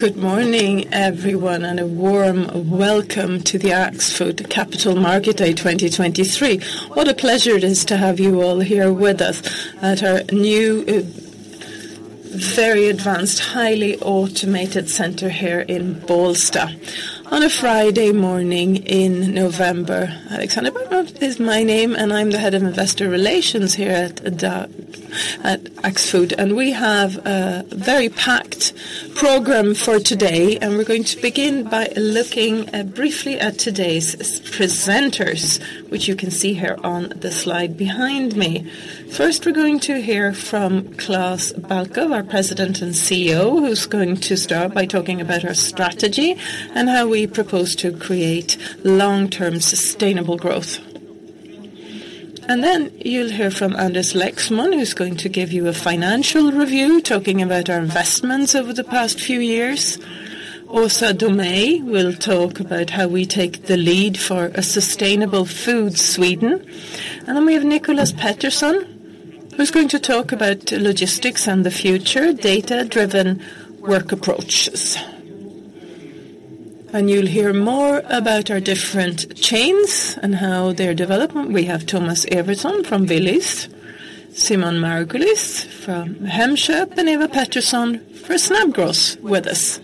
Good morning, everyone, and a warm welcome to the Axfood Capital Market Day 2023. What a pleasure it is to have you all here with us at our new, very advanced, highly automated center here in Bålsta on a Friday morning in November. Alexander Bergroth is my name, and I'm the head of investor relations here at Axfood. We have a very packed program for today, and we're going to begin by looking briefly at today's presenters, which you can see here on the slide behind me. First, we're going to hear from Klas Balkow, our President and CEO, who's going to start by talking about our strategy and how we propose to create long-term sustainable growth. Then you'll hear from Anders Lexmon, who's going to give you a financial review, talking about our investments over the past few years. Åsa Domeij will talk about how we take the lead for a sustainable food Sweden. Then we have Nicholas Pettersson, who's going to talk about logistics and the future data-driven work approaches. You'll hear more about our different chains and how they're developing. We have Thomas Evertsson from Willys, Simone Margulies from Hemköp, and Eva Pettersson from Snabbgross with us.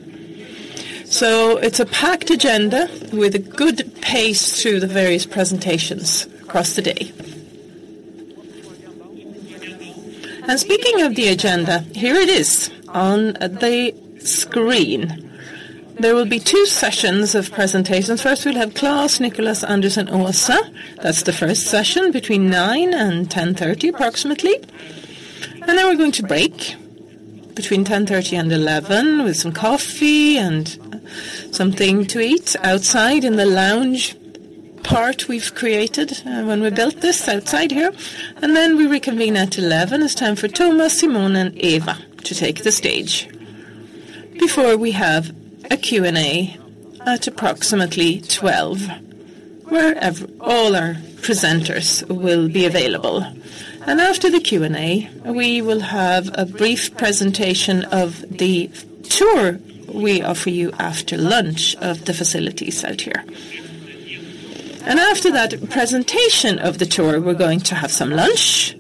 So it's a packed agenda with a good pace through the various presentations across the day. Speaking of the agenda, here it is on the screen. There will be two sessions of presentations. First, we'll have Klas, Nicholas, Anders, and Åsa. That's the first session between 9:00 A.M. and 10:30 A.M., approximately. Then we're going to break between 10:30 A.M. and 11:00 A.M. with some coffee and something to eat outside in the lounge part we've created, when we built this outside here. Then we reconvene at 11:00 A.M. It's time for Thomas, Simone, and Eva to take the stage before we have a Q&A at approximately 12, where all our presenters will be available. After the Q&A, we will have a brief presentation of the tour we offer you after lunch of the facilities out here. After that presentation of the tour, we're going to have some lunch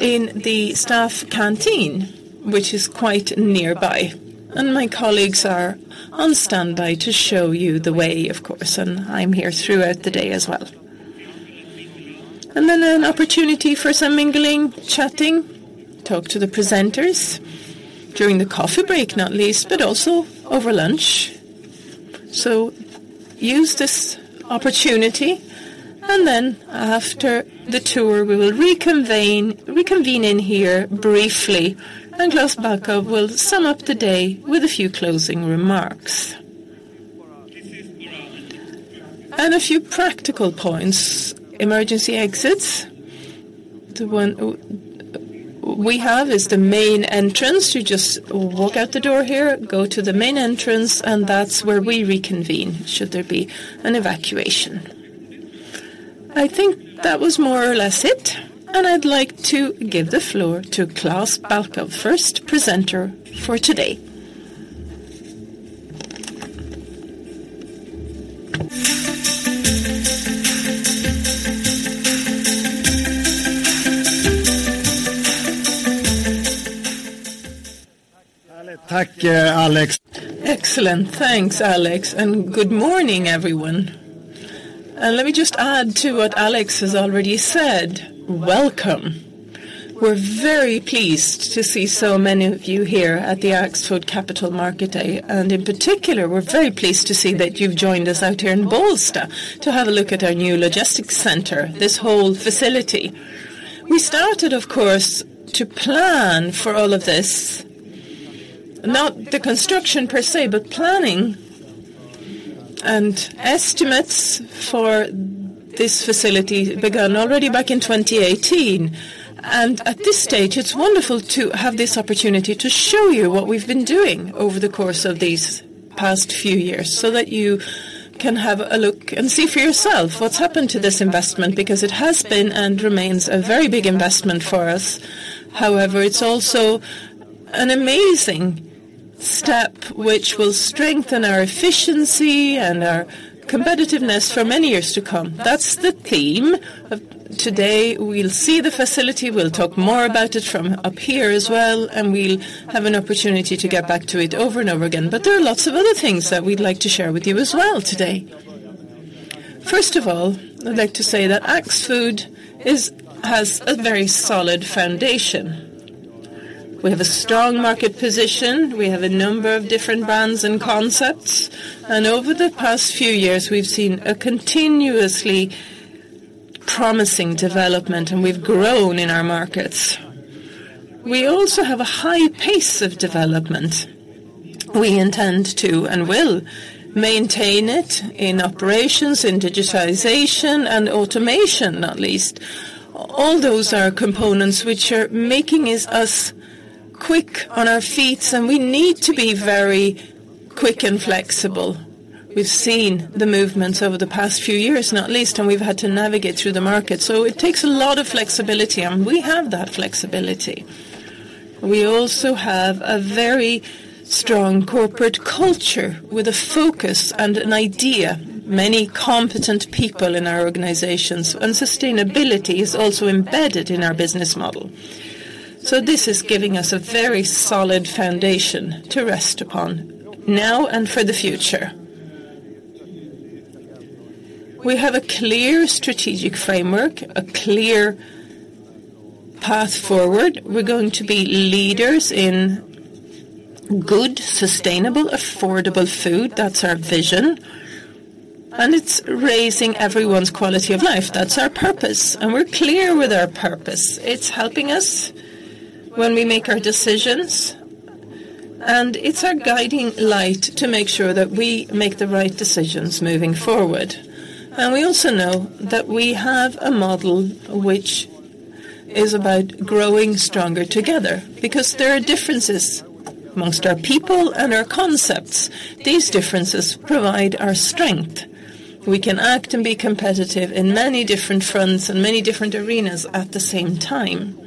in the staff canteen, which is quite nearby. My colleagues are on standby to show you the way, of course, and I'm here throughout the day as well. Then an opportunity for some mingling, chatting, talk to the presenters during the coffee break, not least, but also over lunch. So use this opportunity, and then after the tour, we will reconvene, reconvene in here briefly, and Klas Balkow will sum up the day with a few closing remarks. A few practical points, emergency exits. The one we have is the main entrance. You just walk out the door here, go to the main entrance, and that's where we reconvene, should there be an evacuation. I think that was more or less it, and I'd like to give the floor to Klas Balkow, first presenter for today. Thank you, Alex. Excellent. Thanks, Alex, and good morning, everyone. Let me just add to what Alex has already said: welcome. We're very pleased to see so many of you here at the Axfood Capital Market Day, and in particular, we're very pleased to see that you've joined us out here in Bålsta to have a look at our new logistics center, this whole facility. We started, of course, to plan for all of this, not the construction per se, but planning and estimates for this facility began already back in 2018. And at this stage, it's wonderful to have this opportunity to show you what we've been doing over the course of these past few years, so that you can have a look and see for yourself what's happened to this investment, because it has been and remains a very big investment for us. However, it's also an amazing step which will strengthen our efficiency and our competitiveness for many years to come. That's the theme of today. We'll see the facility, we'll talk more about it from up here as well, and we'll have an opportunity to get back to it over and over again. But there are lots of other things that we'd like to share with you as well today. First of all, I'd like to say that Axfood has a very solid foundation. We have a strong market position, we have a number of different brands and concepts, and over the past few years, we've seen a continuously promising development, and we've grown in our markets. We also have a high pace of development. We intend to and will maintain it in operations, in digitization, and automation, not least. All those are components which are making us quick on our feet, and we need to be very quick and flexible. We've seen the movements over the past few years, not least, and we've had to navigate through the market. So it takes a lot of flexibility, and we have that flexibility. We also have a very strong corporate culture with a focus and an idea, many competent people in our organizations, and sustainability is also embedded in our business model. So this is giving us a very solid foundation to rest upon, now and for the future. We have a clear strategic framework, a clear path forward. We're going to be leaders in good, sustainable, affordable food. That's our vision, and it's raising everyone's quality of life. That's our purpose, and we're clear with our purpose. It's helping us when we make our decisions, and it's our guiding light to make sure that we make the right decisions moving forward. We also know that we have a model which is about growing stronger together, because there are differences amongst our people and our concepts. These differences provide our strength. We can act and be competitive in many different fronts and many different arenas at the same time.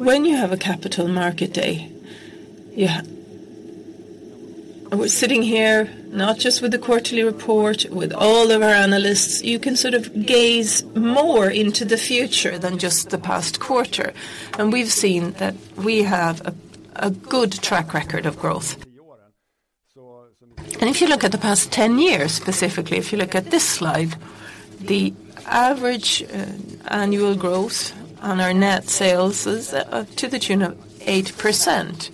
When you have a capital market day, you have. We're sitting here, not just with the quarterly report, with all of our analysts. You can sort of gaze more into the future than just the past quarter, and we've seen that we have a good track record of growth. And if you look at the past 10 years, specifically, if you look at this slide, the average annual growth on our net sales is to the tune of 8%,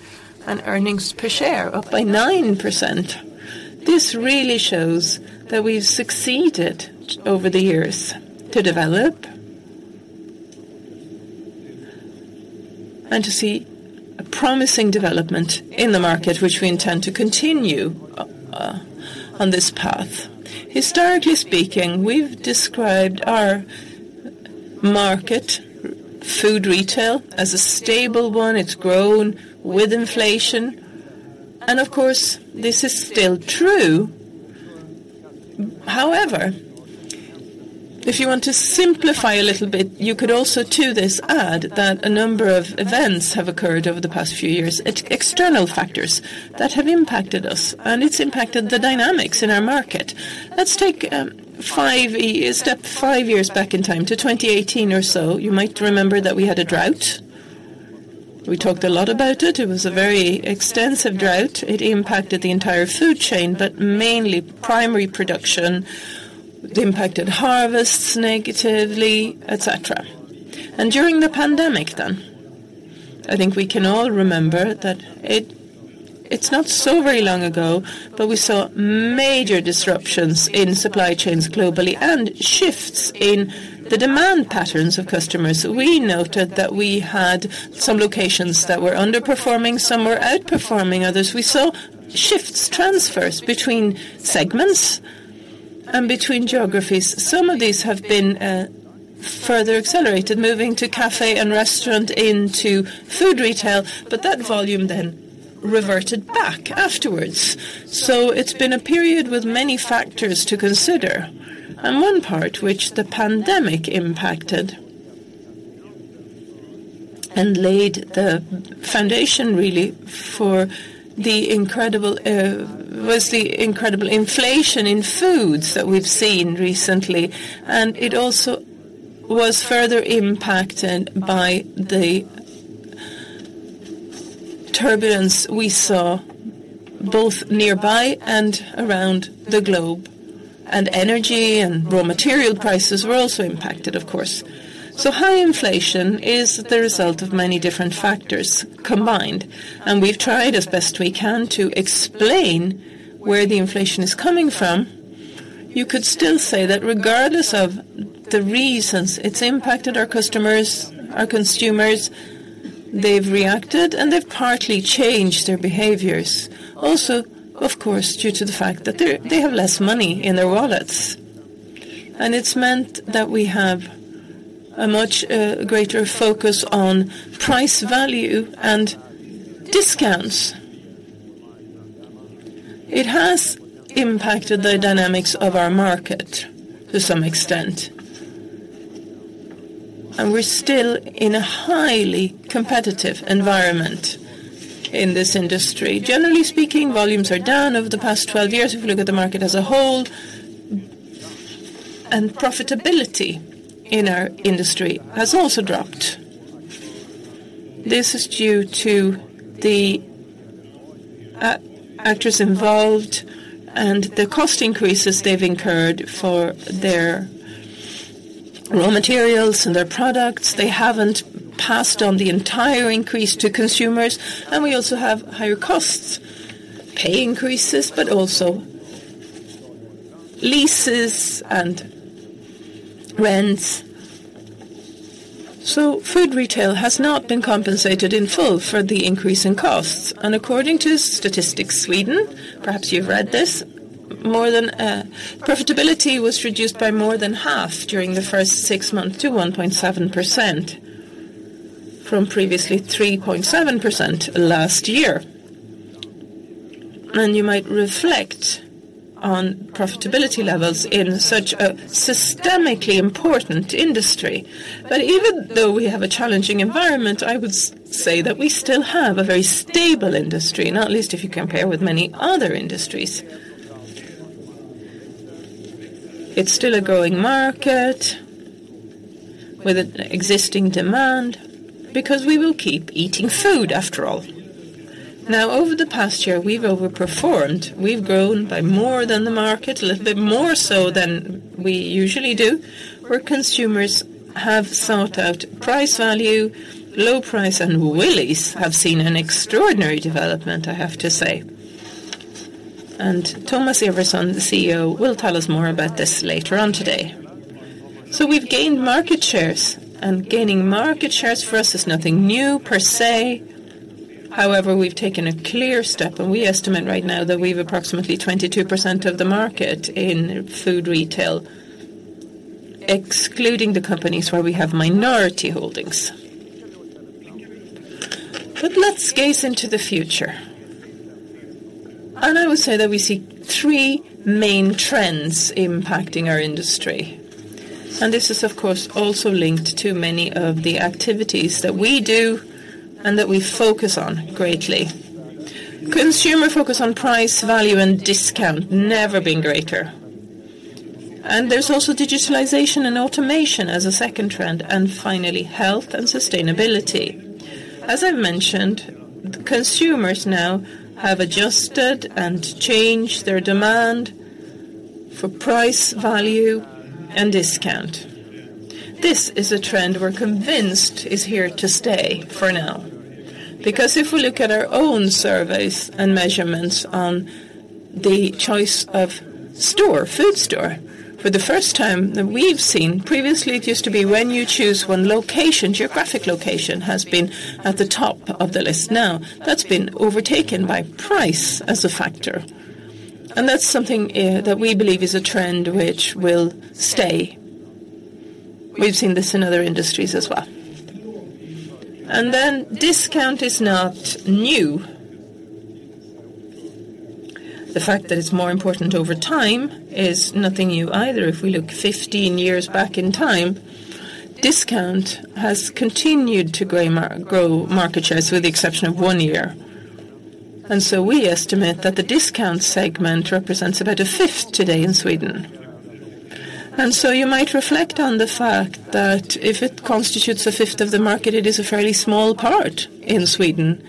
and earnings per share up by 9%. This really shows that we've succeeded over the years to develop and to see a promising development in the market, which we intend to continue on this path. Historically speaking, we've described our market, food retail, as a stable one. It's grown with inflation, and of course, this is still true. However, if you want to simplify a little bit, you could also to this add that a number of events have occurred over the past few years, external factors that have impacted us, and it's impacted the dynamics in our market. Let's take five years, step five years back in time to 2018 or so. You might remember that we had a drought. We talked a lot about it. It was a very extensive drought. It impacted the entire food chain, but mainly primary production. It impacted harvests negatively, et cetera. And during the pandemic then, I think we can all remember that it, it's not so very long ago, but we saw major disruptions in supply chains globally and shifts in the demand patterns of customers. We noted that we had some locations that were underperforming, some were outperforming others. We saw shifts, transfers between segments and between geographies. Some of these have been further accelerated, moving to café and restaurant into food retail, but that volume then reverted back afterwards. So it's been a period with many factors to consider. And one part which the pandemic impacted and laid the foundation, really, for the incredible... was the incredible inflation in foods that we've seen recently. It also was further impacted by the turbulence we saw, both nearby and around the globe, and energy and raw material prices were also impacted, of course. High inflation is the result of many different factors combined, and we've tried as best we can to explain where the inflation is coming from. You could still say that regardless of the reasons, it's impacted our customers, our consumers. They've reacted, and they've partly changed their behaviors. Also, of course, due to the fact that they, they have less money in their wallets. It's meant that we have a much greater focus on price, value, and discounts. It has impacted the dynamics of our market to some extent, and we're still in a highly competitive environment in this industry. Generally speaking, volumes are down over the past 12 years, if you look at the market as a whole, and profitability in our industry has also dropped. This is due to the actors involved and the cost increases they've incurred for their raw materials and their products. They haven't passed on the entire increase to consumers, and we also have higher costs, pay increases, but also leases and rents. So food retail has not been compensated in full for the increase in costs, and according to Statistics Sweden, perhaps you've read this. Profitability was reduced by more than half during the first six months to 1.7%, from previously 3.7% last year. You might reflect on profitability levels in such a systemically important industry. But even though we have a challenging environment, I would say that we still have a very stable industry, not least if you compare with many other industries. It's still a growing market with an existing demand, because we will keep eating food, after all. Now, over the past year, we've overperformed. We've grown by more than the market, a little bit more so than we usually do, where consumers have sought out price value, low price, and Willys have seen an extraordinary development, I have to say. And Thomas Evertsson, the CEO, will tell us more about this later on today. So we've gained market shares, and gaining market shares for us is nothing new per se. However, we've taken a clear step, and we estimate right now that we've approximately 22% of the market in food retail, excluding the companies where we have minority holdings. But let's gaze into the future. I would say that we see three main trends impacting our industry, and this is, of course, also linked to many of the activities that we do and that we focus on greatly. Consumer focus on price, value, and discount never been greater. There's also digitalization and automation as a second trend, and finally, health and sustainability. As I've mentioned, consumers now have adjusted and changed their demand for price, value, and discount. This is a trend we're convinced is here to stay for now. Because if we look at our own surveys and measurements on the choice of store, food store, for the first time that we've seen, previously, it used to be when you choose one location, geographic location has been at the top of the list. Now, that's been overtaken by price as a factor, and that's something that we believe is a trend which will stay. We've seen this in other industries as well. And then discount is not new. The fact that it's more important over time is nothing new either. If we look 15 years back in time, discount has continued to grow market shares, with the exception of one year. And so we estimate that the discount segment represents about a fifth today in Sweden. And so you might reflect on the fact that if it constitutes a fifth of the market, it is a fairly small part in Sweden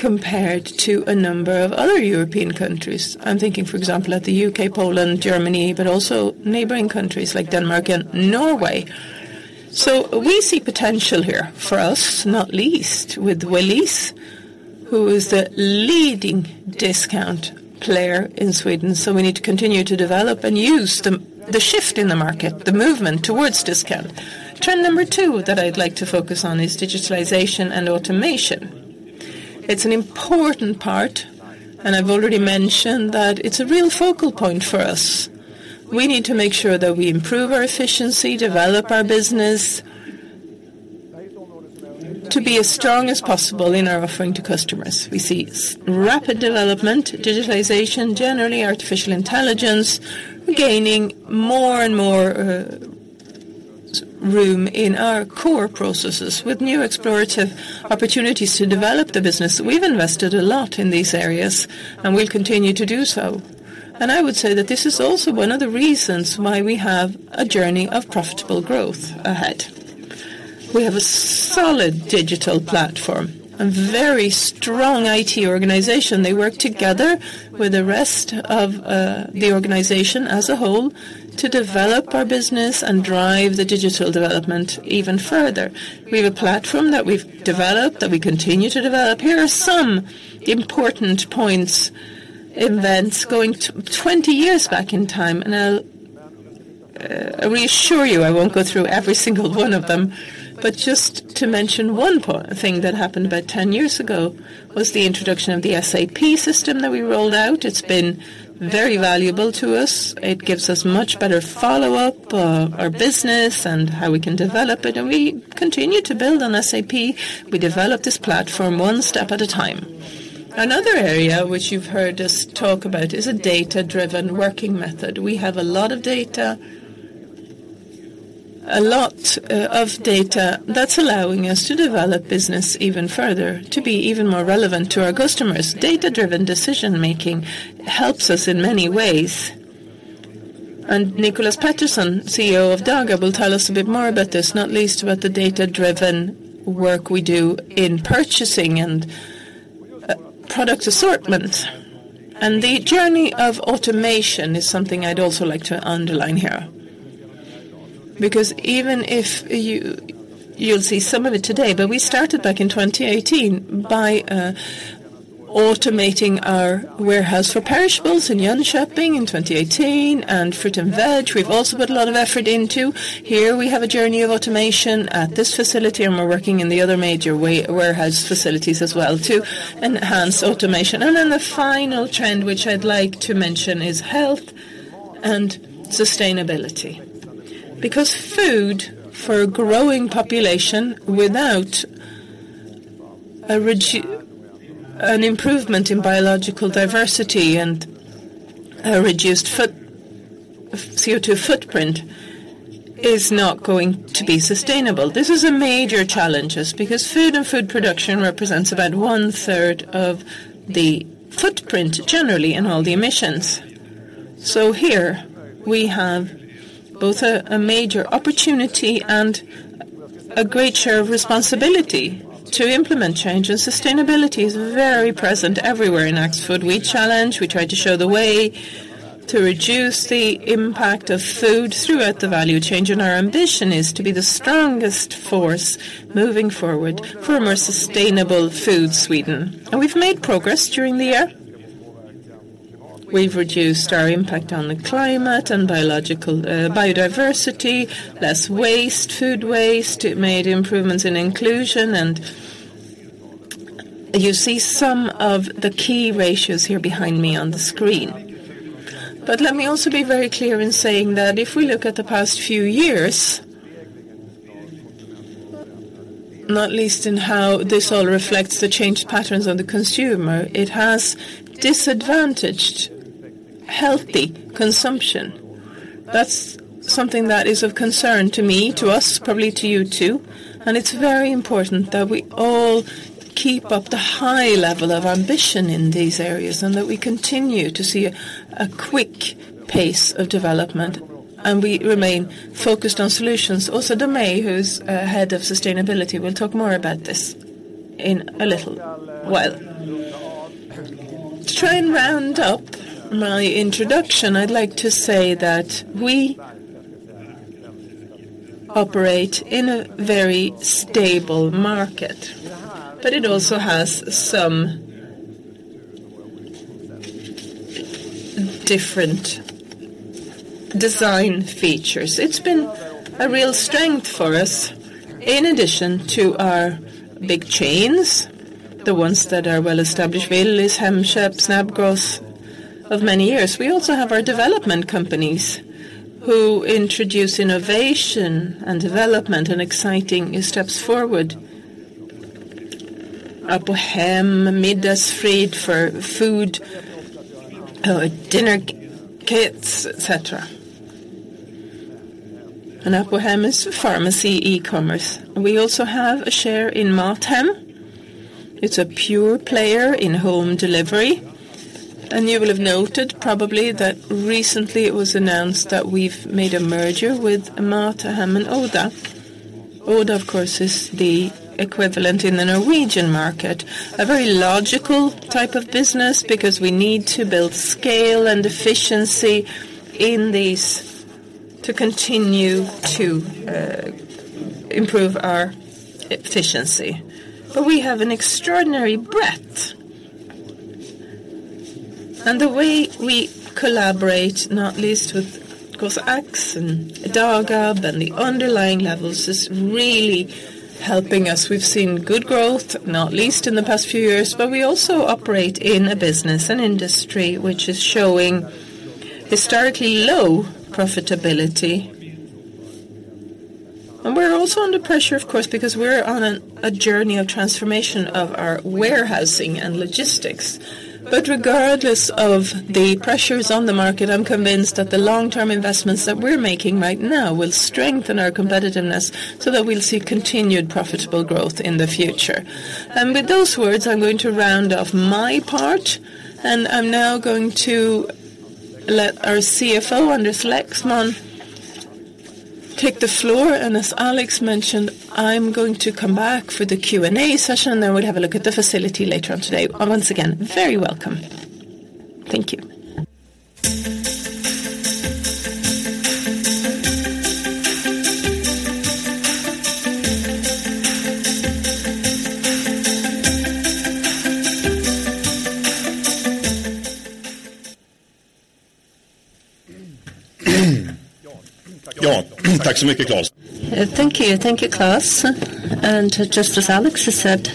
compared to a number of other European countries. I'm thinking, for example, at the U.K., Poland, Germany, but also neighboring countries like Denmark and Norway. So we see potential here for us, not least with Willys, who is a leading discount player in Sweden, so we need to continue to develop and use the shift in the market, the movement towards discount. Trend number two that I'd like to focus on is digitalization and automation. It's an important part, and I've already mentioned that it's a real focal point for us. We need to make sure that we improve our efficiency, develop our business, to be as strong as possible in our offering to customers. We see rapid development, digitalization, generally, artificial intelligence, gaining more and more room in our core processes with new explorative opportunities to develop the business. We've invested a lot in these areas, and we'll continue to do so. I would say that this is also one of the reasons why we have a journey of profitable growth ahead. We have a solid digital platform and very strong IT organization. They work together with the rest of the organization as a whole to develop our business and drive the digital development even further. We have a platform that we've developed, that we continue to develop. Here are some important points, events going 20 years back in time, and I'll reassure you, I won't go through every single one of them, but just to mention one thing that happened about 10 years ago was the introduction of the SAP system that we rolled out. It's been very valuable to us. It gives us much better follow-up our business and how we can develop it, and we continue to build on SAP. We develop this platform one step at a time. Another area which you've heard us talk about is a data-driven working method. We have a lot of data, a lot of data that's allowing us to develop business even further, to be even more relevant to our customers. Data-driven decision making helps us in many ways. Nicholas Pettersson, CEO of Dagab, will tell us a bit more about this, not least about the data-driven work we do in purchasing and product assortment. The journey of automation is something I'd also like to underline here. Because even if you... You'll see some of it today, but we started back in 2018 by automating our warehouse for perishables in Jönköping in 2018, and fruit and veg, we've also put a lot of effort into. Here we have a journey of automation at this facility, and we're working in the other major warehouse facilities as well to enhance automation. Then the final trend, which I'd like to mention, is health and sustainability. Because food for a growing population without an improvement in biological diversity and a reduced food CO2 footprint is not going to be sustainable. This is a major challenge, just because food and food production represents about one third of the footprint, generally, in all the emissions. So here we have both a major opportunity and a great share of responsibility to implement change, and sustainability is very present everywhere in Axfood. We challenge, we try to show the way to reduce the impact of food throughout the value chain, and our ambition is to be the strongest force moving forward for a more sustainable food Sweden. We've made progress during the year. We've reduced our impact on the climate and biological biodiversity, less waste, food waste, it made improvements in inclusion, and you see some of the key ratios here behind me on the screen. But let me also be very clear in saying that if we look at the past few years, not least in how this all reflects the changed patterns of the consumer, it has disadvantaged healthy consumption. That's something that is of concern to me, to us, probably to you, too, and it's very important that we all keep up the high level of ambition in these areas, and that we continue to see a quick pace of development, and we remain focused on solutions. Also, Domeij, who's head of sustainability, will talk more about this in a little while. To try and round up my introduction, I'd like to say that we operate in a very stable market, but it also has some different design features. It's been a real strength for us. In addition to our big chains, the ones that are well established, Willys, Hemköp, Snabbgross, of many years, we also have our development companies, who introduce innovation and development and exciting new steps forward. Apohem, Middagsfrid for food or dinner kits, et cetera. Apohem is a pharmacy e-commerce. We also have a share in Mathem. It's a pure player in home delivery, and you will have noted probably that recently it was announced that we've made a merger with Mathem and Oda. Oda, of course, is the equivalent in the Norwegian market. A very logical type of business, because we need to build scale and efficiency in these to continue to improve our efficiency. We have an extraordinary breadth. The way we collaborate, not least with, of course, Axfood and Dagab, and the underlying levels, is really helping us. We've seen good growth, not least in the past few years, but we also operate in a business and industry which is showing historically low profitability. We're also under pressure, of course, because we're on a journey of transformation of our warehousing and logistics. Regardless of the pressures on the market, I'm convinced that the long-term investments that we're making right now will strengthen our competitiveness, so that we'll see continued profitable growth in the future. And with those words, I'm going to round off my part, and I'm now going to let our CFO, Anders Lexmon, take the floor. And as Alex mentioned, I'm going to come back for the Q&A session, and then we'll have a look at the facility later on today. Once again, very welcome. Thank you. Thank you, Klas. And just as Alex has said,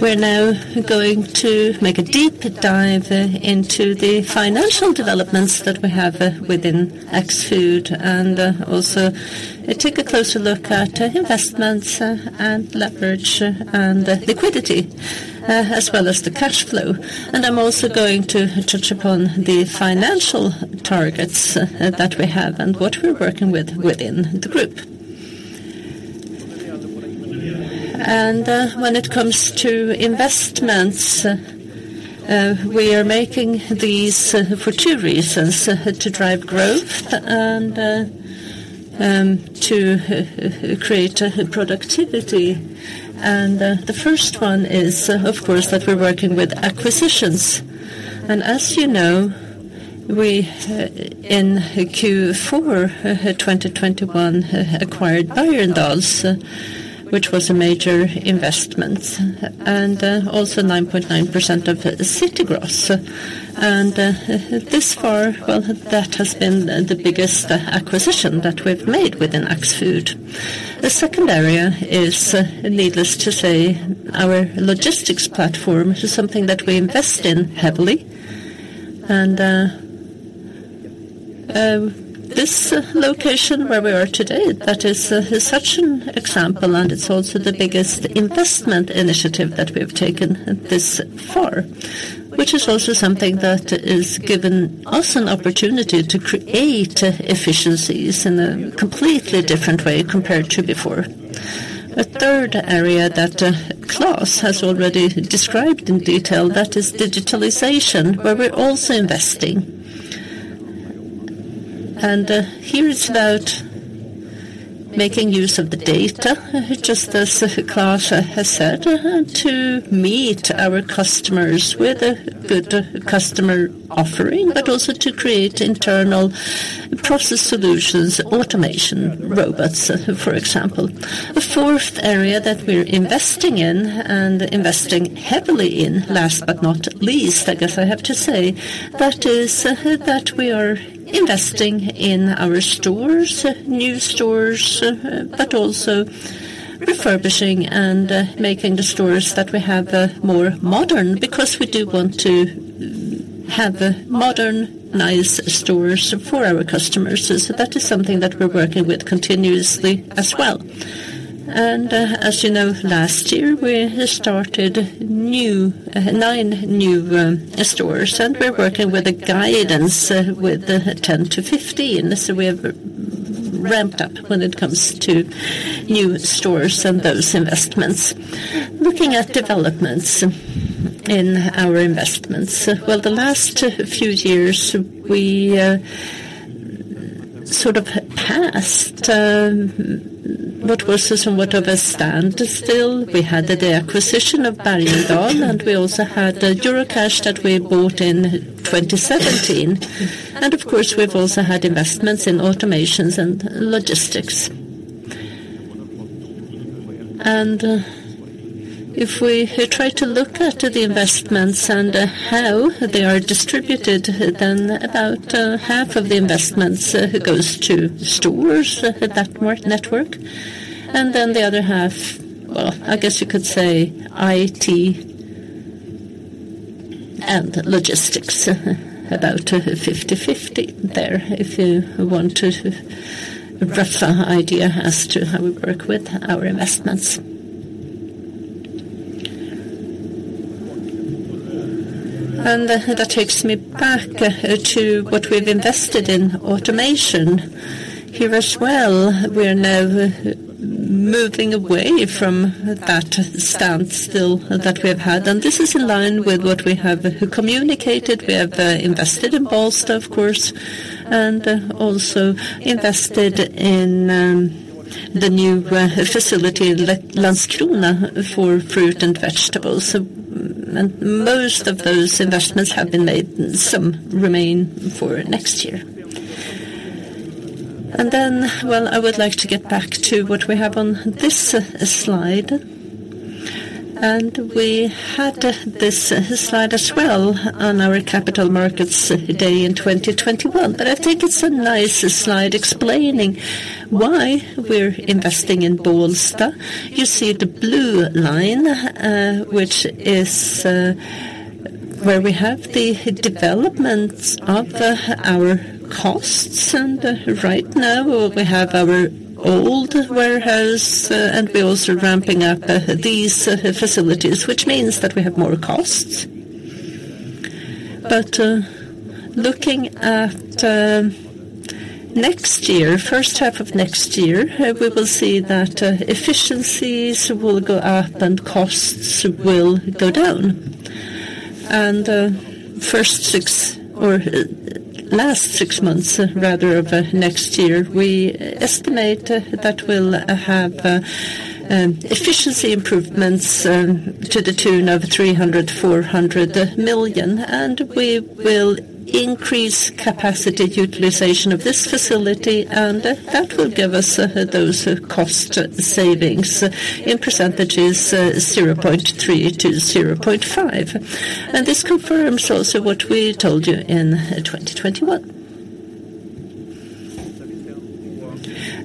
we're now going to make a deep dive into the financial developments that we have within Axfood, and also take a closer look at investments and leverage and liquidity as well as the cash flow. And I'm also going to touch upon the financial targets that we have and what we're working with within the group. When it comes to investments, we are making these for two reasons: to drive growth and to create productivity. The first one is, of course, that we're working with acquisitions. And as we in Q4 2021 acquired Bergendahls, which was a major investment, and also 9.9% of City Gross. This far, well, that has been the biggest acquisition that we've made within Axfood. The second area is, needless to say, our logistics platform is something that we invest in heavily. ...And, this location where we are today, that is such an example, and it's also the biggest investment initiative that we have taken this far, which is also something that is given us an opportunity to create efficiencies in a completely different way compared to before. The third area that Klas has already described in detail, that is digitalization, where we're also investing. Here it's about making use of the data, just as Klas has said, to meet our customers with a good customer offering, but also to create internal process solutions, automation, robots, for example. The fourth area that we're investing in, and investing heavily in, last but not least, I guess I have to say, that is, that we are investing in our stores, new stores, but also refurbishing and, making the stores that we have, more modern, because we do want to have modern, nice stores for our customers. So that is something that we're working with continuously as well. As last year, we started nine new stores, and we're working with a guidance with 10-15. So we have ramped up when it comes to new stores and those investments. Looking at developments in our investments, well, the last few years, we sort of passed what was somewhat of a standstill. We had the acquisition of Bergendahls, and we also had the Eurocash that we bought in 2017. And of course, we've also had investments in automation and logistics. And if we try to look at the investments and how they are distributed, then about half of the investments goes to stores, that store network, and then the other half, well, I guess you could say, IT and logistics, about 50/50 there, if you want a rough idea as to how we work with our investments. And that takes me back to what we've invested in automation. Here as well, we are now moving away from that stance still that we have had, and this is in line with what we have communicated. We have invested in Bålsta, of course, and also invested in the new facility, Landskrona, for fruit and vegetables. And most of those investments have been made, some remain for next year. And then, well, I would like to get back to what we have on this slide. And we had this slide as well on our Capital Markets Day in 2021, but I think it's a nice slide explaining why we're investing in Bålsta. You see the blue line, which is where we have the developments of our costs. And right now, we have our old warehouse, and we're also ramping up these facilities, which means that we have more costs. But, looking at next year, first half of next year, we will see that efficiencies will go up and costs will go down. First six, or last six months, rather, of next year, we estimate that we'll have efficiency improvements to the tune of 300 million-400 million, and we will increase capacity utilization of this facility, and that will give us those cost savings. In percentages, 0.3%-0.5%. This confirms also what we told you in 2021.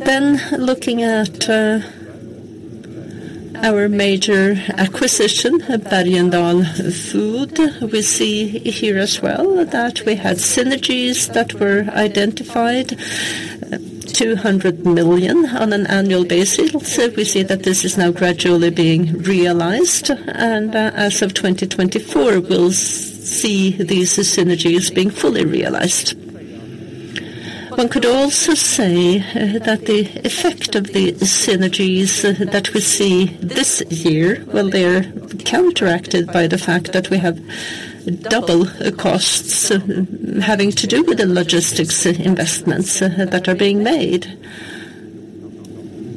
Then, looking at our major acquisition at Bergendahls Food, we see here as well that we had synergies that were identified, 200 million on an annual basis. So we see that this is now gradually being realized, and as of 2024, we'll see these synergies being fully realized. One could also say that the effect of the synergies that we see this year, well, they're counteracted by the fact that we have double the costs having to do with the logistics investments that are being made.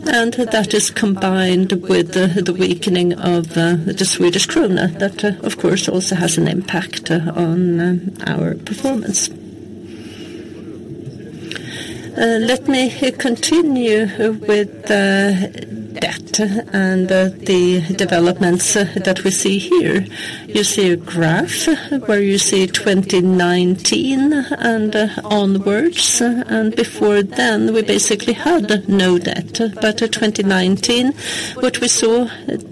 That is combined with the weakening of the Swedish krona. That, of course, also has an impact on our performance. Let me continue with debt and the developments that we see here. You see a graph where you see 2019 and onwards, and before then, we basically had no debt. But at 2019, what we saw then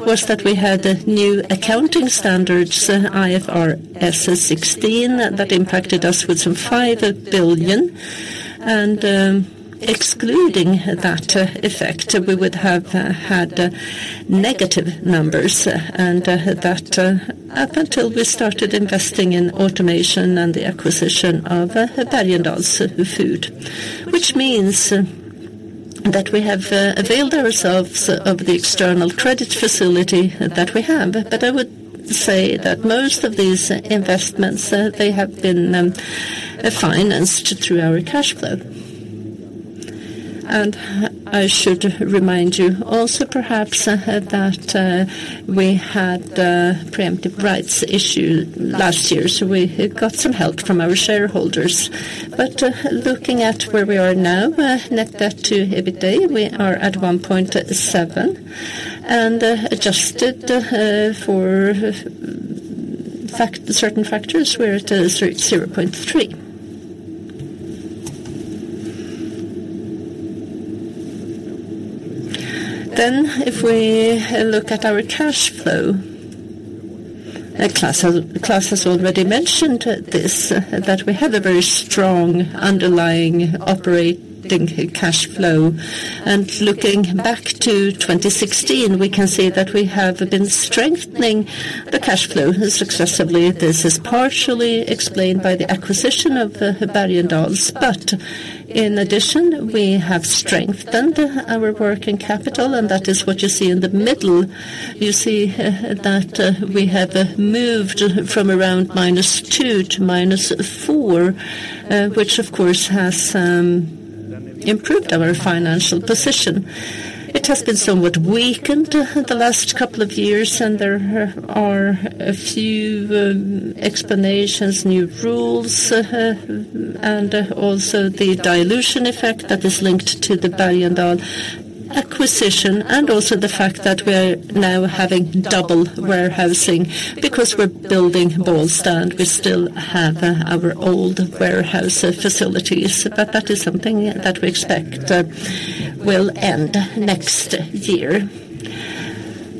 was that we had a new accounting standards, IFRS 16, that impacted us with some 5 billion. And excluding that effect, we would have had negative numbers, and that up until we started investing in automation and the acquisition of Bergendahls Food. Which means that we have availed ourselves of the external credit facility that we have. But I would say that most of these investments, they have been financed through our cash flow. And I should remind you also perhaps that we had preemptive rights issue last year, so we got some help from our shareholders. But looking at where we are now, net debt to EBITA, we are at 1.7, and adjusted for certain factors, we're at 0.3. Then if we look at our cash flow, Klas, Klas has already mentioned this, that we have a very strong underlying operating cash flow. And looking back to 2016, we can see that we have been strengthening the cash flow successively. This is partially explained by the acquisition of the Bergendahls, but in addition, we have strengthened our working capital, and that is what you see in the middle. You see that we have moved from around -2to -4, which of course has improved our financial position. It has been somewhat weakened the last couple of years, and there are a few explanations, new rules, and also the dilution effect that is linked to the Bergendahls acquisition, and also the fact that we are now having double warehousing because we're building Bålsta, and we still have our old warehouse facilities. But that is something that we expect will end next year.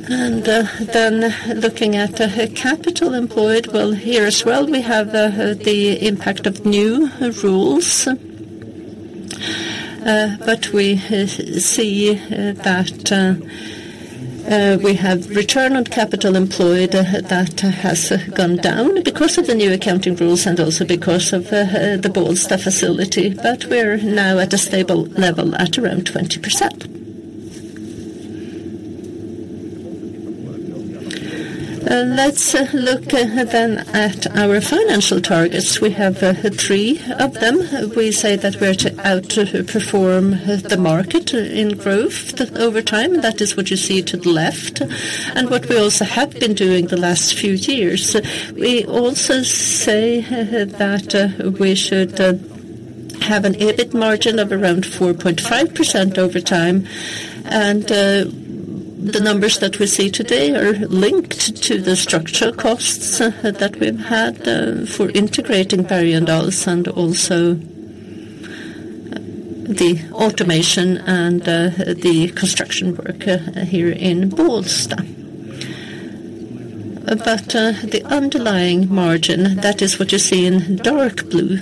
And then looking at the capital employed, well, here as well, we have the impact of new rules. But we see that we have return on capital employed that has gone down because of the new accounting rules and also because of the Bålsta facility, but we're now at a stable level at around 20%. Let's look then at our financial targets. We have three of them. We say that we're out to perform the market in growth over time. That is what you see to the left and what we also have been doing the last few years. We also say that we should have an EBIT margin of around 4.5% over time, and the numbers that we see today are linked to the structural costs that we've had for integrating Bergendahls and also the automation and the construction work here in Bålsta. The underlying margin, that is what you see in dark blue.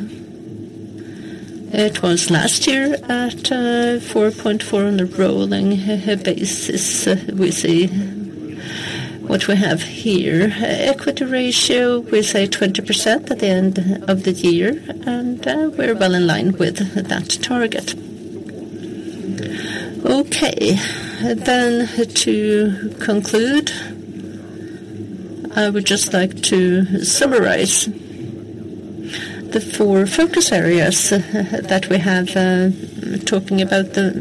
It was last year at 4.4 on a rolling basis. We see what we have here. Equity ratio, we say 20% at the end of the year, and we're well in line with that target. Okay, then to conclude, I would just like to summarize the 4 focus areas that we have, talking about the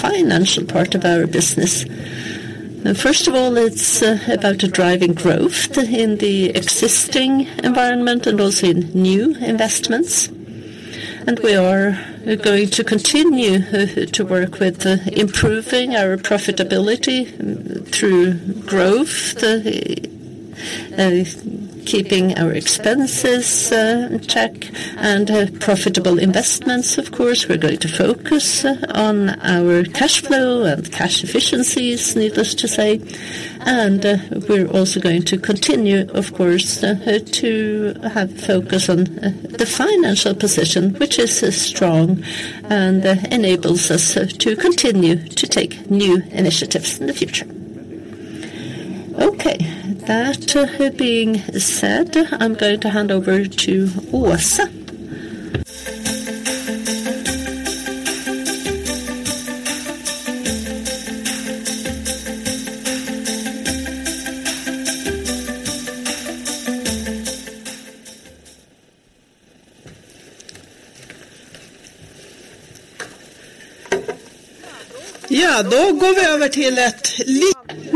financial part of our business. First of all, it's about driving growth in the existing environment and also in new investments. We are going to continue to work with improving our profitability through growth, keeping our expenses in check, and profitable investments, of course. We're going to focus on our cash flow and cash efficiencies, needless to say. We're also going to continue, of course, to have focus on the financial position, which is strong and enables us to continue to take new initiatives in the future. Okay, that, being said, I'm going to hand over to Åsa.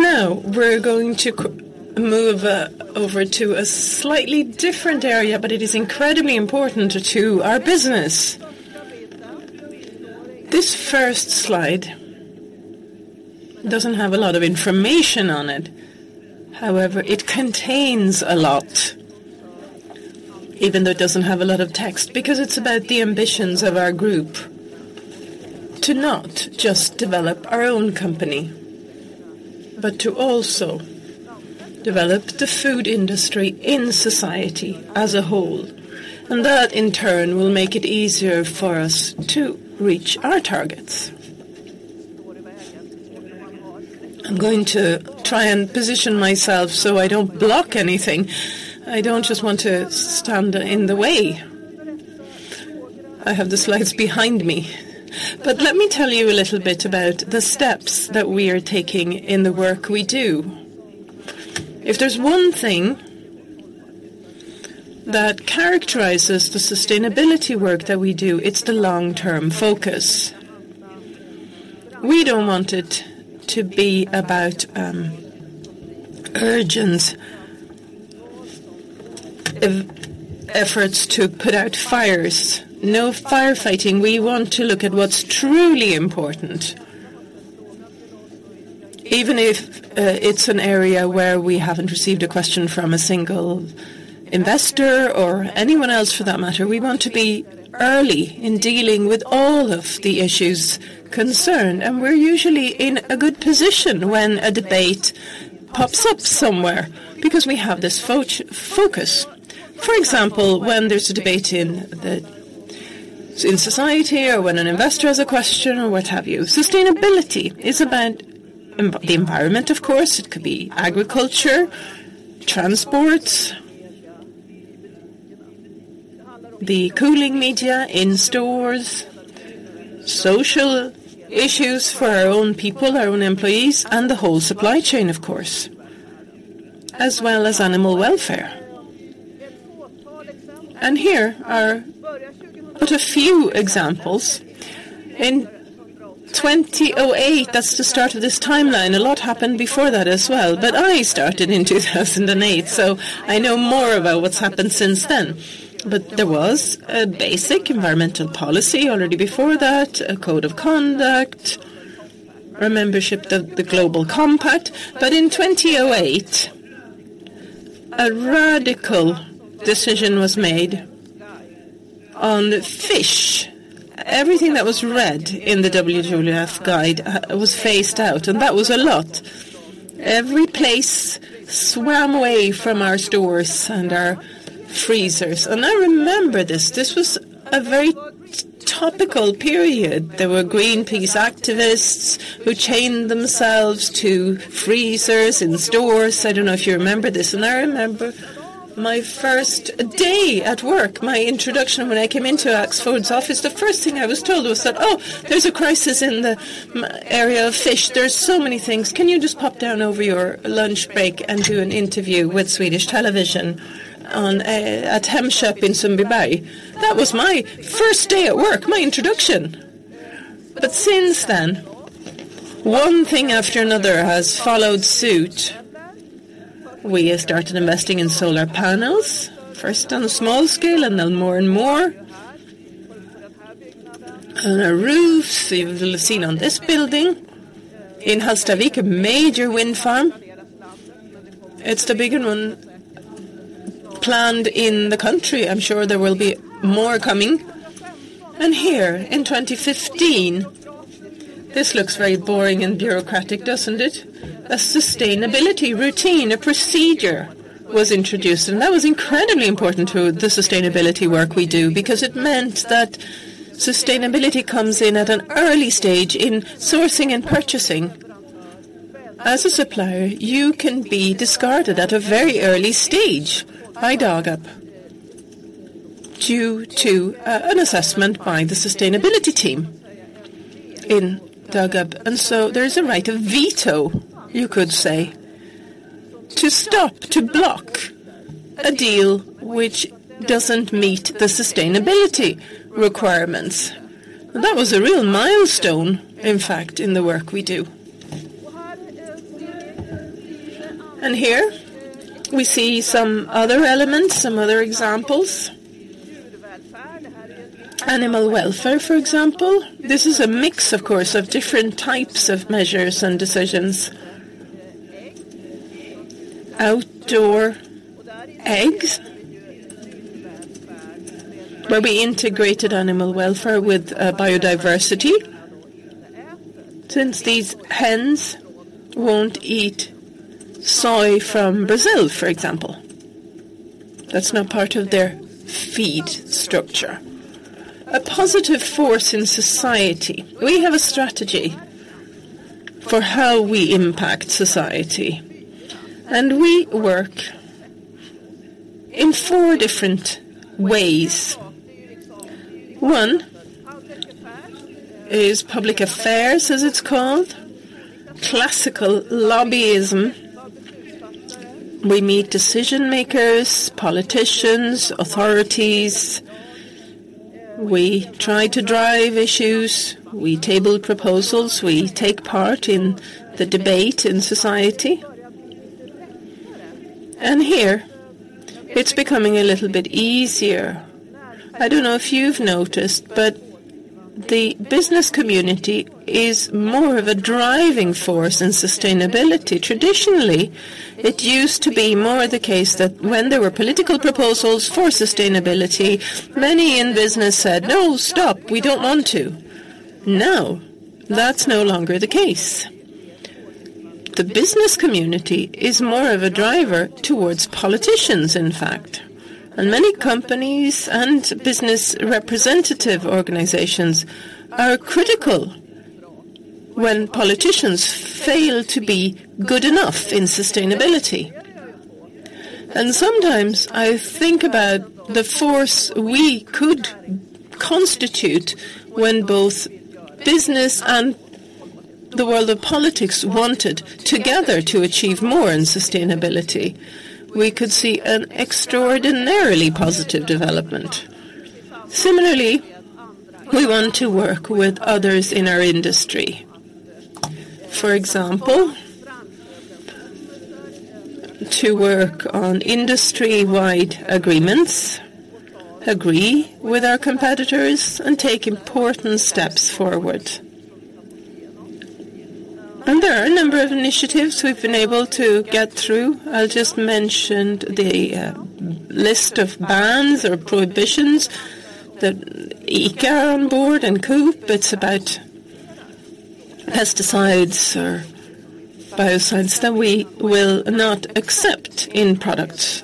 Now, we're going to move over to a slightly different area, but it is incredibly important to our business. This first slide doesn't have a lot of information on it. However, it contains a lot.... even though it doesn't have a lot of text, because it's about the ambitions of our group to not just develop our own company, but to also develop the food industry in society as a whole, and that, in turn, will make it easier for us to reach our targets. I'm going to try and position myself so I don't block anything. I don't just want to stand in the way. I have the slides behind me. But let me tell you a little bit about the steps that we are taking in the work we do. If there's one thing that characterizes the sustainability work that we do, it's the long-term focus. We don't want it to be about urgent efforts to put out fires. No firefighting. We want to look at what's truly important, even if it's an area where we haven't received a question from a single investor or anyone else for that matter. We want to be early in dealing with all of the issues concerned, and we're usually in a good position when a debate pops up somewhere because we have this focus. For example, when there's a debate in society or when an investor has a question or what have you. Sustainability is about the environment, of course, it could be agriculture, transport, the cooling media in stores, social issues for our own people, our own employees, and the whole supply chain, of course, as well as animal welfare. And here are but a few examples. In 2008, that's the start of this timeline. A lot happened before that as well, but I started in 2008, so I know more about what's happened since then. But there was a basic environmental policy already before that, a code of conduct, our membership of the Global Compact. But in 2008, a radical decision was made on fish. Everything that was red in the WWF guide was phased out, and that was a lot. Every place swam away from our stores and our freezers. And I remember this. This was a very topical period. There were Greenpeace activists who chained themselves to freezers in stores. I don't know if you remember this. And I remember my first day at work, my introduction, when I came into Axfood's office, the first thing I was told was that, "Oh, there's a crisis in the marine area of fish. There's so many things. Can you just pop down over your lunch break and do an interview with Swedish television on at Hemköp in Sundbyberg?" That was my first day at work, my introduction. But since then, one thing after another has followed suit. We have started investing in solar panels, first on a small scale, and then more and more. On our roof, you will have seen on this building, in Hallstavik, a major wind farm. It's the bigger one planned in the country. I'm sure there will be more coming. And here in 2015, this looks very boring and bureaucratic, doesn't it? A sustainability routine, a procedure was introduced, and that was incredibly important to the sustainability work we do because it meant that sustainability comes in at an early stage in sourcing and purchasing. As a supplier, you can be discarded at a very early stage by Dagab, due to an assessment by the sustainability team in Dagab. And so there is a right of veto, you could say, to stop, to block a deal which doesn't meet the sustainability requirements. That was a real milestone, in fact, in the work we do. And here we see some other elements, some other examples. Animal welfare, for example. This is a mix, of course, of different types of measures and decisions. Outdoor eggs, where we integrated animal welfare with biodiversity, since these hens won't eat soy from Brazil, for example. That's not part of their feed structure. A positive force in society. We have a strategy for how we impact society, and we work in four different ways. One is public affairs, as it's called, classical lobbyism. We meet decision-makers, politicians, authorities. We try to drive issues, we table proposals, we take part in the debate in society. Here, it's becoming a little bit easier. I don't know if you've noticed, but the business community is more of a driving force in sustainability. Traditionally, it used to be more the case that when there were political proposals for sustainability, many in business said, "No, stop, we don't want to." Now, that's no longer the case. The business community is more of a driver towards politicians, in fact, and many companies and business representative organizations are critical when politicians fail to be good enough in sustainability. Sometimes I think about the force we could constitute when both business and the world of politics wanted together to achieve more in sustainability. We could see an extraordinarily positive development. Similarly, we want to work with others in our industry. For example, to work on industry-wide agreements, agree with our competitors, and take important steps forward. There are a number of initiatives we've been able to get through. I'll just mention the list of bans or prohibitions that ICA on board and Coop. It's about pesticides or biocides that we will not accept in products.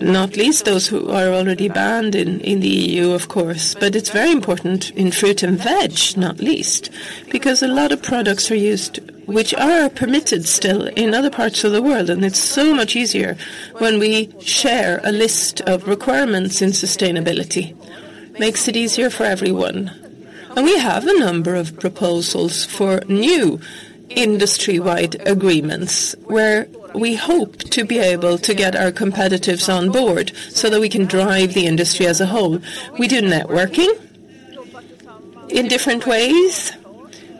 Not least those who are already banned in the EU, of course, but it's very important in fruit and veg, not least, because a lot of products are used, which are permitted still in other parts of the world, and it's so much easier when we share a list of requirements in sustainability. Makes it easier for everyone. We have a number of proposals for new industry-wide agreements, where we hope to be able to get our competitors on board so that we can drive the industry as a whole. We do networking in different ways.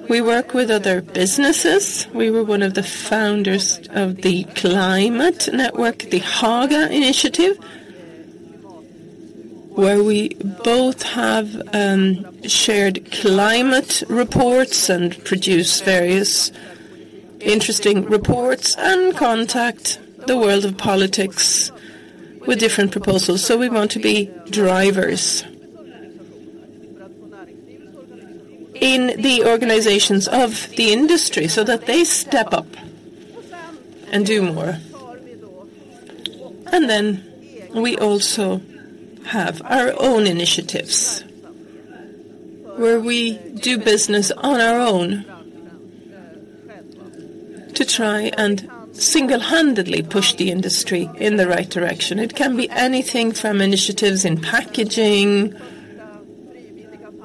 We work with other businesses. We were one of the founders of the climate network, the Haga Initiative, where we both have shared climate reports and produce various interesting reports and contact the world of politics with different proposals. So we want to be drivers in the organizations of the industry so that they step up and do more. And then we also have our own initiatives, where we do business on our own to try and single-handedly push the industry in the right direction. It can be anything from initiatives in packaging.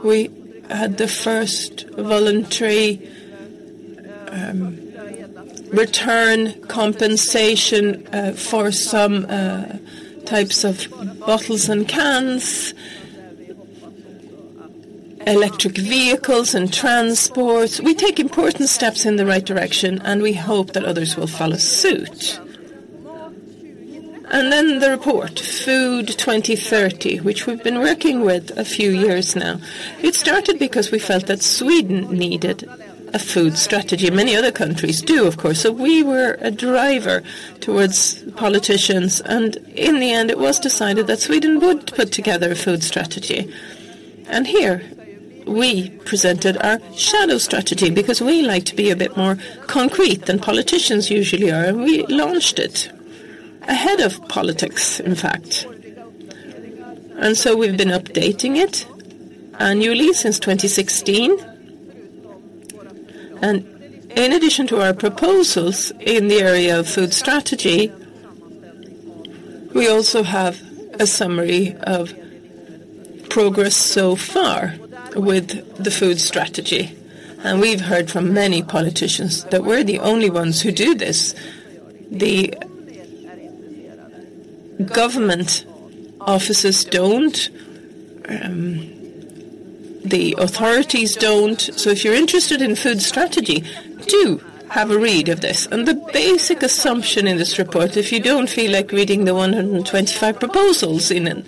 We had the first voluntary return compensation for some types of bottles and cans, electric vehicles and transports. We take important steps in the right direction, and we hope that others will follow suit. And then the report, Food 2030, which we've been working with a few years now. It started because we felt that Sweden needed a food strategy. Many other countries do, of course. So we were a driver towards politicians, and in the end, it was decided that Sweden would put together a food strategy. Here we presented our shadow strategy because we like to be a bit more concrete than politicians usually are, and we launched it ahead of politics, in fact. So we've been updating it annually since 2016. In addition to our proposals in the area of food strategy, we also have a summary of progress so far with the food strategy. We've heard from many politicians that we're the only ones who do this. The government offices don't, the authorities don't. If you're interested in food strategy, do have a read of this. The basic assumption in this report, if you don't feel like reading the 125 proposals in it,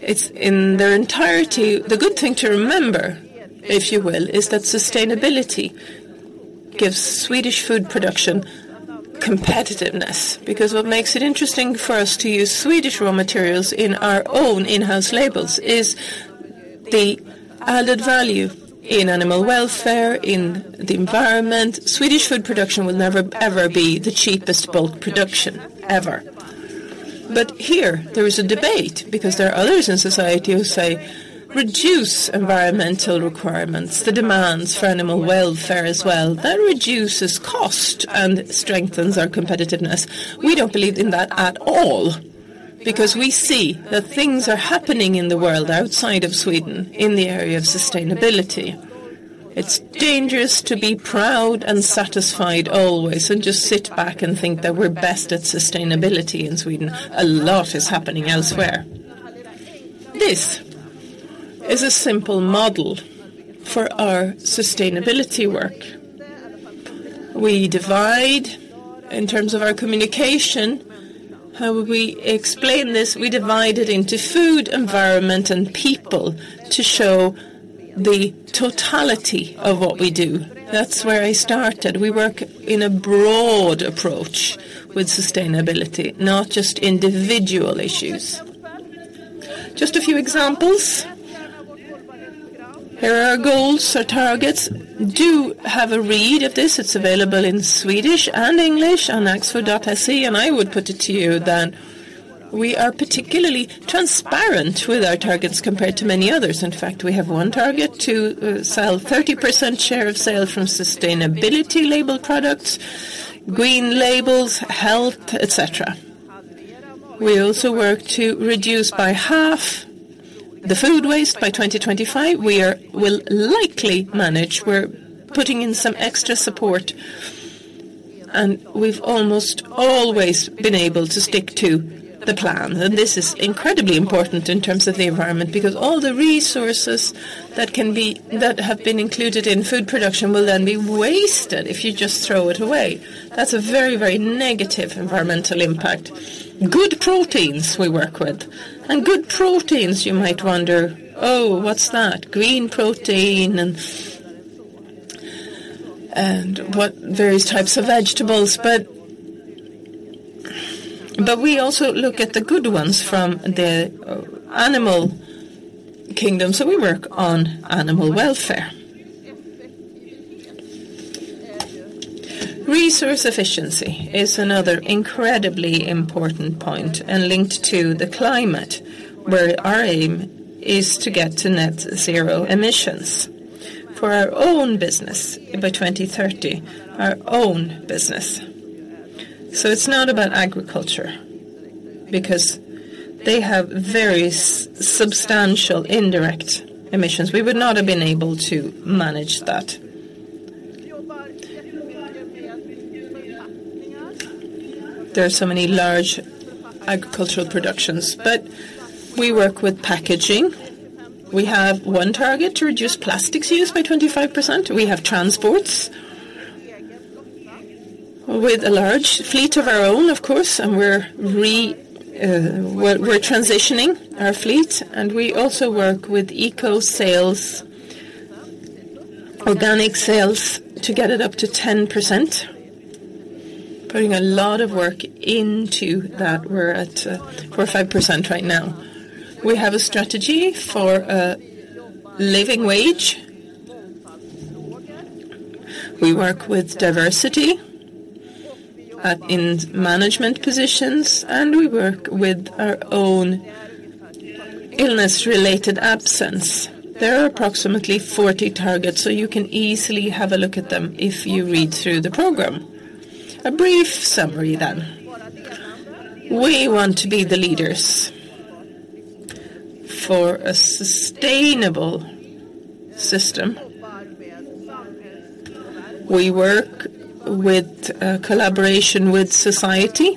it's in their entirety. The good thing to remember, if you will, is that sustainability gives Swedish food production competitiveness, because what makes it interesting for us to use Swedish raw materials in our own in-house labels is the added value in animal welfare, in the environment. Swedish food production will never, ever be the cheapest bulk production, ever. But here there is a debate because there are others in society who say, "Reduce environmental requirements, the demands for animal welfare as well, that reduces cost and strengthens our competitiveness." We don't believe in that at all, because we see that things are happening in the world outside of Sweden in the area of sustainability. It's dangerous to be proud and satisfied always and just sit back and think that we're best at sustainability in Sweden. A lot is happening elsewhere. This is a simple model for our sustainability work. We divide in terms of our communication. How would we explain this? We divide it into food, environment, and people to show the totality of what we do. That's where I started. We work in a broad approach with sustainability, not just individual issues. Just a few examples. Here are our goals, our targets. Do have a read of this. It's available in Swedish and English on axfood.se, and I would put it to you then. We are particularly transparent with our targets compared to many others. In fact, we have one target to sell 30% share of sale from sustainability label products, green labels, health, et cetera. We also work to reduce by half the food waste by 2025. We will likely manage. We're putting in some extra support, and we've almost always been able to stick to the plan. And this is incredibly important in terms of the environment, because all the resources that can be... that have been included in food production will then be wasted if you just throw it away. That's a very, very negative environmental impact. Good proteins we work with, and good proteins, you might wonder, oh, what's that? Green protein and, and what various types of vegetables. But, but we also look at the good ones from the, animal kingdom, so we work on animal welfare. Resource efficiency is another incredibly important point and linked to the climate, where our aim is to get to net zero emissions for our own business by 2030, our own business. So it's not about agriculture, because they have very substantial indirect emissions. We would not have been able to manage that. There are so many large agricultural productions, but we work with packaging. We have one target, to reduce plastics use by 25%. We have transports with a large fleet of our own, of course, and we're transitioning our fleet, and we also work with eco sales, organic sales, to get it up to 10%. Putting a lot of work into that. We're at four or five percent right now. We have a strategy for a living wage. We work with diversity in management positions, and we work with our own illness-related absence. There are approximately 40 targets, so you can easily have a look at them if you read through the program. A brief summary then. We want to be the leaders for a sustainable system. We work with collaboration with society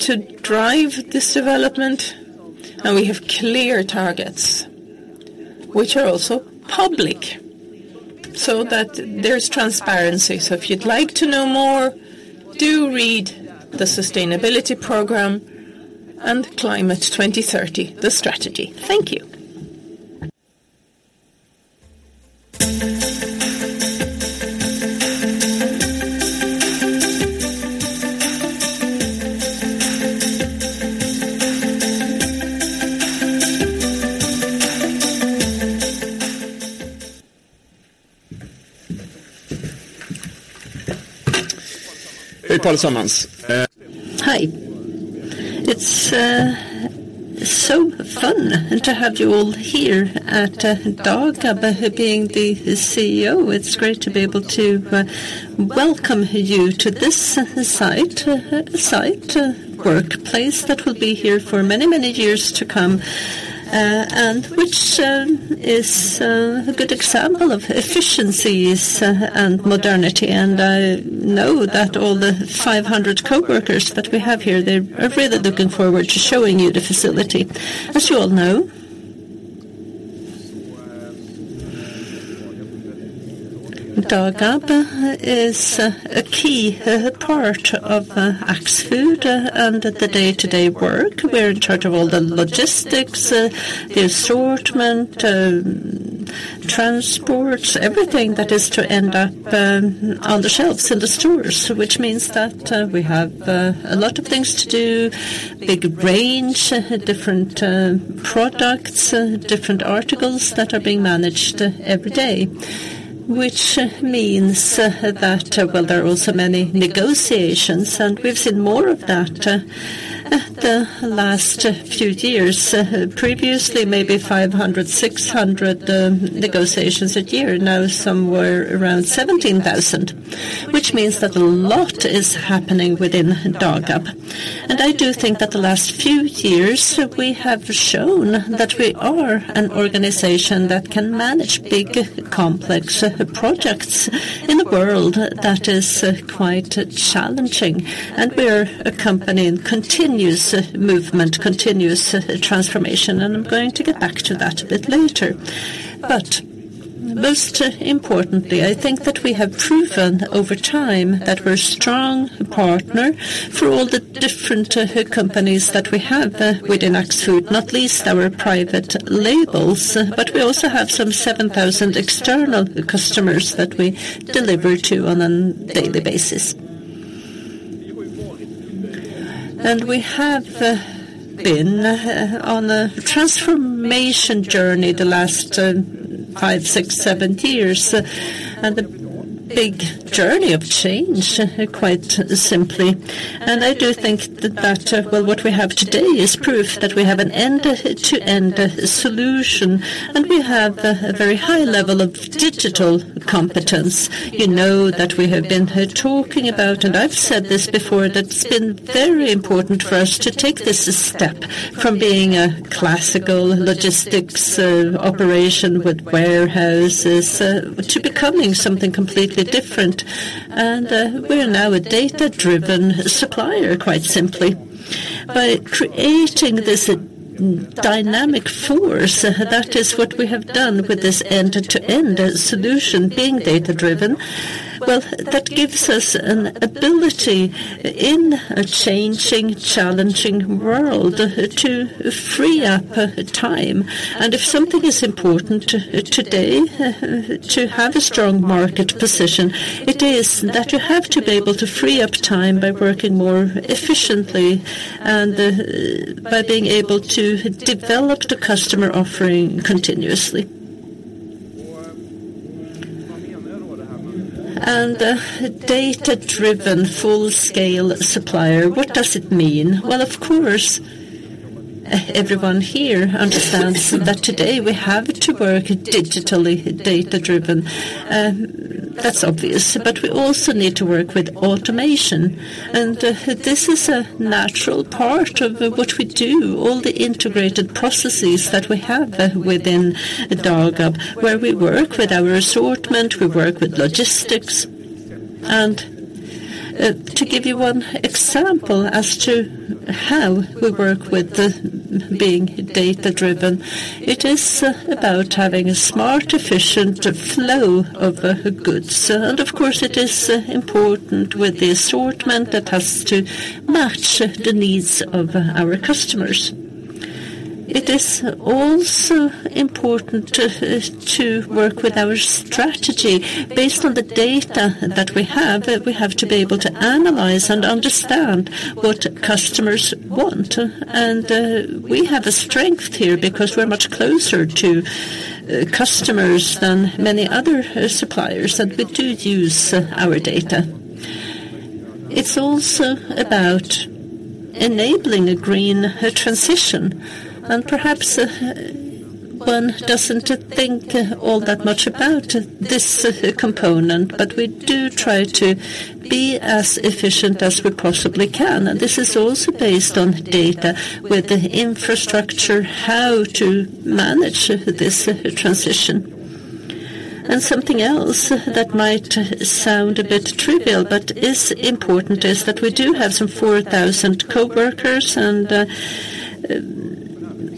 to drive this development, and we have clear targets which are also public, so that there's transparency. So if you'd like to know more, do read the sustainability program and Climate 2030, the strategy. Thank you. Hey, Hej allesammans, Hi. It's so fun to have you all here at Dagab. Being the CEO, it's great to be able to welcome you to this site workplace that will be here for many, many years to come, and which is a good example of efficiencies and modernity. I know that all the 500 coworkers that we have here, they're really looking forward to showing you the facility. As you all know, Dagab is a key part of Axfood and the day-to-day work. We're in charge of all the logistics, the assortment, transports, everything that is to end up on the shelves in the stores, which means that we have a lot of things to do, big range, different products, different articles that are being managed every day. Which means that well, there are also many negotiations, and we've seen more of that the last few years. Previously, maybe 500, 600 negotiations a year, now somewhere around 17,000, which means that a lot is happening within Dagab. And I do think that the last few years, we have shown that we are an organization that can manage big, complex projects in a world that is quite challenging. And we are a company in continuous movement, continuous transformation, and I'm going to get back to that a bit later. But... ...Most importantly, I think that we have proven over time that we're a strong partner for all the different companies that we have within Axfood, not least our private labels. But we also have some 7,000 external customers that we deliver to on a daily basis. And we have been on a transformation journey the last five, six, seven years, and a big journey of change, quite simply. And I do think that that, well, what we have today is proof that we have an end-to-end solution, and we have a very high level of digital competence. that we have been here talking about, and I've said this before, that it's been very important for us to take this step from being a classical logistics operation with warehouses to becoming something completely different. We are now a data-driven supplier, quite simply. By creating this dynamic force, that is what we have done with this end-to-end solution, being data-driven, well, that gives us an ability in a changing, challenging world, to free up time. If something is important today, to have a strong market position, it is that you have to be able to free up time by working more efficiently and, by being able to develop the customer offering continuously. Data-driven, full-scale supplier, what does it mean? Well, of course, everyone here understands that today we have to work digitally, data-driven. That's obvious, but we also need to work with automation, and this is a natural part of what we do, all the integrated processes that we have within Dagab, where we work with our assortment, we work with logistics. To give you one example as to how we work with the being data-driven, it is about having a smart, efficient flow of goods. And of course, it is important with the assortment that has to match the needs of our customers. It is also important to work with our strategy. Based on the data that we have, we have to be able to analyze and understand what customers want. And we have a strength here because we're much closer to customers than many other suppliers, and we do use our data. It's also about enabling a green transition, and perhaps one doesn't think all that much about this component, but we do try to be as efficient as we possibly can. And this is also based on data with the infrastructure, how to manage this transition. Something else that might sound a bit trivial, but is important, is that we do have some 4,000 coworkers, and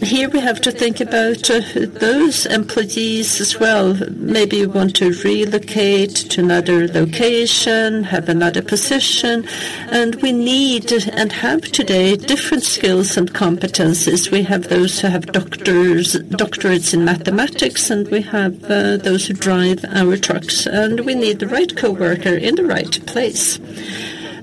here, we have to think about those employees as well. Maybe you want to relocate to another location, have another position, and we need and have today different skills and competencies. We have those who have doctorates in mathematics, and we have those who drive our trucks, and we need the right coworker in the right place.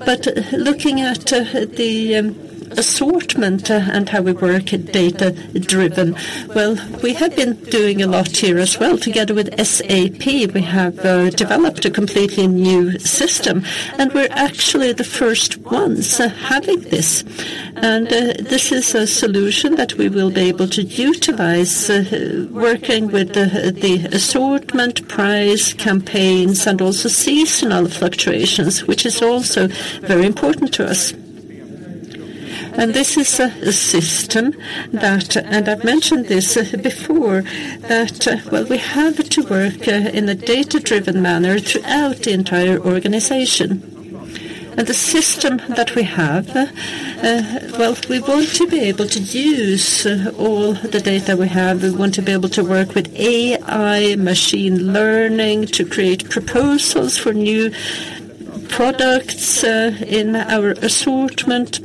But looking at the assortment and how we work at data-driven, well, we have been doing a lot here as well. Together with SAP, we have developed a completely new system, and we're actually the first ones having this. This is a solution that we will be able to utilize, working with the assortment, price, campaigns, and also seasonal fluctuations, which is also very important to us. This is a system that, and I've mentioned this before, that, well, we have to work in a data-driven manner throughout the entire organization. The system that we have, well, we want to be able to use all the data we have. We want to be able to work with AI, machine learning, to create proposals for new products in our assortment.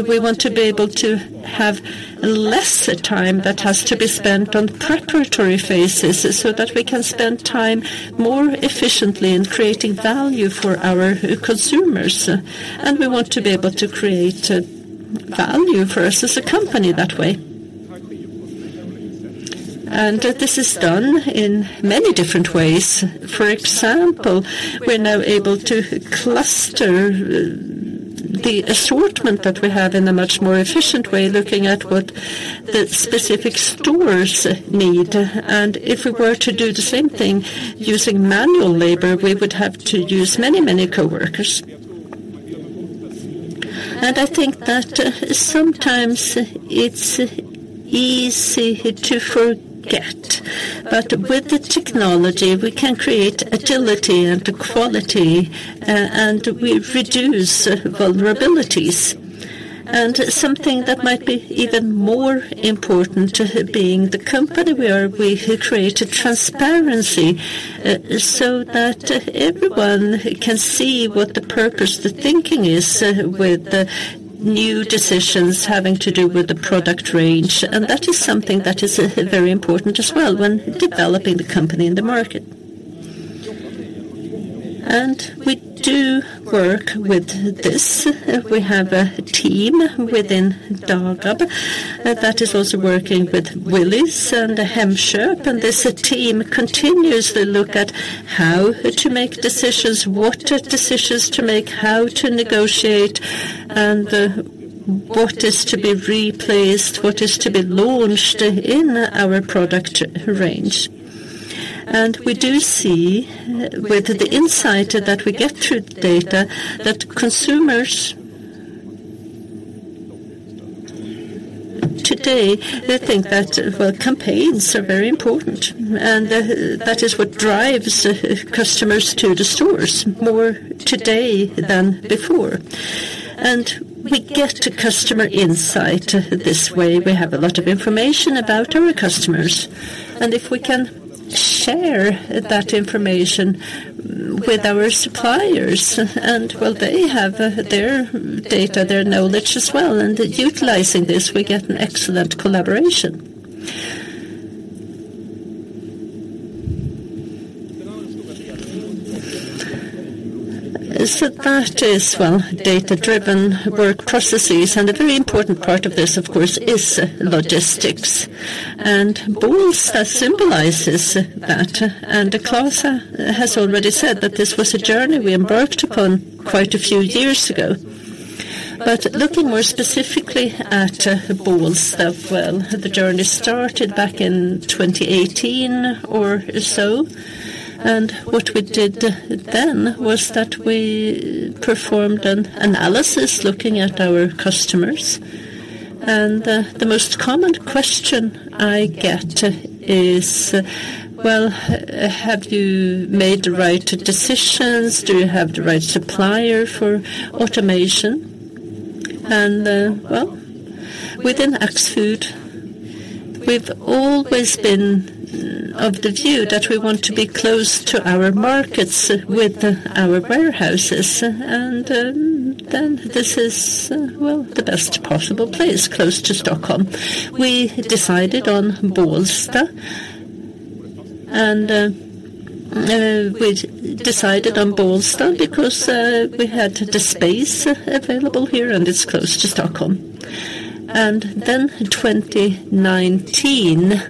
We want to be able to have less time that has to be spent on preparatory phases, so that we can spend time more efficiently in creating value for our consumers, and we want to be able to create value for us as a company that way. And this is done in many different ways. For example, we're now able to cluster the assortment that we have in a much more efficient way, looking at what the specific stores need. And if we were to do the same thing using manual labor, we would have to use many, many coworkers. I think that, sometimes it's easy to forget, but with the technology, we can create agility and quality, and we reduce vulnerabilities. Something that might be even more important to being the company we are, we have created transparency, so that everyone can see what the purpose, the thinking is with the new decisions having to do with the product range. That is something that is very important as well when developing the company in the market. We do work with this. We have a team within Dagab, that is also working with Willys and Hemköp, and this team continuously look at how to make decisions, what decisions to make, how to negotiate, and what is to be replaced, what is to be launched in our product range. We do see with the insight that we get through data, that consumers today, they think that, well, campaigns are very important, and that, that is what drives customers to the stores more today than before. We get customer insight this way. We have a lot of information about our customers, and if we can share that information with our suppliers, and well, they have their data, their knowledge as well, and utilizing this, we get an excellent collaboration. So that is, well, data-driven work processes, and a very important part of this, of course, is logistics. Bålsta symbolizes that, and Klas has already said that this was a journey we embarked upon quite a few years ago. But looking more specifically at Bålsta, well, the journey started back in 2018 or so, and what we did then was that we performed an analysis looking at our customers. And, the most common question I get is, "Well, have you made the right decisions? Do you have the right supplier for automation?" And, well, within Axfood, we've always been of the view that we want to be close to our markets with our warehouses, and, then this is, well, the best possible place, close to Stockholm. We decided on Bålsta, and, we decided on Bålsta because, we had the space available here, and it's close to Stockholm. And then in 2019,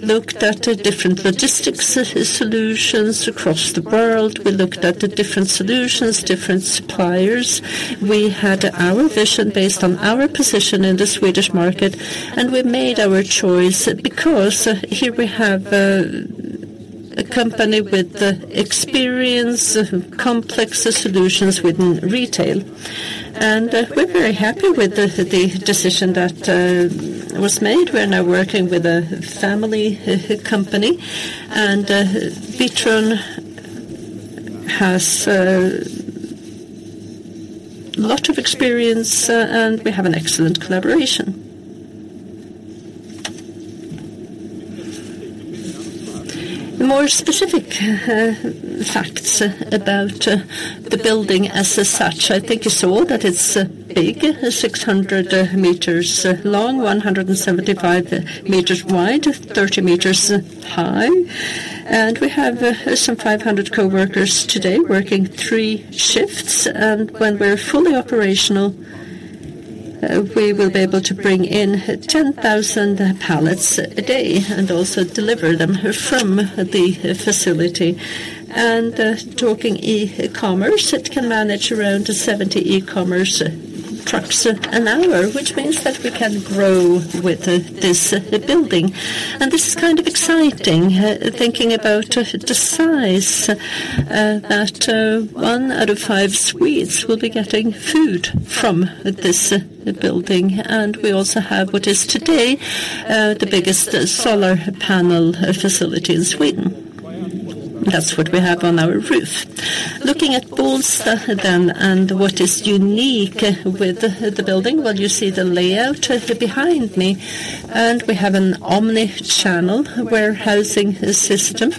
we looked at the different logistics solutions across the world. We looked at the different solutions, different suppliers. We had our vision based on our position in the Swedish market, and we made our choice because here we have a company with the experience of complex solutions within retail. We're very happy with the decision that was made. We're now working with a family company, and Witron has a lot of experience, and we have an excellent collaboration. More specific facts about the building as such, I think you saw that it's big, 600 meters long, 175 meters wide, 30 meters high, and we have some 500 coworkers today working three shifts. When we're fully operational, we will be able to bring in 10,000 pallets a day and also deliver them from the facility. Talking e-commerce, it can manage around 70 e-commerce trucks an hour, which means that we can grow with this building. This is kind of exciting, thinking about the size that one out of five Swedes will be getting food from this building. We also have what is today the biggest solar panel facility in Sweden. That's what we have on our roof. Looking at Bålsta then and what is unique with the building, well, you see the layout behind me, and we have an Omni-channel warehousing system.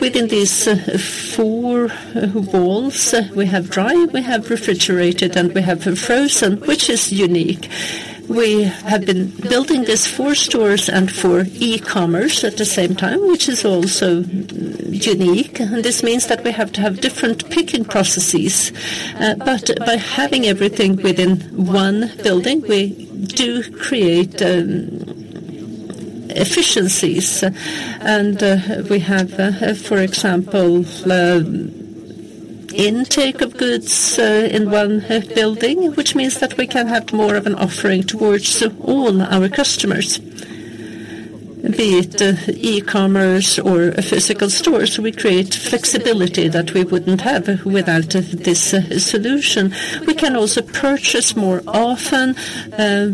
Within these four walls, we have dry, we have refrigerated, and we have frozen, which is unique. We have been building these four stores and for e-commerce at the same time, which is also unique. This means that we have to have different picking processes, but by having everything within one building, we do create efficiencies. We have, for example, intake of goods in one building, which means that we can have more of an offering towards all our customers, be it e-commerce or physical stores. We create flexibility that we wouldn't have without this solution. We can also purchase more often,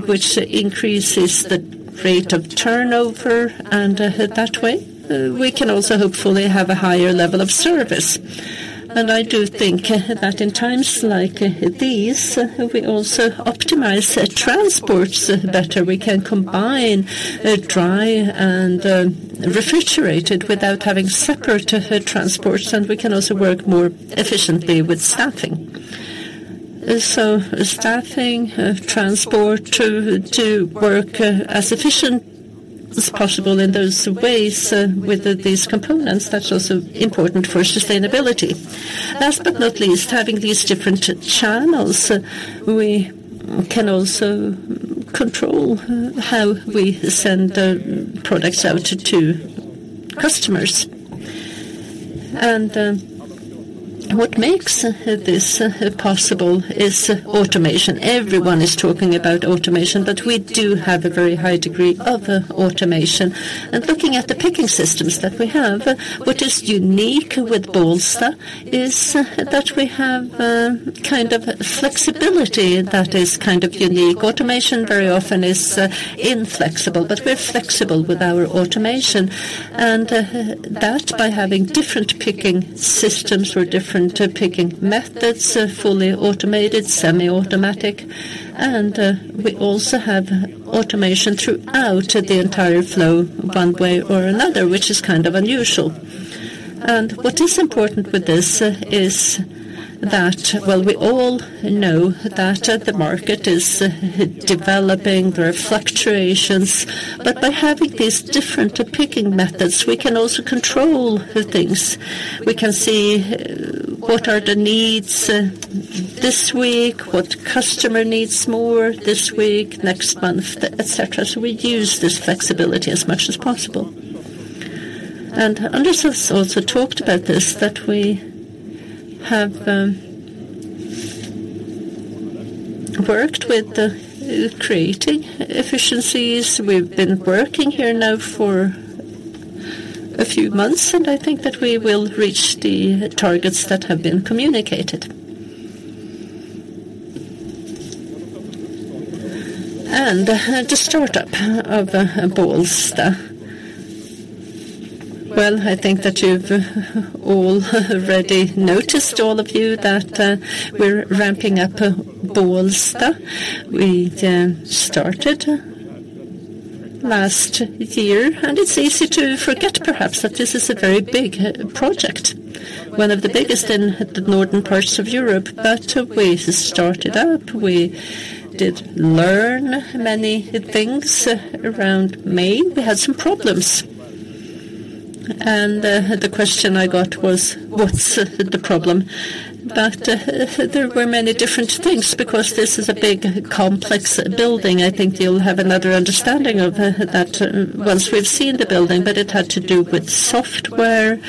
which increases the rate of turnover, and that way, we can also hopefully have a higher level of service. I do think that in times like these, we also optimize transports better. We can combine dry and refrigerated without having separate transports, and we can also work more efficiently with staffing. So staffing, transport, to work as efficient as possible in those ways with these components, that's also important for sustainability. Last but not least, having these different channels, we can also control how we send the products out to customers. And what makes this possible is automation. Everyone is talking about automation, but we do have a very high degree of automation. And looking at the picking systems that we have, what is unique with Bålsta is that we have kind of flexibility that is kind of unique. Automation very often is inflexible, but we're flexible with our automation, and that by having different picking systems or different picking methods, fully automated, semi-automatic, and we also have automation throughout the entire flow, one way or another, which is kind of unusual. What is important with this is that, well, we all know that the market is developing, there are fluctuations, but by having these different picking methods, we can also control things. We can see what are the needs this week, what customer needs more this week, next month, et cetera. So we use this flexibility as much as possible. And Anders has also talked about this, that we have worked with creating efficiencies. We've been working here now for a few months, and I think that we will reach the targets that have been communicated. The startup of Bålsta. Well, I think that you've all already noticed, all of you, that we're ramping up Bålsta. We started last year, and it's easy to forget, perhaps, that this is a very big project, one of the biggest in the northern parts of Europe, but we started out, we did learn many things around May. We had some problems, and the question I got was: What's the problem? But there were many different things because this is a big, complex building. I think you'll have another understanding of that once we've seen the building, but it had to do with software,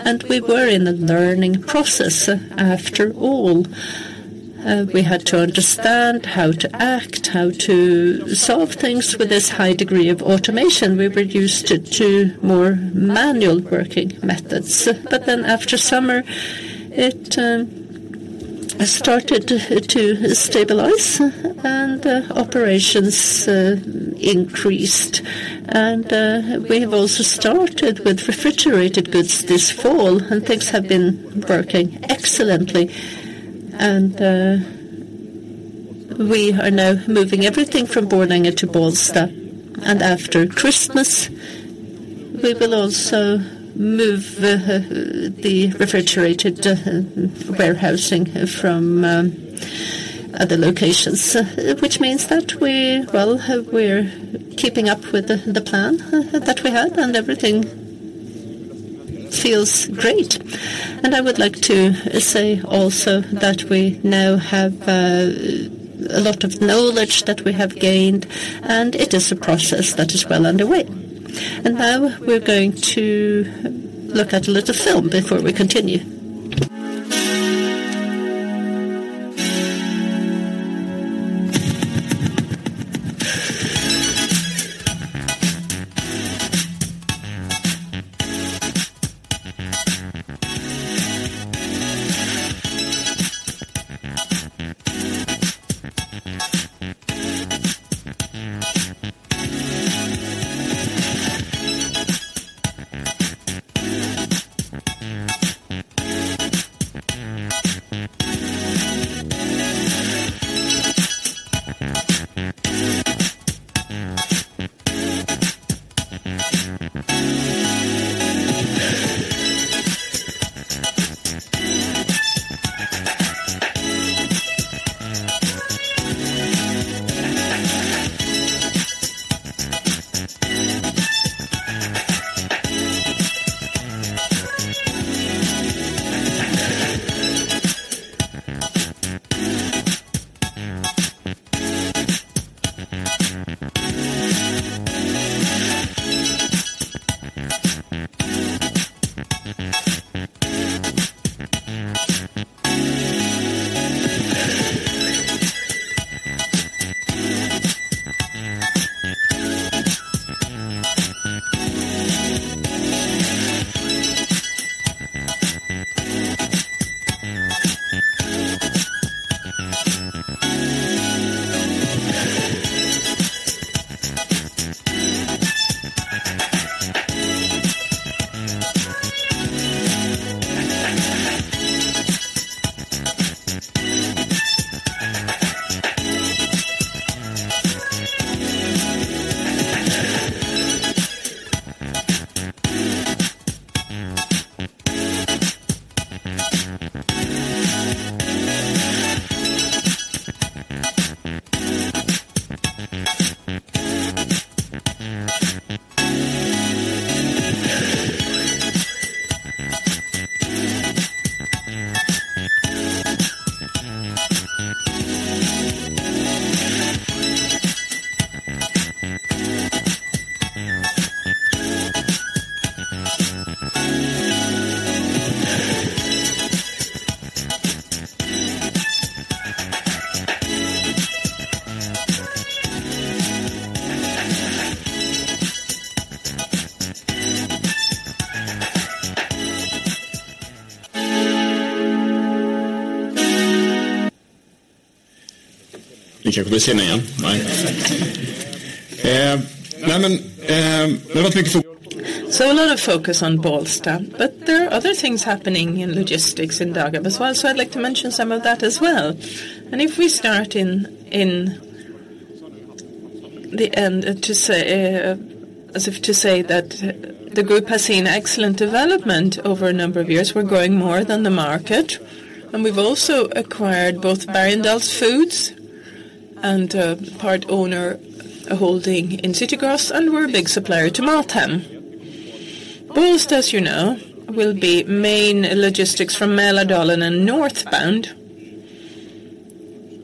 and we were in a learning process, after all. We had to understand how to act, how to solve things with this high degree of automation. We were used to more manual working methods, but then after summer, it started to stabilize and operations increased. We have also started with refrigerated goods this fall, and things have been working excellently, and we are now moving everything from Borlänge into Bålsta. After Christmas, we will also move the refrigerated warehousing from other locations, which means that we, well, we're keeping up with the plan that we had, and everything feels great. I would like to say also that we now have a lot of knowledge that we have gained, and it is a process that is well underway. Now we're going to look at a little film before we continue. ... So a lot of focus on Bålsta, but there are other things happening in logistics in Dagab as well, so I'd like to mention some of that as well. And if we start in the end to say as if to say that the group has seen excellent development over a number of years. We're growing more than the market, and we've also acquired both Bergendahls Food and part owner, a holding in City Gross, and we're a big supplier to MatHem. Bålsta, as will be main logistics from Mälardalen and northbound,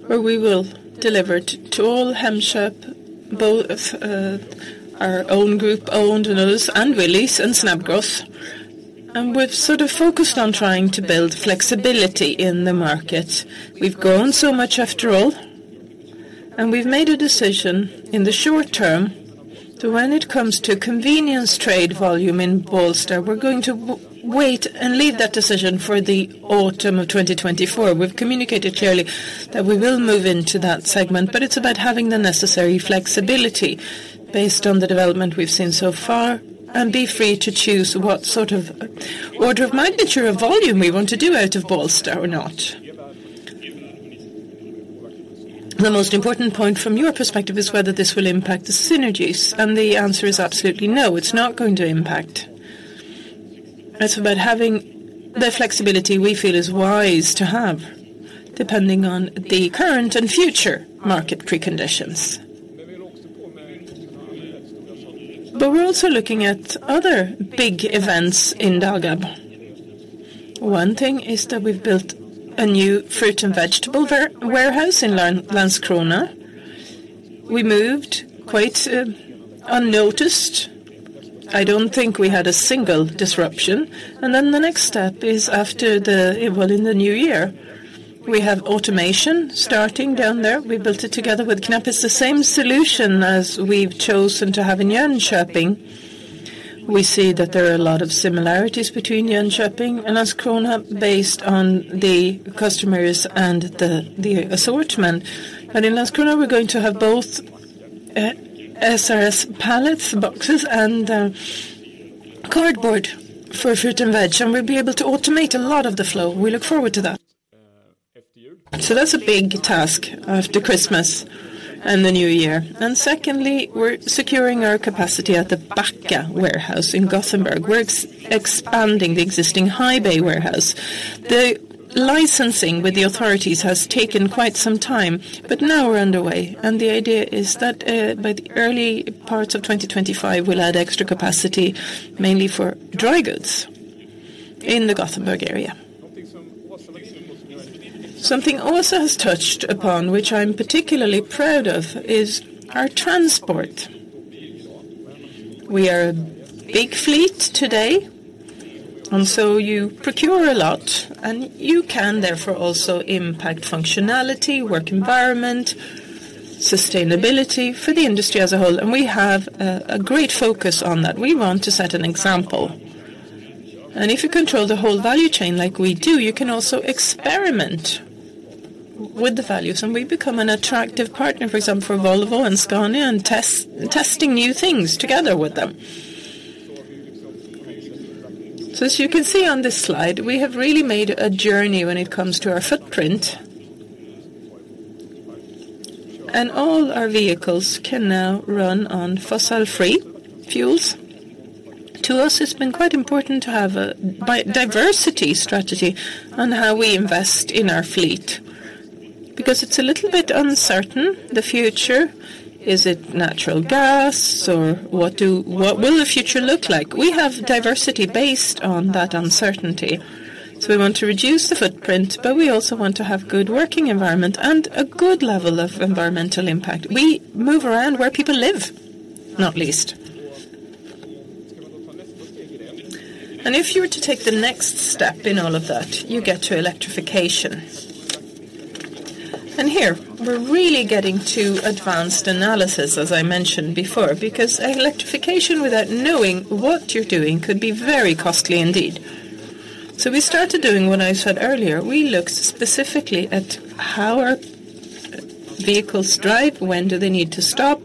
where we will deliver to all Hemköp, both our own group-owned and others, and Willys and Snabbgross. And we've sort of focused on trying to build flexibility in the market. We've grown so much after all, and we've made a decision in the short term that when it comes to convenience trade volume in Bålsta, we're going to wait and leave that decision for the autumn of 2024. We've communicated clearly that we will move into that segment, but it's about having the necessary flexibility based on the development we've seen so far, and be free to choose what sort of order of magnitude of volume we want to do out of Bålsta or not. The most important point from your perspective is whether this will impact the synergies, and the answer is absolutely no, it's not going to impact. It's about having the flexibility we feel is wise to have, depending on the current and future market preconditions. But we're also looking at other big events in Dagab. One thing is that we've built a new fruit and vegetable warehouse in Landskrona. We moved quite unnoticed. I don't think we had a single disruption. And then the next step is after the... Well, in the new year, we have automation starting down there. We built it together with KNAPP. It's the same solution as we've chosen to have in Jönköping. We see that there are a lot of similarities between Jönköping and Landskrona based on the customers and the assortment. But in Landskrona, we're going to have both SRS pallets, boxes, and cardboard for fruit and veg, and we'll be able to automate a lot of the flow. We look forward to that. So that's a big task after Christmas and the new year. And secondly, we're securing our capacity at the Backa warehouse in Gothenburg. We're expanding the existing high bay warehouse. The licensing with the authorities has taken quite some time, but now we're underway, and the idea is that by the early parts of 2025, we'll add extra capacity, mainly for dry goods in the Gothenburg area. Something also has touched upon, which I'm particularly proud of, is our transport. We are a big fleet today, and so you procure a lot, and you can therefore also impact functionality, work environment, sustainability for the industry as a whole, and we have a great focus on that. We want to set an example. And if you control the whole value chain like we do, you can also experiment with the values, and we've become an attractive partner, for example, for Volvo and Scania, and testing new things together with them. So as you can see on this slide, we have really made a journey when it comes to our footprint, and all our vehicles can now run on fossil-free fuels. To us, it's been quite important to have a biodiversity strategy on how we invest in our fleet, because it's a little bit uncertain, the future. Is it natural gas? Or what will the future look like? We have diversity based on that uncertainty. So we want to reduce the footprint, but we also want to have good working environment and a good level of environmental impact. We move around where people live, not least. And if you were to take the next step in all of that, you get to electrification. And here, we're really getting to advanced analysis, as I mentioned before, because electrification without knowing what you're doing could be very costly indeed. So we started doing what I said earlier, we looked specifically at how our vehicles drive, when do they need to stop?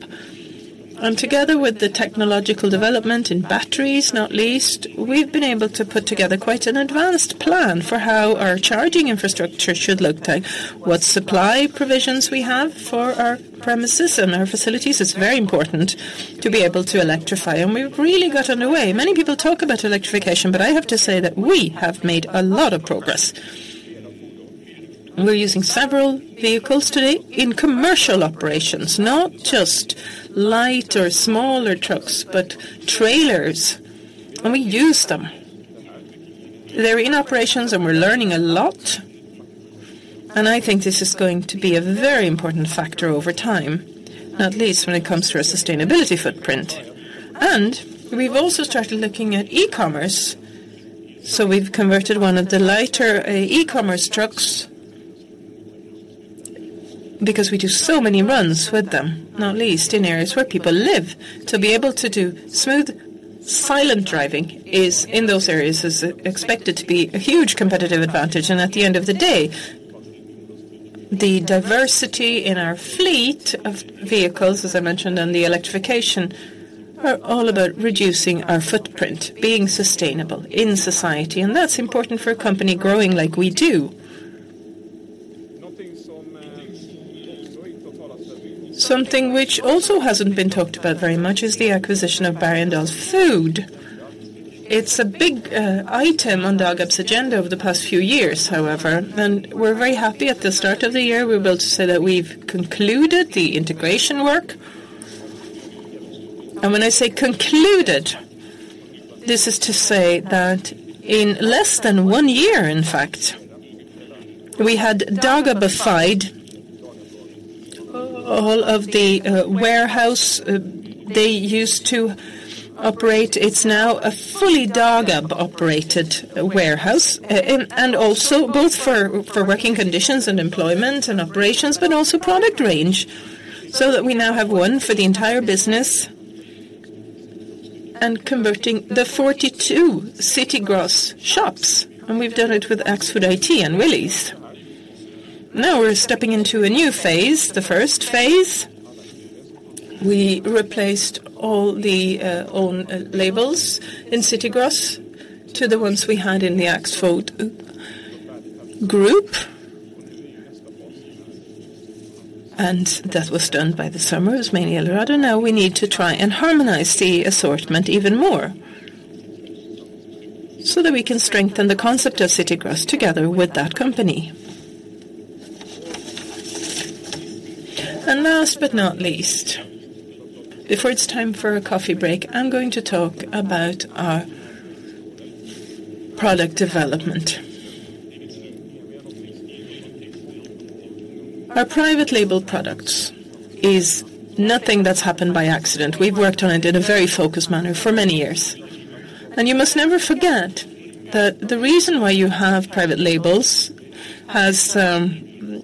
And together with the technological development in batteries, not least, we've been able to put together quite an advanced plan for how our charging infrastructure should look like, what supply provisions we have for our premises and our facilities. It's very important to be able to electrify, and we've really gotten away. Many people talk about electrification, but I have to say that we have made a lot of progress. We're using several vehicles today in commercial operations, not just light or smaller trucks, but trailers, and we use them. They're in operations, and we're learning a lot, and I think this is going to be a very important factor over time, at least when it comes to our sustainability footprint. And we've also started looking at e-commerce, so we've converted one of the lighter, e-commerce trucks because we do so many runs with them, not least in areas where people live. To be able to do smooth, silent driving is, in those areas, expected to be a huge competitive advantage. And at the end of the day, the diversity in our fleet of vehicles, as I mentioned, and the electrification, are all about reducing our footprint, being sustainable in society, and that's important for a company growing like we do. Something which also hasn't been talked about very much is the acquisition of Bergendahls Food. It's a big, item on Dagab's agenda over the past few years, however, and we're very happy. At the start of the year, we're able to say that we've concluded the integration work. When I say concluded, this is to say that in less than one year, in fact, we had Dagabified all of the warehouse they used to operate. It's now a fully Dagab-operated warehouse, and also both for working conditions and employment and operations, but also product range, so that we now have one for the entire business and converting the 42 City Gross shops, and we've done it with Axfood IT and Willys. Now we're stepping into a new phase. The first phase, we replaced all the own labels in City Gross to the ones we had in the Axfood Group. That was done by the summer, as many are aware, now we need to try and harmonize the assortment even more so that we can strengthen the concept of City Gross together with that company. Last but not least, before it's time for a coffee break, I'm going to talk about our product development. Our private label products is nothing that's happened by accident. We've worked on it in a very focused manner for many years. You must never forget that the reason why you have private labels has,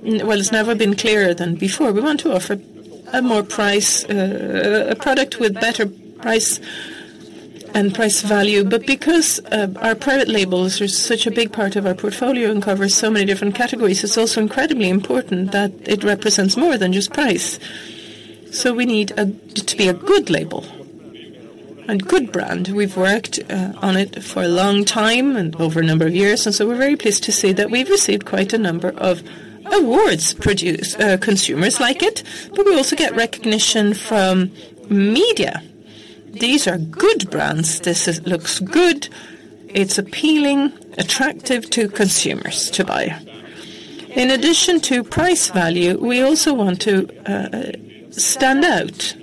well, it's never been clearer than before. We want to offer a product with better price and price value. But because, our private labels are such a big part of our portfolio and covers so many different categories, it's also incredibly important that it represents more than just price. So we need it to be a good label and good brand. We've worked on it for a long time and over a number of years, and so we're very pleased to say that we've received quite a number of awards. Produce, consumers like it, but we also get recognition from media. These are good brands. This is, looks good. It's appealing, attractive to consumers to buy. In addition to price value, we also want to stand out.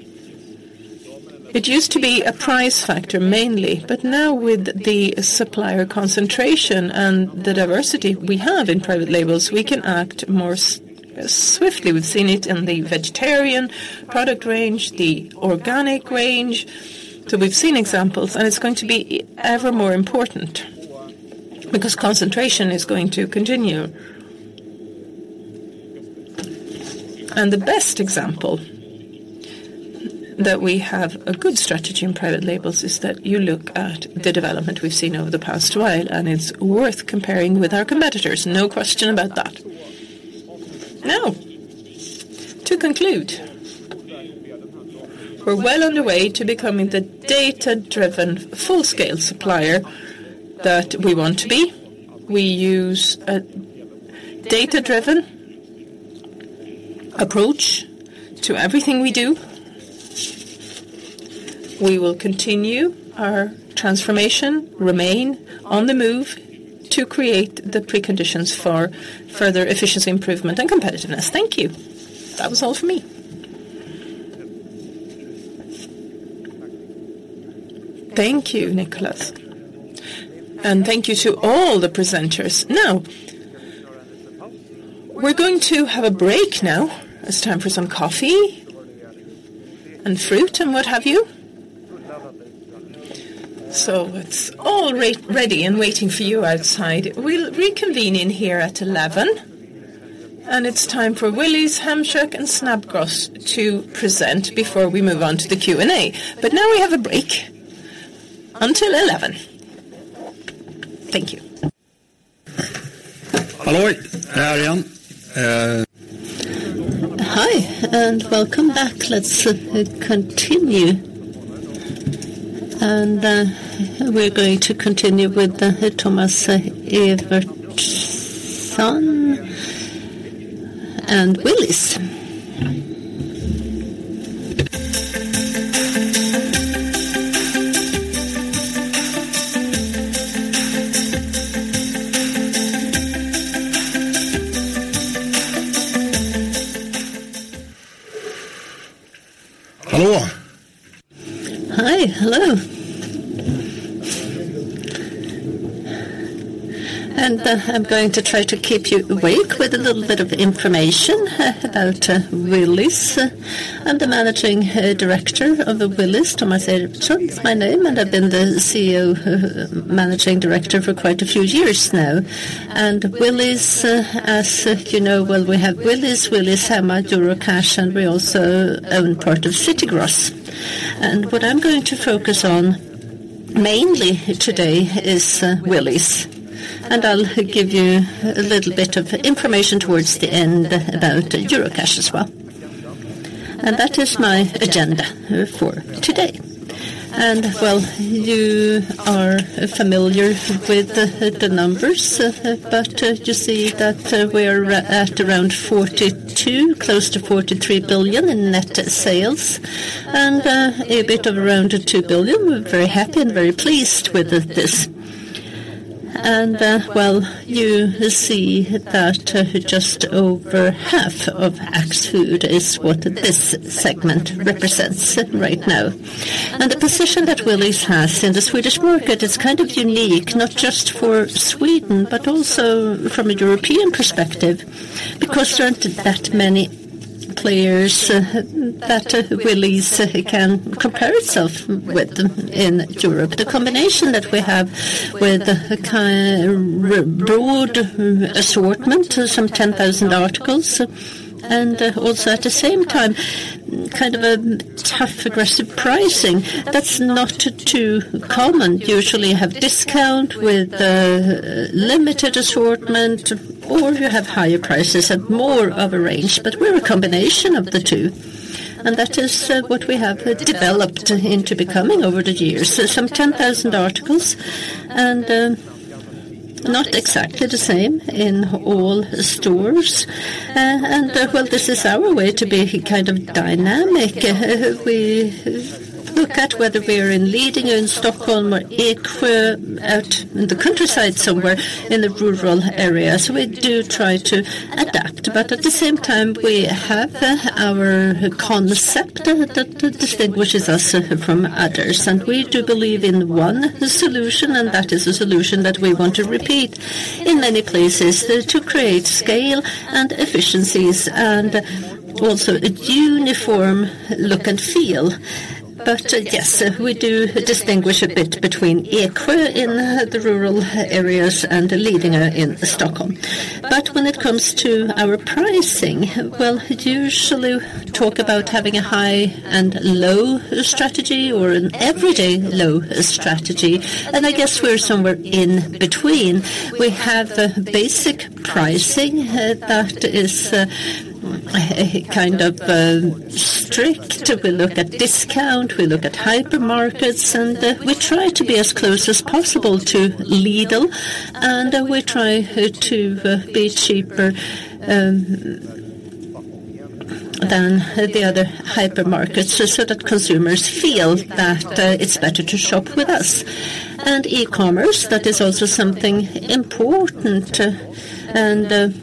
It used to be a price factor mainly, but now with the supplier concentration and the diversity we have in private labels, we can act more swiftly. We've seen it in the vegetarian product range, the organic range. So we've seen examples, and it's going to be ever more important because concentration is going to continue. And the best example that we have a good strategy in private labels is that you look at the development we've seen over the past while, and it's worth comparing with our competitors, no question about that. Now, to conclude, we're well on the way to becoming the data-driven, full-scale supplier that we want to be. We use a data-driven approach to everything we do. We will continue our transformation, remain on the move to create the preconditions for further efficiency, improvement, and competitiveness. Thank you. That was all for me. Thank you, Nicholas, and thank you to all the presenters. Now, we're going to have a break now. It's time for some coffee and fruit and what have you. So it's all ready and waiting for you outside. We'll reconvene in here at 11:00, and it's time for Willys, Hemköp, and Snabbgross to present before we move on to the Q&A. But now we have a break until 11:00. Thank you. Hello, how are you? Hi, and welcome back. Let's continue. We're going to continue with Thomas Evertsson and Willys.... Hello! Hi, hello. I'm going to try to keep you awake with a little bit of information about Willys. I'm the Managing Director of Willys. Thomas Evertsson is my name, and I've been the CEO, managing director for quite a few years now. Willys, as well, we have Willys, Willys Hemma, Eurocash, and we also own part of City Gross. What I'm going to focus on mainly today is Willys, and I'll give you a little bit of information towards the end about Eurocash as well. That is my agenda for today. Well, you are familiar with the numbers, but you see that we're at around 42 billion, close to 43 billion in net sales, and EBIT of around 2 billion. We're very happy and very pleased with this. Well, you see that just over half of Axfood is what this segment represents right now. The position that Willys has in the Swedish market is kind of unique, not just for Sweden, but also from a European perspective, because there aren't that many players that Willys can compare itself with in Europe. The combination that we have with the broad assortment, some 10,000 articles, and also at the same time, kind of a tough, aggressive pricing, that's not too common. Usually, you have discount with limited assortment, or you have higher prices and more of a range, but we're a combination of the two, and that is what we have developed into becoming over the years. Some 10,000 articles and not exactly the same in all stores. Well, this is our way to be kind of dynamic. We look at whether we're in Lidingö, in Stockholm, or Ikva, out in the countryside, somewhere in the rural areas. We do try to adapt, but at the same time, we have our concept that distinguishes us from others, and we do believe in one solution, and that is a solution that we want to repeat in many places, to create scale and efficiencies and also a uniform look and feel. But, yes, we do distinguish a bit between Ikva in the rural areas and Lidingö in Stockholm. But when it comes to our pricing, well, we usually talk about having a high and low strategy or an everyday low strategy, and I guess we're somewhere in between. We have a basic pricing that is, kind of, strict. We look at discount, we look at hypermarkets, and we try to be as close as possible to Lidl, and we try to be cheaper than the other hypermarkets, so that consumers feel that it's better to shop with us. And e-commerce, that is also something important, and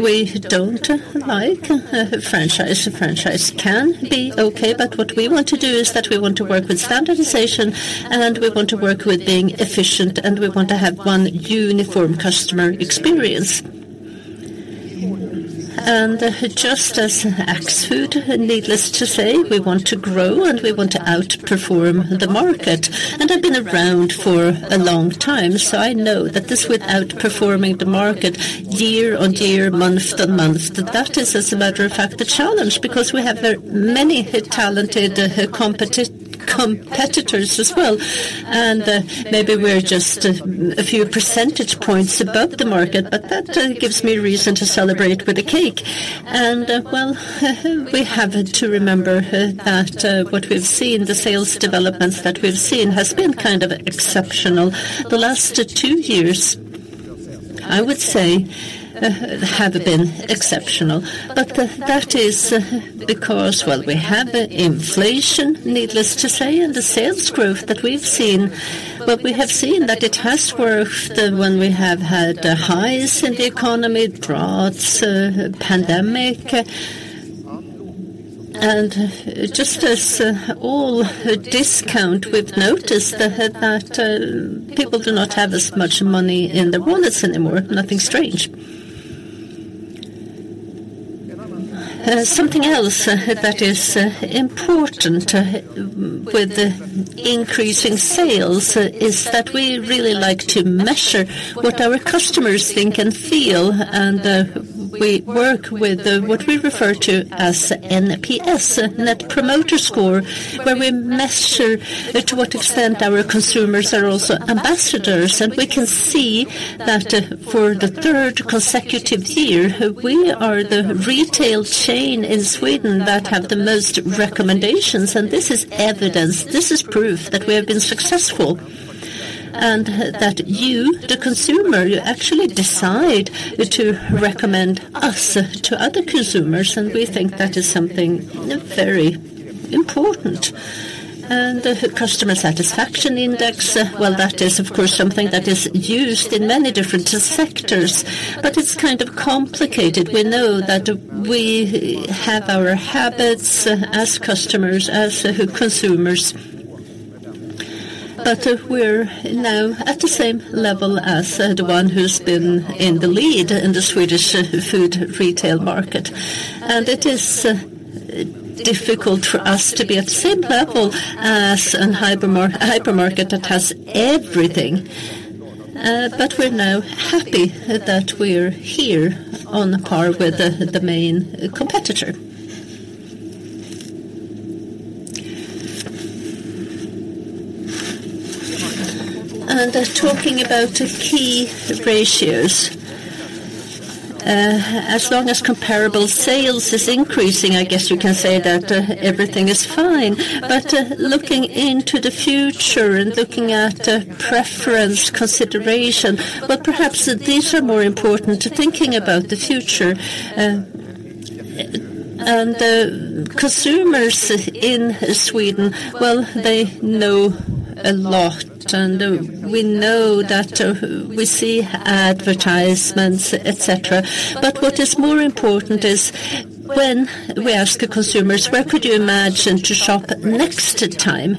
we don't like a franchise. A franchise can be okay, but what we want to do is that we want to work with standardization, and we want to work with being efficient, and we want to have one uniform customer experience. And just as Axfood, needless to say, we want to grow, and we want to outperform the market. And I've been around for a long time, so I know that this with outperforming the market year-over-year, month-over-month, that that is, as a matter of fact, the challenge, because we have many talented competitors as well, and maybe we're just a few percentage points above the market, but that gives me a reason to celebrate with a cake. And well, we have to remember that what we've seen, the sales developments that we've seen, has been kind of exceptional. The last two years, I would say, have been exceptional. But that is because, well, we have inflation, needless to say, and the sales growth that we've seen. But we have seen that it has worked when we have had highs in the economy, droughts, pandemic. And just as all discount, we've noticed that people do not have as much money in their wallets anymore. Nothing strange. Something else that is important with the increasing sales is that we really like to measure what our customers think and feel, and we work with what we refer to as NPS, Net Promoter Score, where we measure to what extent our consumers are also ambassadors. And we can see that for the third consecutive year, we are the retail chain in Sweden that have the most recommendations, and this is evidence, this is proof that we have been successful, and that you, the consumer, you actually decide to recommend us to other consumers, and we think that is something very important. The customer satisfaction index, well, that is, of course, something that is used in many different sectors, but it's kind of complicated. We know that we have our habits as customers, as consumers. But we're now at the same level as the one who's been in the lead in the Swedish food retail market, and it is difficult for us to be at the same level as a hypermar- a hypermarket that has everything. But we're now happy that we're here on par with the, the main competitor. And talking about the key ratios, as long as comparable sales is increasing, I guess you can say that, everything is fine. But, looking into the future and looking at, preference, consideration, well, perhaps these are more important to thinking about the future. And consumers in Sweden, well, they know a lot, and we know that we see advertisements, et cetera. But what is more important is when we ask the consumers: Where could you imagine to shop next time?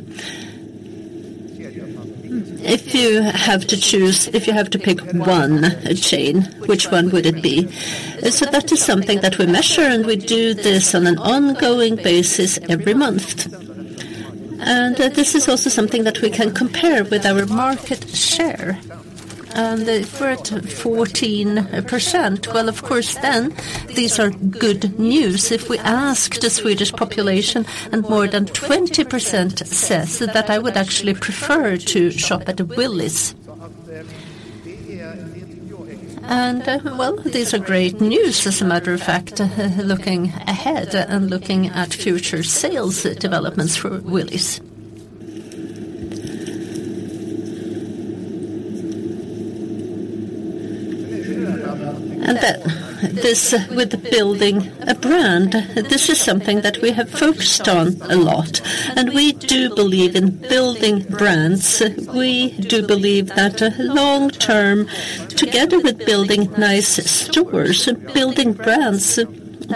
If you have to choose, if you have to pick one, a chain, which one would it be? So that is something that we measure, and we do this on an ongoing basis every month. And this is also something that we can compare with our market share. And we're at 14%. Well, of course, then, these are good news. If we ask the Swedish population, and more than 20% says that I would actually prefer to shop at Willys. And well, these are great news, as a matter of fact, looking ahead and looking at future sales developments for Willys. And then, this with building a brand, this is something that we have focused on a lot, and we do believe in building brands. We do believe that, long term, together with building nice stores, building brands,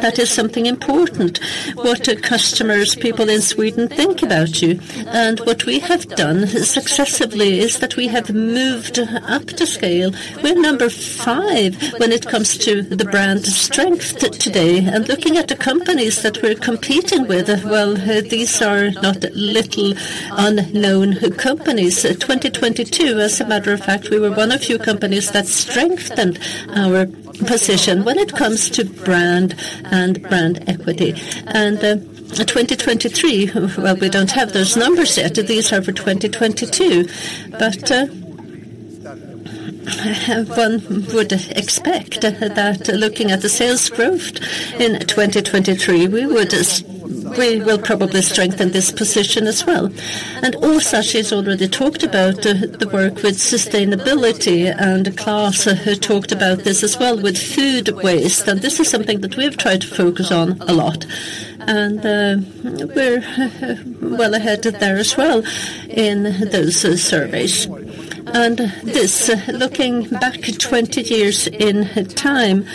that is something important. What do customers, people in Sweden, think about you? And what we have done successively is that we have moved up the scale. We're number five when it comes to the brand strength today. And looking at the companies that we're competing with, well, these are not little unknown companies. 2022, as a matter of fact, we were one of few companies that strengthened our position when it comes to brand and brand equity. And, in 2023, well, we don't have those numbers yet. These are for 2022. But one would expect that looking at the sales growth in 2023, we would, we will probably strengthen this position as well. Åsa, she's already talked about the work with sustainability, and Klas talked about this as well with food waste, and this is something that we have tried to focus on a lot. We're well ahead there as well in those surveys. Looking back 20 years in time,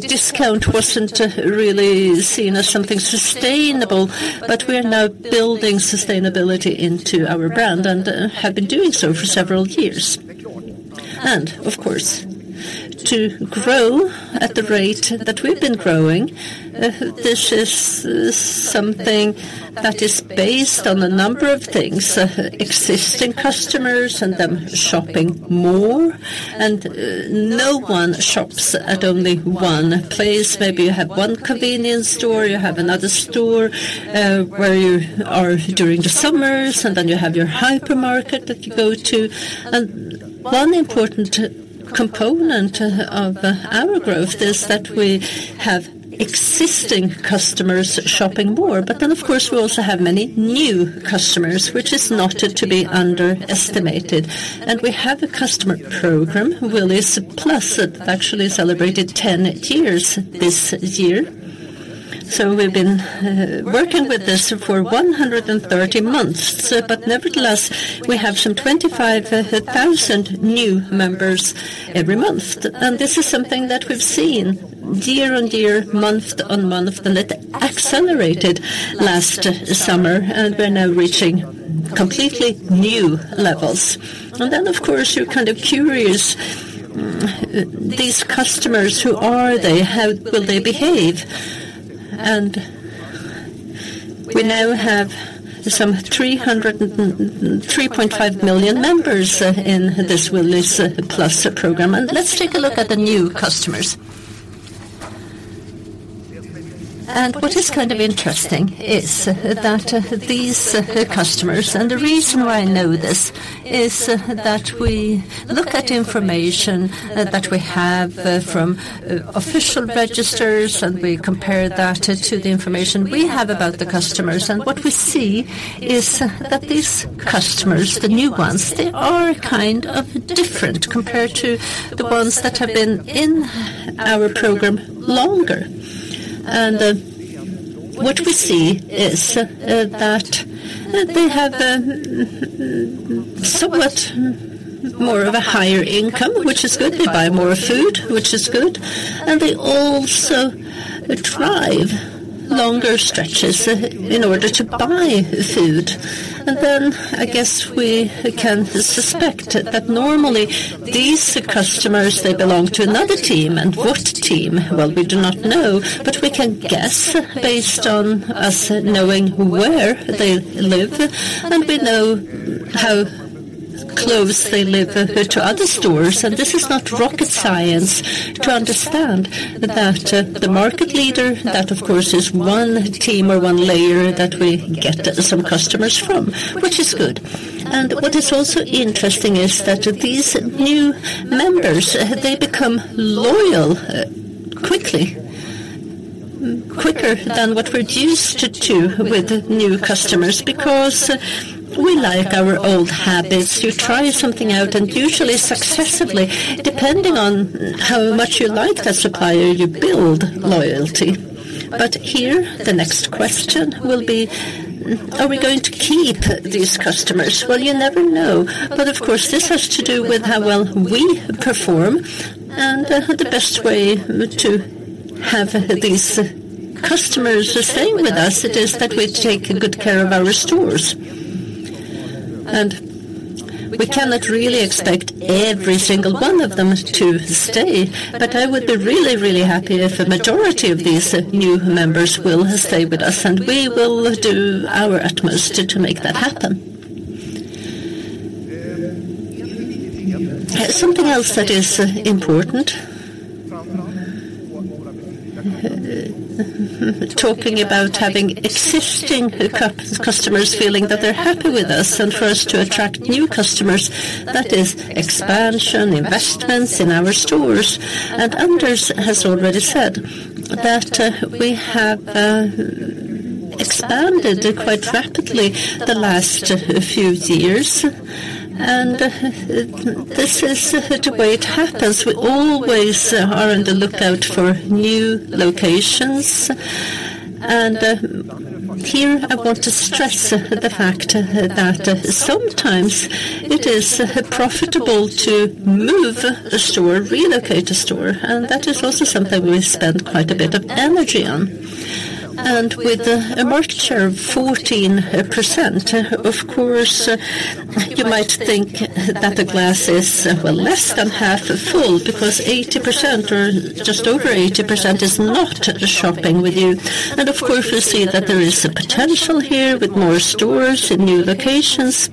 discount wasn't really seen as something sustainable, but we're now building sustainability into our brand and have been doing so for several years. Of course, to grow at the rate that we've been growing, this is something that is based on a number of things: existing customers and them shopping more, and no one shops at only one place. Maybe you have one convenience store, you have another store, where you are during the summers, and then you have your hypermarket that you go to. One important component of our growth is that we have existing customers shopping more. But then, of course, we also have many new customers, which is not to be underestimated. We have a customer program, Willys Plus, that actually celebrated 10 years this year. So we've been working with this for 130 months. But nevertheless, we have some 25,000 new members every month. This is something that we've seen year-on-year, month-on-month, and it accelerated last summer, and we're now reaching completely new levels. Then, of course, you're kind of curious, these customers, who are they? How will they behave? We now have some 303.5 million members in this Willys Plus program. Let's take a look at the new customers. What is kind of interesting is that these customers, and the reason why I know this is that we look at information that we have from official registers, and we compare that to the information we have about the customers. What we see is that these customers, the new ones, they are kind of different compared to the ones that have been in our program longer. What we see is that they have a somewhat more of a higher income, which is good. They buy more food, which is good, and they also drive longer stretches in order to buy food. And then I guess we can suspect that normally these customers, they belong to another team, and what team? Well, we do not know, but we can guess based on us knowing where they live, and we know how close they live to other stores. And this is not rocket science to understand that the market leader, that of course, is one team or one layer that we get some customers from, which is good. And what is also interesting is that these new members, they become loyal quickly, quicker than what we're used to, to with new customers, because we like our old habits. You try something out, and usually successively, depending on how much you like that supplier, you build loyalty. But here, the next question will be: Are we going to keep these customers? Well, you never know. But of course, this has to do with how well we perform, and the best way to have these customers staying with us is that we take good care of our stores. And we cannot really expect every single one of them to stay. But I would be really, really happy if a majority of these new members will stay with us, and we will do our utmost to, to make that happen. Something else that is important... Talking about having existing customers feeling that they're happy with us and for us to attract new customers, that is expansion, investments in our stores. And Anders has already said that, we have expanded quite rapidly the last few years, and this is the way it happens. We always are on the lookout for new locations, and here I want to stress the fact that sometimes it is profitable to move a store, relocate a store, and that is also something we spend quite a bit of energy on. With a market share of 14%, of course, you might think that the glass is, well, less than half full because 80% or just over 80% is not shopping with you. Of course, we see that there is a potential here with more stores in new locations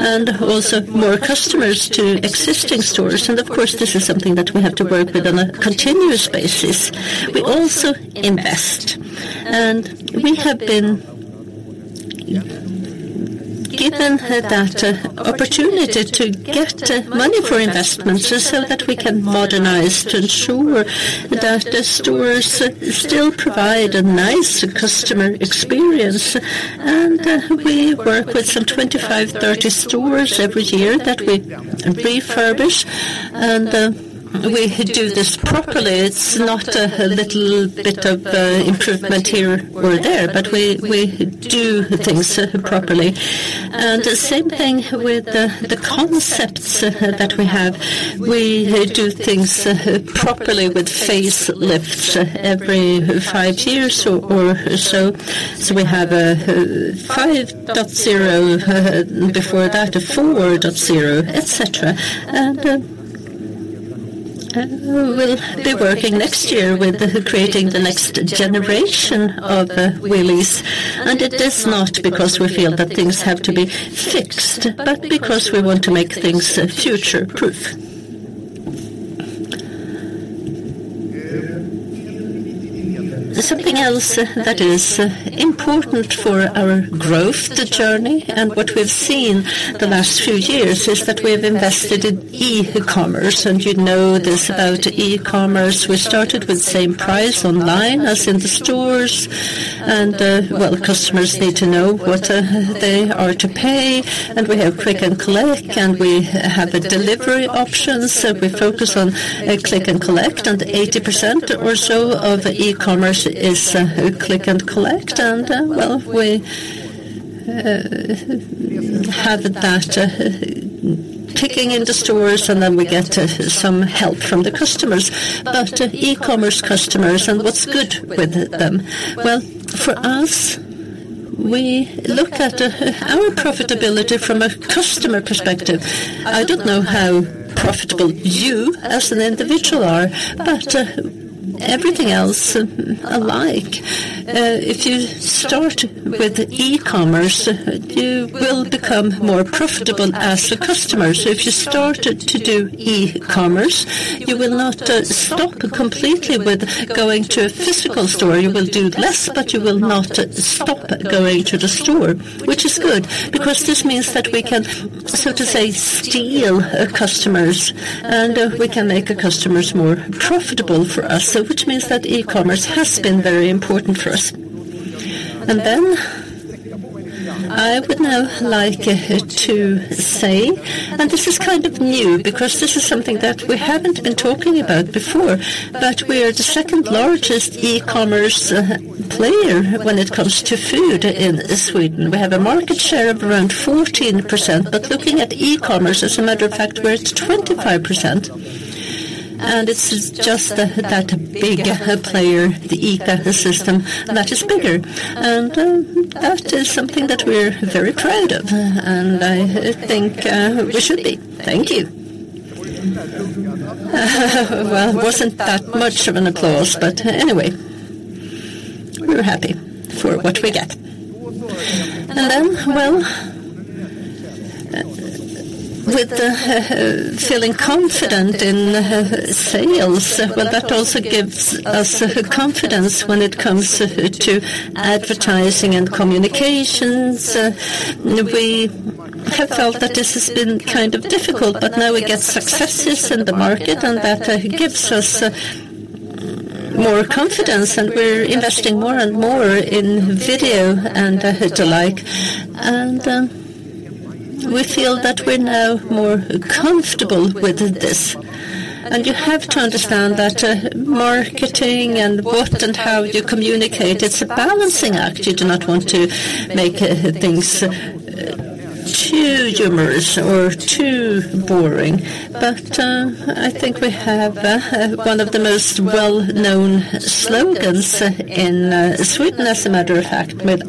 and also more customers to existing stores. This is something that we have to work with on a continuous basis. We also invest, and we have been given that opportunity to get money for investments so that we can modernize to ensure that the stores still provide a nice customer experience. We work with some 25, 30 stores every year that we refurbish, and we do this properly. It's not a little bit of improvement here or there, but we, we do things properly. And the same thing with the, the concepts that we have. We do things properly with facelifts every five years or, or so. So we have a 5.0, before that, a 4.0, et cetera. And we'll be working next year with creating the next generation of Willys. And it is not because we feel that things have to be fixed, but because we want to make things future proof. Something else that is important for our growth, the journey and what we've seen the last few years, is that we have invested in e-commerce. this about E-commerce, we started with same price online as in the stores. Well, customers need to know what they are to pay, and we have Click and Collect, and we have the delivery options. So we focus on Click and Collect, and 80% or so of E-commerce is Click and Collect. Well, we have that picking in the stores, and then we get some help from the customers. But E-commerce customers, and what's good with them? Well, for us, we look at our profitability from a customer perspective. I don't know how profitable you as an individual are, but everything else alike. If you start with E-commerce, you will become more profitable as a customer. So if you start to do E-commerce, you will not stop completely with going to a physical store. You will do less, but you will not stop going to the store, which is good, because this means that we can, so to say, steal customers, and we can make the customers more profitable for us. So which means that e-commerce has been very important for us. And then I would now like to say, and this is kind of new, because this is something that we haven't been talking about before, but we are the second largest e-commerce player when it comes to food in Sweden. We have a market share of around 14%, but looking at e-commerce, as a matter of fact, we're at 25%, and it's just the, that big player, the ICA, that is bigger. And that is something that we're very proud of, and I think we should be. Thank you. Well, it wasn't that much of an applause, but anyway, we're happy for what we get. And then, well, with the feeling confident in sales, well, that also gives us the confidence when it comes to advertising and communications. We have felt that this has been kind of difficult, but now we get successes in the market, and that gives us more confidence, and we're investing more and more in video and the like. And we feel that we're now more comfortable with this. You have to understand that marketing and what and how you communicate, it's a balancing act. You do not want to make things too humorous or too boring. But I think we have one of the most well-known slogans in Sweden, as a matter of fact, with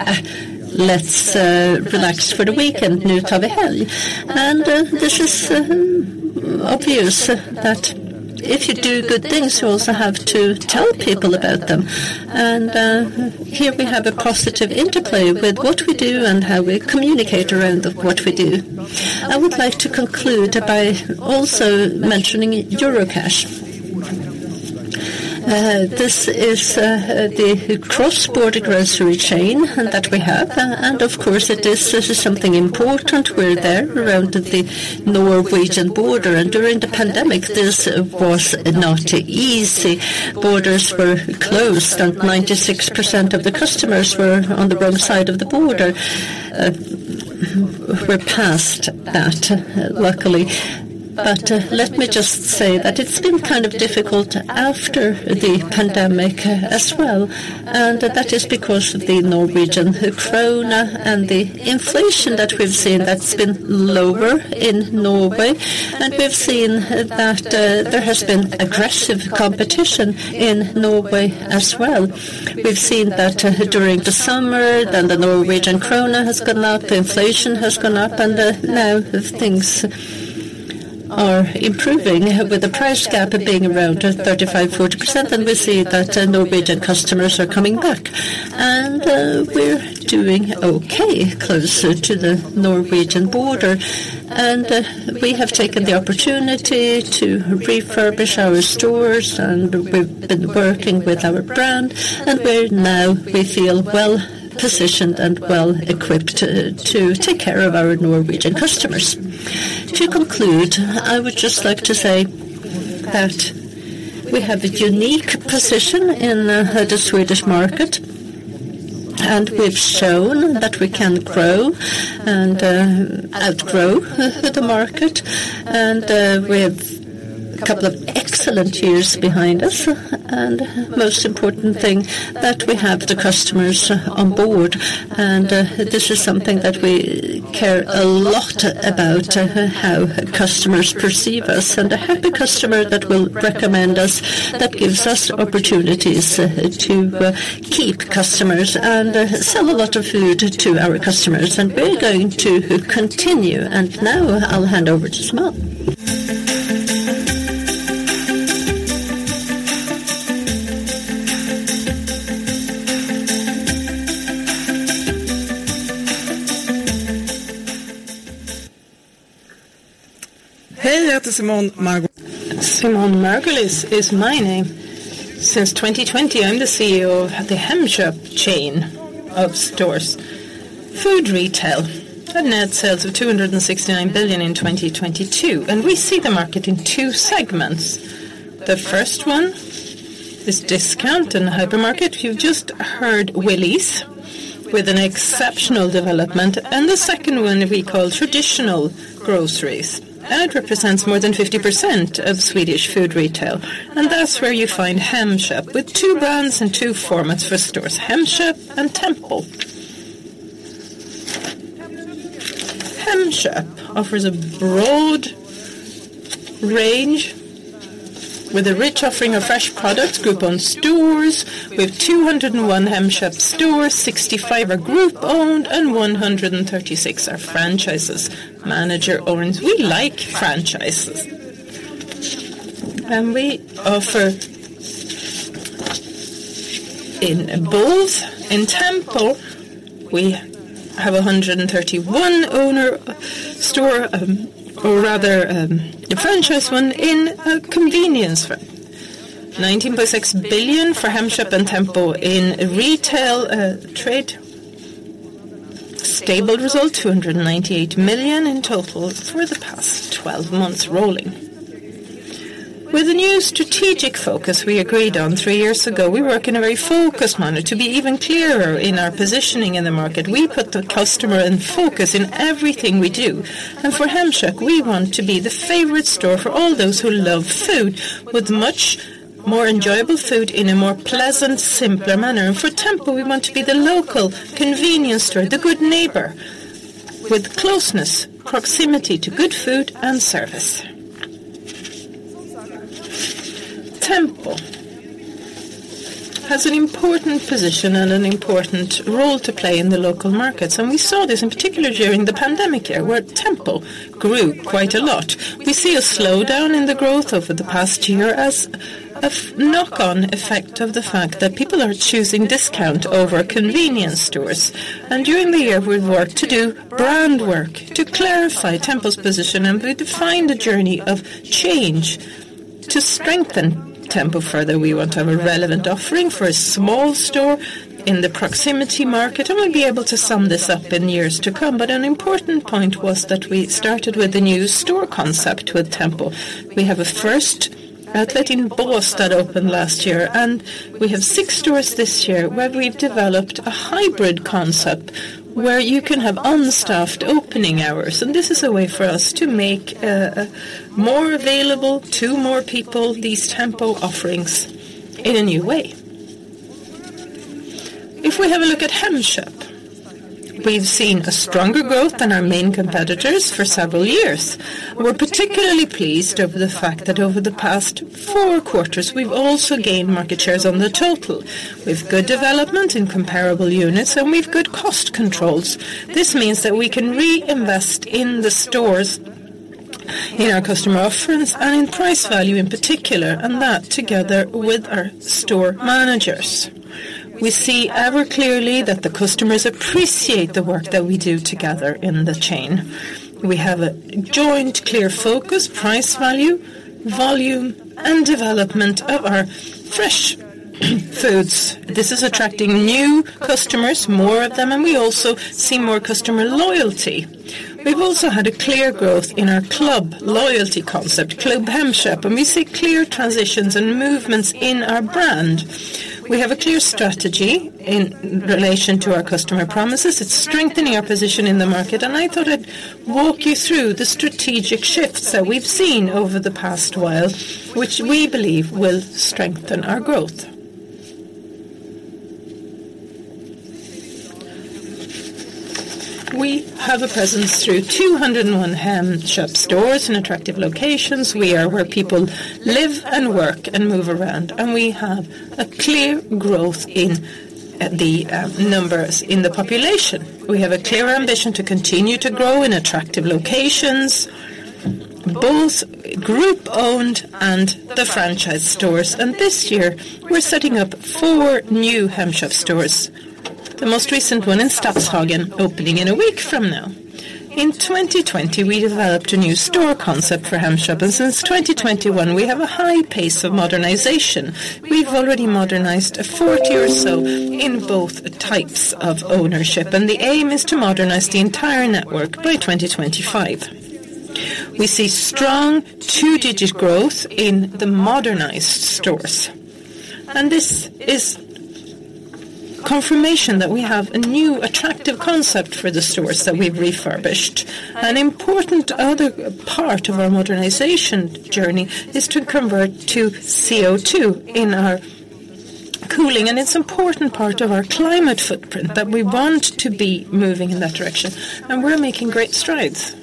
"Ah, let's relax for the weekend," Nu tar vi helg. This is obvious that if you do good things, you also have to tell people about them. Here we have a positive interplay with what we do and how we communicate around of what we do. I would like to conclude by also mentioning Eurocash. This is the cross-border grocery chain that we have, and of course, it is. This is something important. We're there around the Norwegian border, and during the pandemic, this was not easy. Borders were closed, and 96% of the customers were on the wrong side of the border. We're past that, luckily. But, let me just say that it's been kind of difficult after the pandemic as well, and that is because of the Norwegian krone and the inflation that we've seen that's been lower in Norway, and we've seen that, there has been aggressive competition in Norway as well. We've seen that, during the summer, then the Norwegian krone has gone up, inflation has gone up, and, now things are improving, with the price gap being around 35-40%, and we see that the Norwegian customers are coming back. We're doing okay close to the Norwegian border. We have taken the opportunity to refurbish our stores, and we've been working with our brand, and we're now, we feel well positioned and well equipped to, to take care of our Norwegian customers. To conclude, I would just like to say that we have a unique position in the Swedish market, and we've shown that we can grow and outgrow the market. We have a couple of excellent years behind us, and most important thing, that we have the customers on board. This is something that we care a lot about, how customers perceive us, and a happy customer that will recommend us, that gives us opportunities to keep customers and sell a lot of food to our customers. We're going to continue. Now I'll hand over to Simone. Hey, Simone Margulies. Simone Margulies is my name. Since 2020, I'm the CEO of the Hemköp chain of stores, food retail, and net sales of 269 billion in 2022. We see the market in two segments. The first one is discount and hypermarket. You've just heard Willys, with an exceptional development, and the second one, we call traditional groceries. It represents more than 50% of Swedish food retail, and that's where you find Hemköp, with two brands and two formats for stores, Hemköp and Tempo. Hemköp offers a broad range with a rich offering of fresh products, group-owned stores. We have 201 Hemköp stores, 65 are group-owned, and 136 are franchises, manager-owned. We like franchises. We offer in both. In Tempo, we have 131 owner store, a franchise one in a convenience store. 19.6 billion for Hemköp and Tempo in retail, trade. Stable result, 298 million in total for the past 12 months rolling. With the new strategic focus we agreed on three years ago, we work in a very focused manner to be even clearer in our positioning in the market. We put the customer in focus in everything we do, and for Hemköp, we want to be the favorite store for all those who love food, with much more enjoyable food in a more pleasant, simpler manner. And for Tempo, we want to be the local convenience store, the good neighbor, with closeness, proximity to good food and service. Tempo has an important position and an important role to play in the local markets, and we saw this in particular during the pandemic year, where Tempo grew quite a lot. We see a slowdown in the growth over the past year as a knock-on effect of the fact that people are choosing discount over convenience stores. During the year, we've worked to do brand work to clarify Tempo's position, and we defined a journey of change. To strengthen Tempo further, we want to have a relevant offering for a small store in the proximity market, and we'll be able to sum this up in years to come. An important point was that we started with a new store concept with Tempo. We have a first outlet in Bålsta that opened last year, and we have 6 stores this year, where we've developed a hybrid concept, where you can have unstaffed opening hours. And this is a way for us to make more available to more people, these Tempo offerings in a new way. If we have a look at Hemköp, we've seen a stronger growth than our main competitors for several years. We're particularly pleased over the fact that over the past Q4, we've also gained market shares on the total. We've good development in comparable units, and we've good cost controls. This means that we can reinvest in the stores, in our customer offerings, and in price value, in particular, and that together with our store managers. We see ever clearly that the customers appreciate the work that we do together in the chain. We have a joint clear focus, price value, volume, and development of our fresh foods. This is attracting new customers, more of them, and we also see more customer loyalty. We've also had a clear growth in our club loyalty concept, Club Hemköp, and we see clear transitions and movements in our brand. We have a clear strategy in relation to our customer promises. It's strengthening our position in the market, and I thought I'd walk you through the strategic shifts that we've seen over the past while, which we believe will strengthen our growth. We have a presence through 201 Hemköp stores in attractive locations. We are where people live and work and move around, and we have a clear growth in the numbers in the population. We have a clear ambition to continue to grow in attractive locations, both group-owned and the franchise stores. This year, we're setting up four new Hemköp stores, the most recent one in Stadshagen, opening in a week from now. In 2020, we developed a new store concept for Hemköp, and since 2021, we have a high pace of modernization. We've already modernized 40 or so in both types of ownership, and the aim is to modernize the entire network by 2025. We see strong two-digit growth in the modernized stores, and this is confirmation that we have a new attractive concept for the stores that we've refurbished. An important other part of our modernization journey is to convert to CO2 in our cooling, and it's important part of our climate footprint that we want to be moving in that direction, and we're making great strides.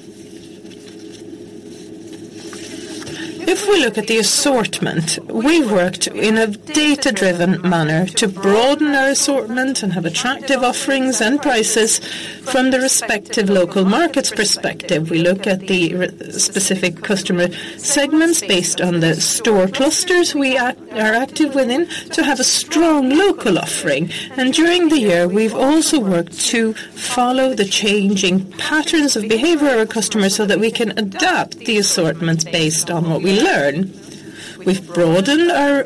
If we look at the assortment, we worked in a data-driven manner to broaden our assortment and have attractive offerings and prices from the respective local markets perspective. We look at the specific customer segments based on the store clusters we are active within, to have a strong local offering. And during the year, we've also worked to follow the changing patterns of behavior of our customers so that we can adapt the assortments based on what we learn. We've broadened our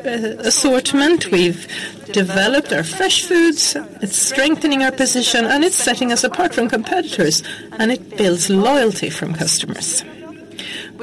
assortment. We've developed our fresh foods. It's strengthening our position, and it's setting us apart from competitors, and it builds loyalty from customers.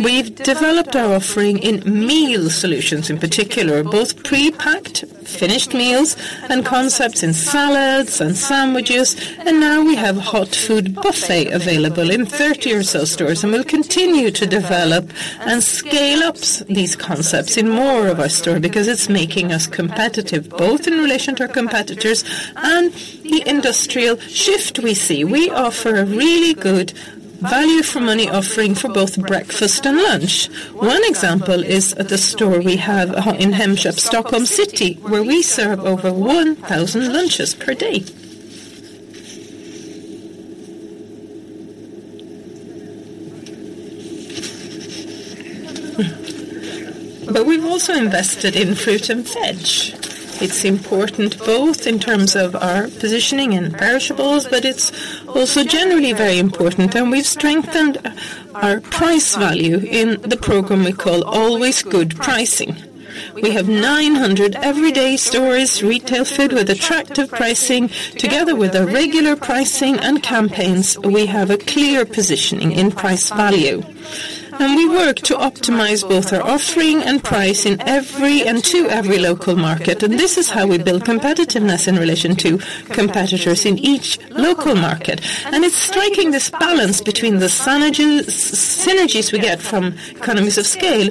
We've developed our offering in meal solutions, in particular, both pre-packed, finished meals and concepts in salads and sandwiches, and now we have a hot food buffet available in 30 or so stores, and we'll continue to develop and scale up these concepts in more of our store because it's making us competitive, both in relation to our competitors and the industrial shift we see. We offer a really good value for money offering for both breakfast and lunch. One example is at the store we have in Hemköp, Stockholm City, where we serve over 1,000 lunches per day. But we've also invested in fruit and veg. It's important both in terms of our positioning in perishables, but it's also generally very important, and we've strengthened our price value in the program we call Always Good Pricing. We have 900 everyday stores, retail food with attractive pricing. Together with our regular pricing and campaigns, we have a clear positioning in price value. We work to optimize both our offering and price in every and to every local market, and this is how we build competitiveness in relation to competitors in each local market. It's striking this balance between the synergies we get from economies of scale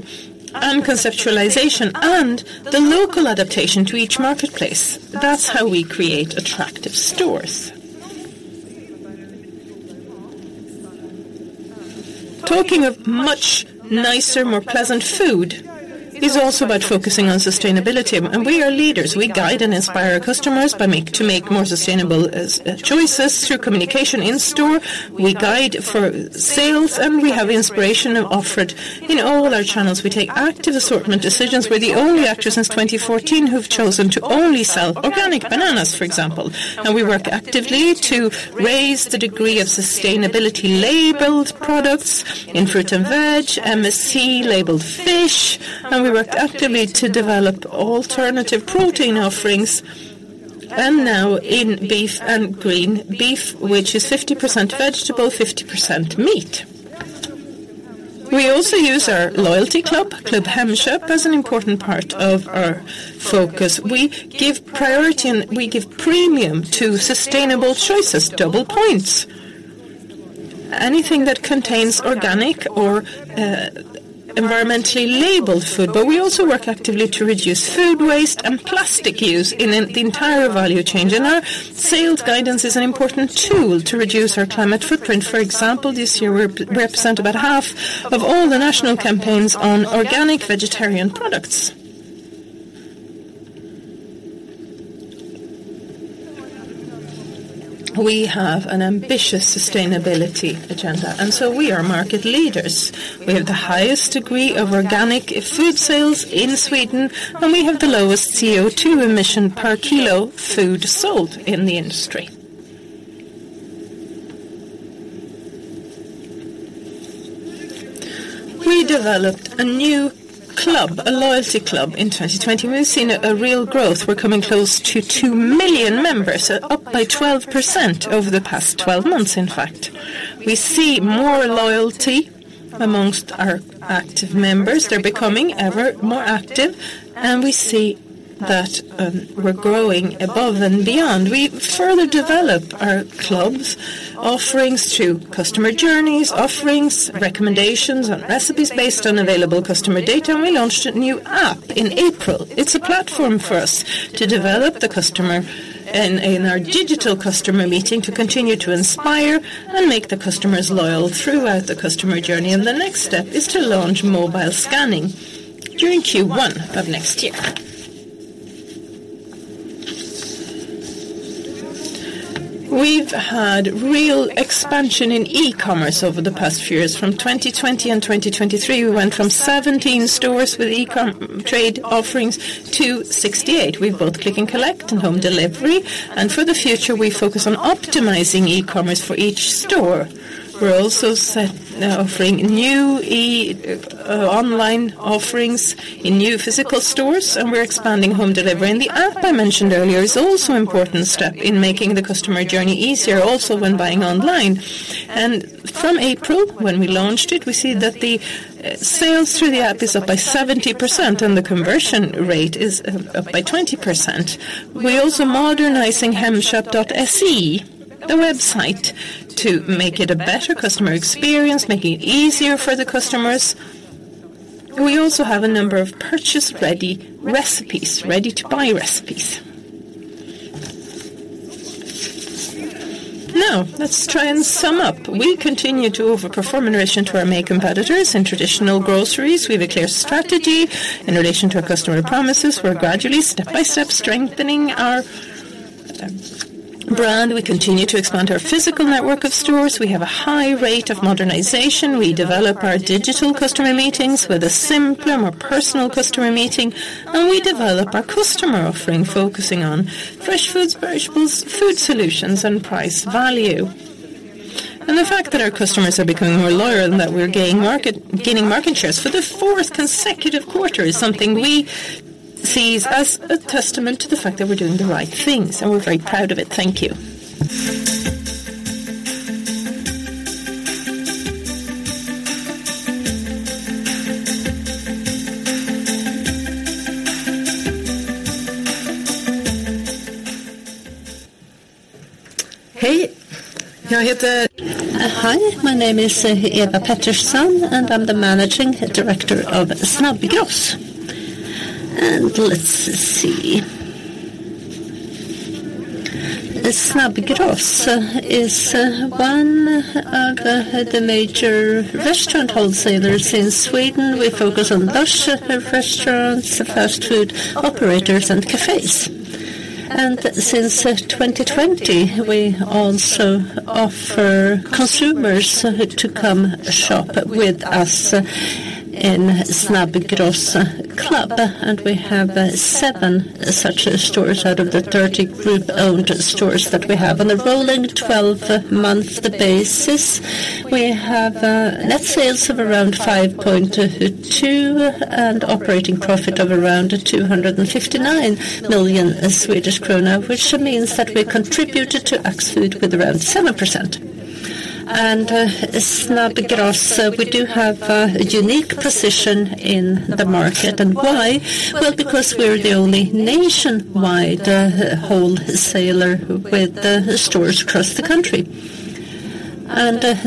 and conceptualization, and the local adaptation to each marketplace. That's how we create attractive stores. Talking of much nicer, more pleasant food is also about focusing on sustainability, and we are leaders. We guide and inspire our customers by to make more sustainable choices through communication in store. We guide for sales, and we have inspiration offered in all our channels. We take active assortment decisions. We're the only actor since 2014 who've chosen to only sell organic bananas, for example. Now we work actively to raise the degree of sustainability labeled products in fruit and veg, MSC-labeled fish, and we work actively to develop alternative protein offerings, and now in beef and green beef, which is 50% vegetable, 50% meat. We also use our loyalty club, Club Hemköp, as an important part of our focus. We give priority and we give premium to sustainable choices, double points. Anything that contains organic or environmentally labeled food, but we also work actively to reduce food waste and plastic use in the entire value chain. And our sales guidance is an important tool to reduce our climate footprint. For example, this year, we represent about half of all the national campaigns on organic vegetarian products. We have an ambitious sustainability agenda, and so we are market leaders. We have the highest degree of organic food sales in Sweden, and we have the lowest CO2 emission per kilo food sold in the industry. We developed a new club, a loyalty club, in 2020. We've seen a real growth. We're coming close to 2 million members, so up by 12% over the past 12 months, in fact. We see more loyalty amongst our active members. They're becoming ever more active, and we see that we're growing above and beyond. We further develop our club's offerings through customer journeys, offerings, recommendations on recipes based on available customer data, and we launched a new app in April. It's a platform for us to develop the customer and in our digital customer meeting, to continue to inspire and make the customers loyal throughout the customer journey. The next step is to launch mobile scanning during Q1 of next year. We've had real expansion in e-commerce over the past few years. From 2020 to 2023, we went from 17 stores with e-commerce offerings to 68. We've built Click and Collect and home delivery, and for the future, we focus on optimizing e-commerce for each store. We're also offering new online offerings in new physical stores, and we're expanding home delivery. The app I mentioned earlier is also important step in making the customer journey easier, also when buying online. From April, when we launched it, we see that the sales through the app is up by 70% and the conversion rate is up by 20%. We're also modernizing Hemköp.se, the website, to make it a better customer experience, making it easier for the customers. We also have a number of purchase-ready recipes, ready-to-buy recipes. Now, let's try and sum up. We continue to overperform in relation to our main competitors in traditional groceries. We have a clear strategy in relation to our customer promises. We're gradually, step by step, strengthening our brand. We continue to expand our physical network of stores. We have a high rate of modernization. We develop our digital customer meetings with a simpler, more personal customer meeting, and we develop our customer offering, focusing on fresh foods, vegetables, food solutions, and price value. The fact that our customers are becoming more loyal and that we're gaining market shares for the fourth consecutive quarter is something we see as a testament to the fact that we're doing the right things, and we're very proud of it. Thank you. Hi, my name is Eva Pettersson, and I'm the managing director of Snabbgross. Let's see. Snabbgross is one of the major restaurant wholesalers in Sweden. We focus on lunch restaurants, fast food operators, and cafes. And since 2020, we also offer consumers to come shop with us in Snabbgross Club, and we have seven such stores out of the 30 group-owned stores that we have. On a rolling twelve-month basis, we have net sales of around 5.2 billion, and operating profit of around 259 million Swedish krona, which means that we contributed to Axfood with around 7%. Snabbgross, we do have a unique position in the market. And why? Well, because we're the only nationwide wholesaler with stores across the country.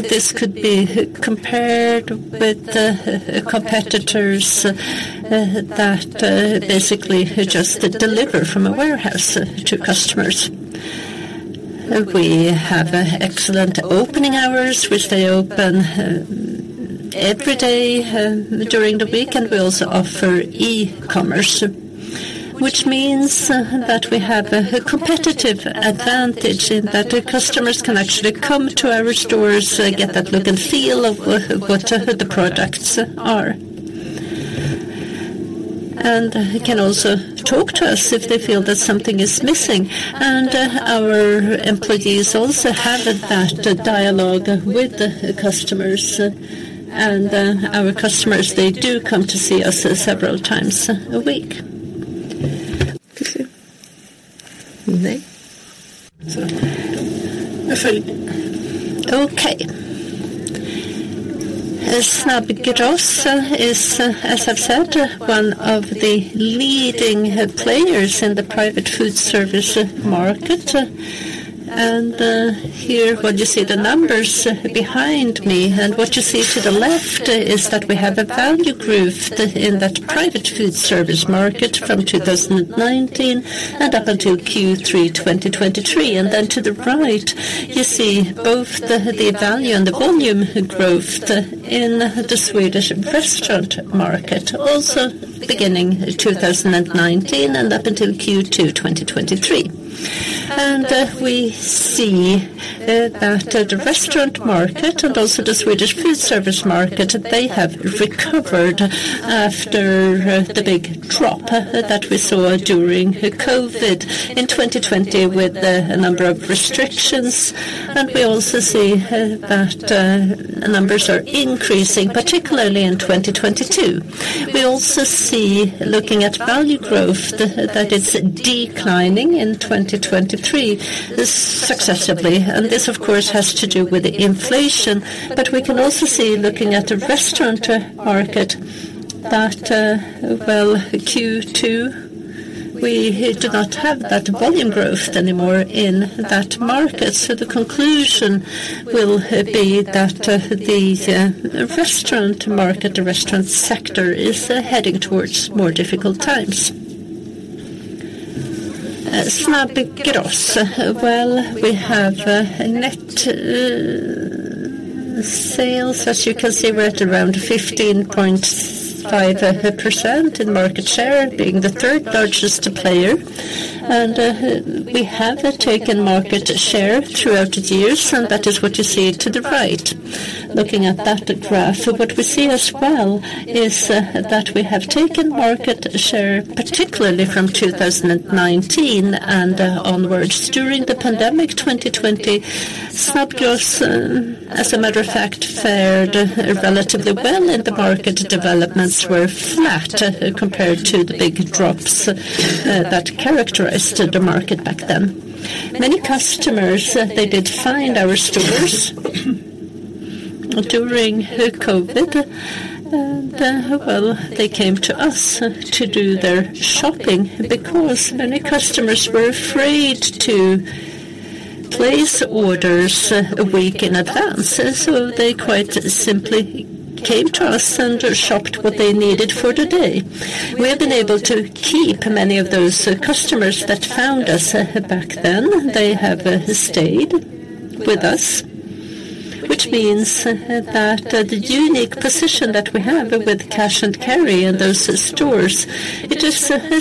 This could be compared with the competitors that basically just deliver from a warehouse to customers. We have excellent opening hours, which they open every day during the week, and we also offer e-commerce. Which means that we have a competitive advantage in that the customers can actually come to our stores, get that look and feel of what the products are. And can also talk to us if they feel that something is missing, and our employees also have that dialogue with the customers. And our customers, they do come to see us several times a week. Okay. Snabbgross is, as I've said, one of the leading players in the private food service market. Here, what you see, the numbers behind me, and what you see to the left is that we have a value growth in that private food service market from 2019 and up until Q3 2023. Then to the right, you see both the value and the volume growth in the Swedish restaurant market, also beginning 2019 and up until Q2 2023. We see that the restaurant market and also the Swedish food service market, they have recovered after the big drop that we saw during the COVID in 2020 with a number of restrictions. We also see that numbers are increasing, particularly in 2022. We also see, looking at value growth, that it's declining in 2023, this successively, and this, of course, has to do with inflation. But we can also see, looking at the restaurant market, that, well, Q2, we do not have that volume growth anymore in that market. So the conclusion will be that, the restaurant market, the restaurant sector, is heading towards more difficult times. Snabbgross, well, we have a net sales. As you can see, we're at around 15.5% in market share, being the third largest player. And, we have taken market share throughout the years, and that is what you see to the right. Looking at that graph, what we see as well is, that we have taken market share, particularly from 2019 and onwards. During the pandemic, 2020, Snabbgross, as a matter of fact, fared relatively well in the market. Developments were flat compared to the big drops that characterized the market back then. Many customers, they did find our stores, during the COVID. Well, they came to us to do their shopping because many customers were afraid to place orders a week in advance, and so they quite simply came to us and shopped what they needed for the day. We have been able to keep many of those customers that found us back then. They have stayed with us, which means that the unique position that we have with cash and carry in those stores, it is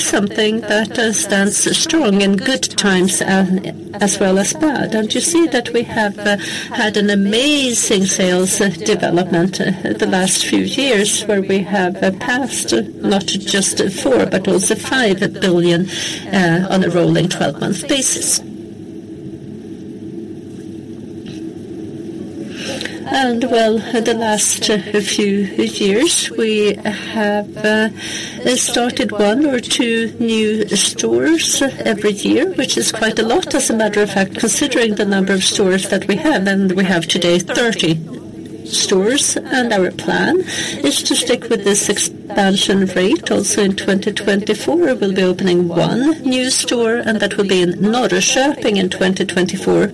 something that stands strong in good times as well as bad. You see that we have had an amazing sales development the last few years, where we have passed not just 4 billion, but also 5 billion, on a rolling twelve-month basis. Well, the last few years, we have started one or two new stores every year, which is quite a lot, as a matter of fact, considering the number of stores that we have, and we have today 30 stores. Our plan is to stick with this expansion rate. Also in 2024, we'll be opening one new store, and that will be in Norrköping in 2024.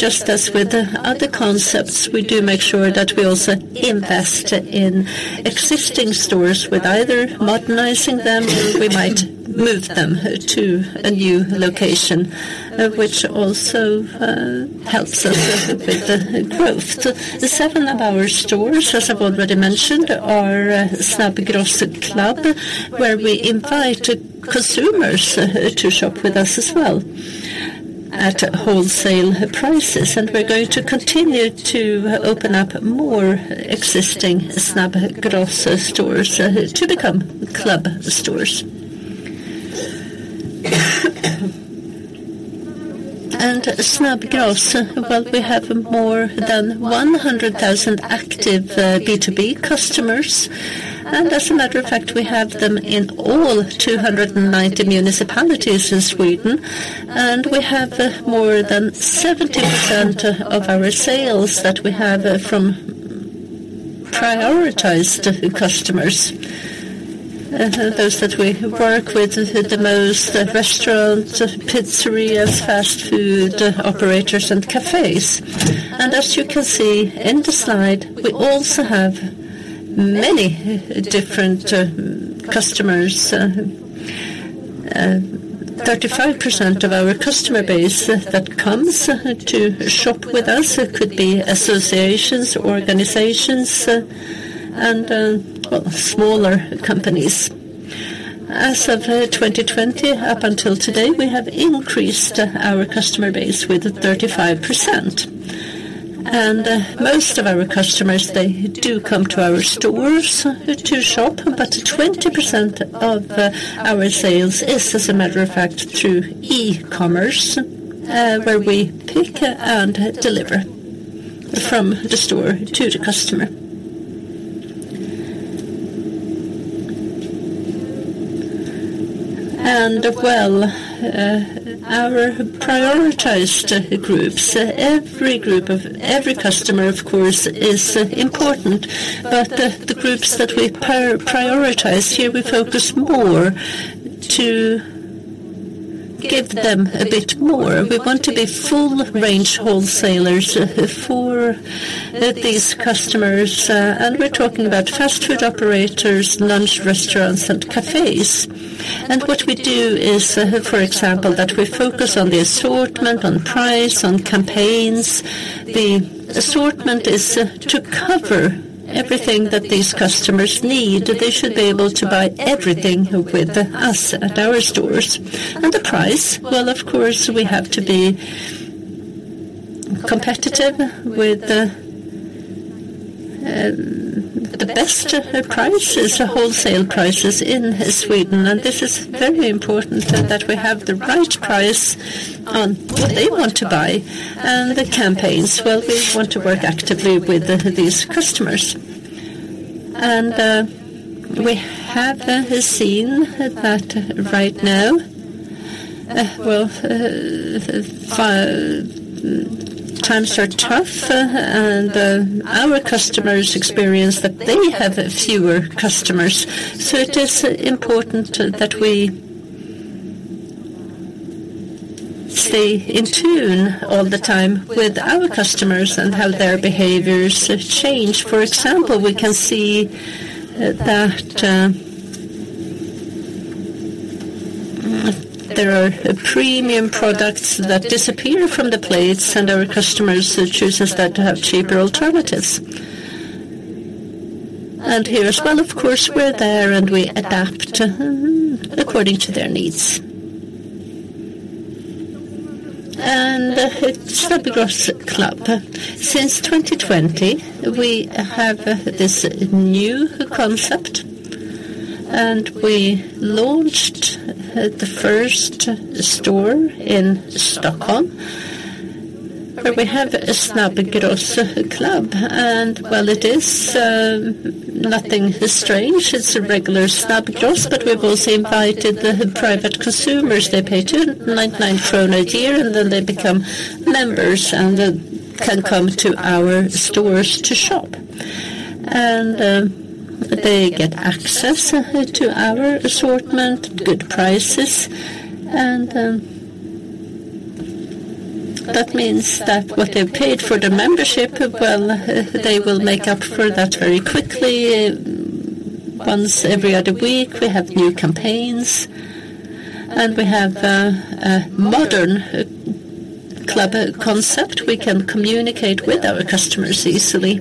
Just as with the other concepts, we do make sure that we also invest in existing stores with either modernizing them, or we might move them to a new location, which also helps us with the growth. So the seven of our stores, as I've already mentioned, are Snabbgross Club, where we invite consumers to shop with us as well at wholesale prices. And we're going to continue to open up more existing Snabbgross stores to become club stores. And Snabbgross, well, we have more than 100,000 active B2B customers, and as a matter of fact, we have them in all 290 municipalities in Sweden, and we have more than 70% of our sales that we have are from the customers we prioritize, and those that we work with the most, the restaurants, pizzerias, fast food operators, and cafes. And as you can see in the slide, we also have many different customers. 35% of our customer base that comes to shop with us, it could be associations, organizations, and, well, smaller companies. As of 2020 up until today, we have increased our customer base with 35%. Most of our customers, they do come to our stores to shop, but 20% of our sales is, as a matter of fact, through e-commerce, where we pick and deliver from the store to the customer. Our prioritized groups, every group of every customer, of course, is important, but the groups that we prioritize here, we focus more to give them a bit more. We want to be full range wholesalers for these customers, and we're talking about fast food operators, lunch restaurants, and cafes. What we do is, for example, that we focus on the assortment, on price, on campaigns. The assortment is to cover everything that these customers need. They should be able to buy everything with us at our stores. And the price, well, of course, we have to be competitive with, the best price is the wholesale prices in Sweden, and this is very important that we have the right price on what they want to buy. And the campaigns, well, we want to work actively with these customers. And, we have seen that right now, well, times are tough, and, our customers experience that they have fewer customers. So it is important that we stay in tune all the time with our customers and how their behaviors have changed. For example, we can see that, there are premium products that disappear from the plates, and our customers chooses that to have cheaper alternatives. And here as well, of course, we're there, and we adapt according to their needs. And Snabbgross Club. Since 2020, we have this new concept, and we launched the first store in Stockholm, where we have a Snabbgross Club, and well, it is, nothing strange. It's a regular Snabbgross, but we've also invited the private consumers. They pay 299 krona a year, and then they become members and, can come to our stores to shop. And, they get access to our assortment, good prices, and, that means that what they paid for the membership, well, they will make up for that very quickly. Once every other week, we have new campaigns, and we have a, a modern club concept. We can communicate with our customers easily.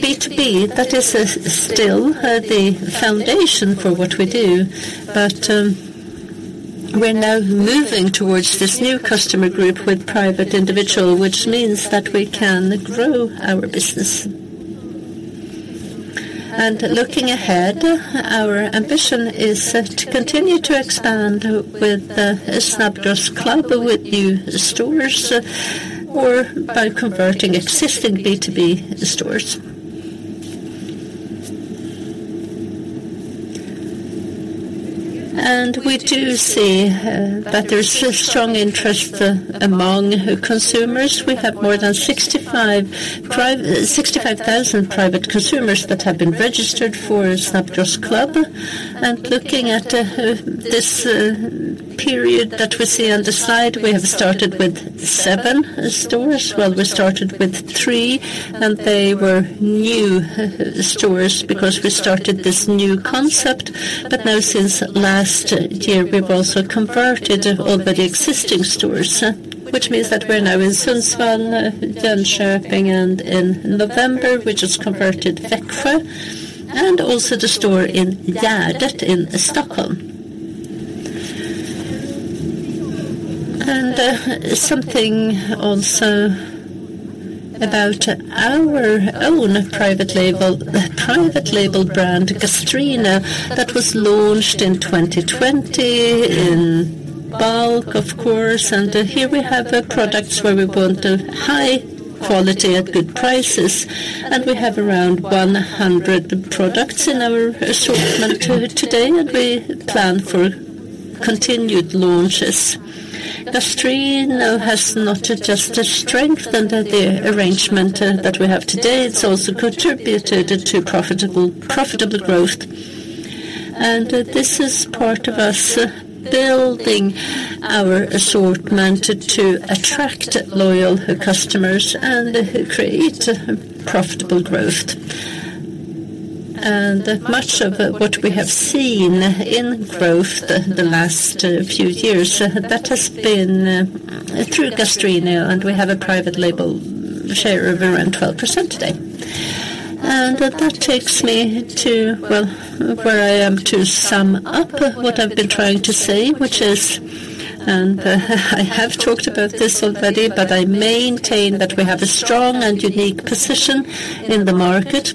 B2B, that is still the foundation for what we do, but we're now moving towards this new customer group with private individual, which means that we can grow our business. And looking ahead, our ambition is to continue to expand with Snabbgross Club, with new stores, or by converting existing B2B stores. And we do see that there's strong interest among consumers. We have more than 65,000 private consumers that have been registered for Snabbgross Club. And looking at this period that we see on the side, we have started with 7 stores. Well, we started with 3, and they were new stores because we started this new concept. But now, since last year, we've also converted all but the existing stores, which means that we're now in Sundsvall, Jönköping, and in November, we just converted Växjö, and also the store in Gärdet, in Stockholm. And, something also about our own private label, private label brand, Gastrino, that was launched in 2020 in bulk, of course, and here we have the products where we want a high quality at good prices, and we have around 100 products in our assortment today, and we plan for continued launches. Gastrino has not adjusted strength under the arrangement that we have today, it's also contributed to profitable, profitable growth. And this is part of us building our assortment to attract loyal customers and create profitable growth. And much of what we have seen in growth, the last few years, that has been through Gastrino, and we have a private label share of around 12% today. And that takes me to, well, where I am to sum up what I've been trying to say, which is, and I have talked about this already, but I maintain that we have a strong and unique position in the market.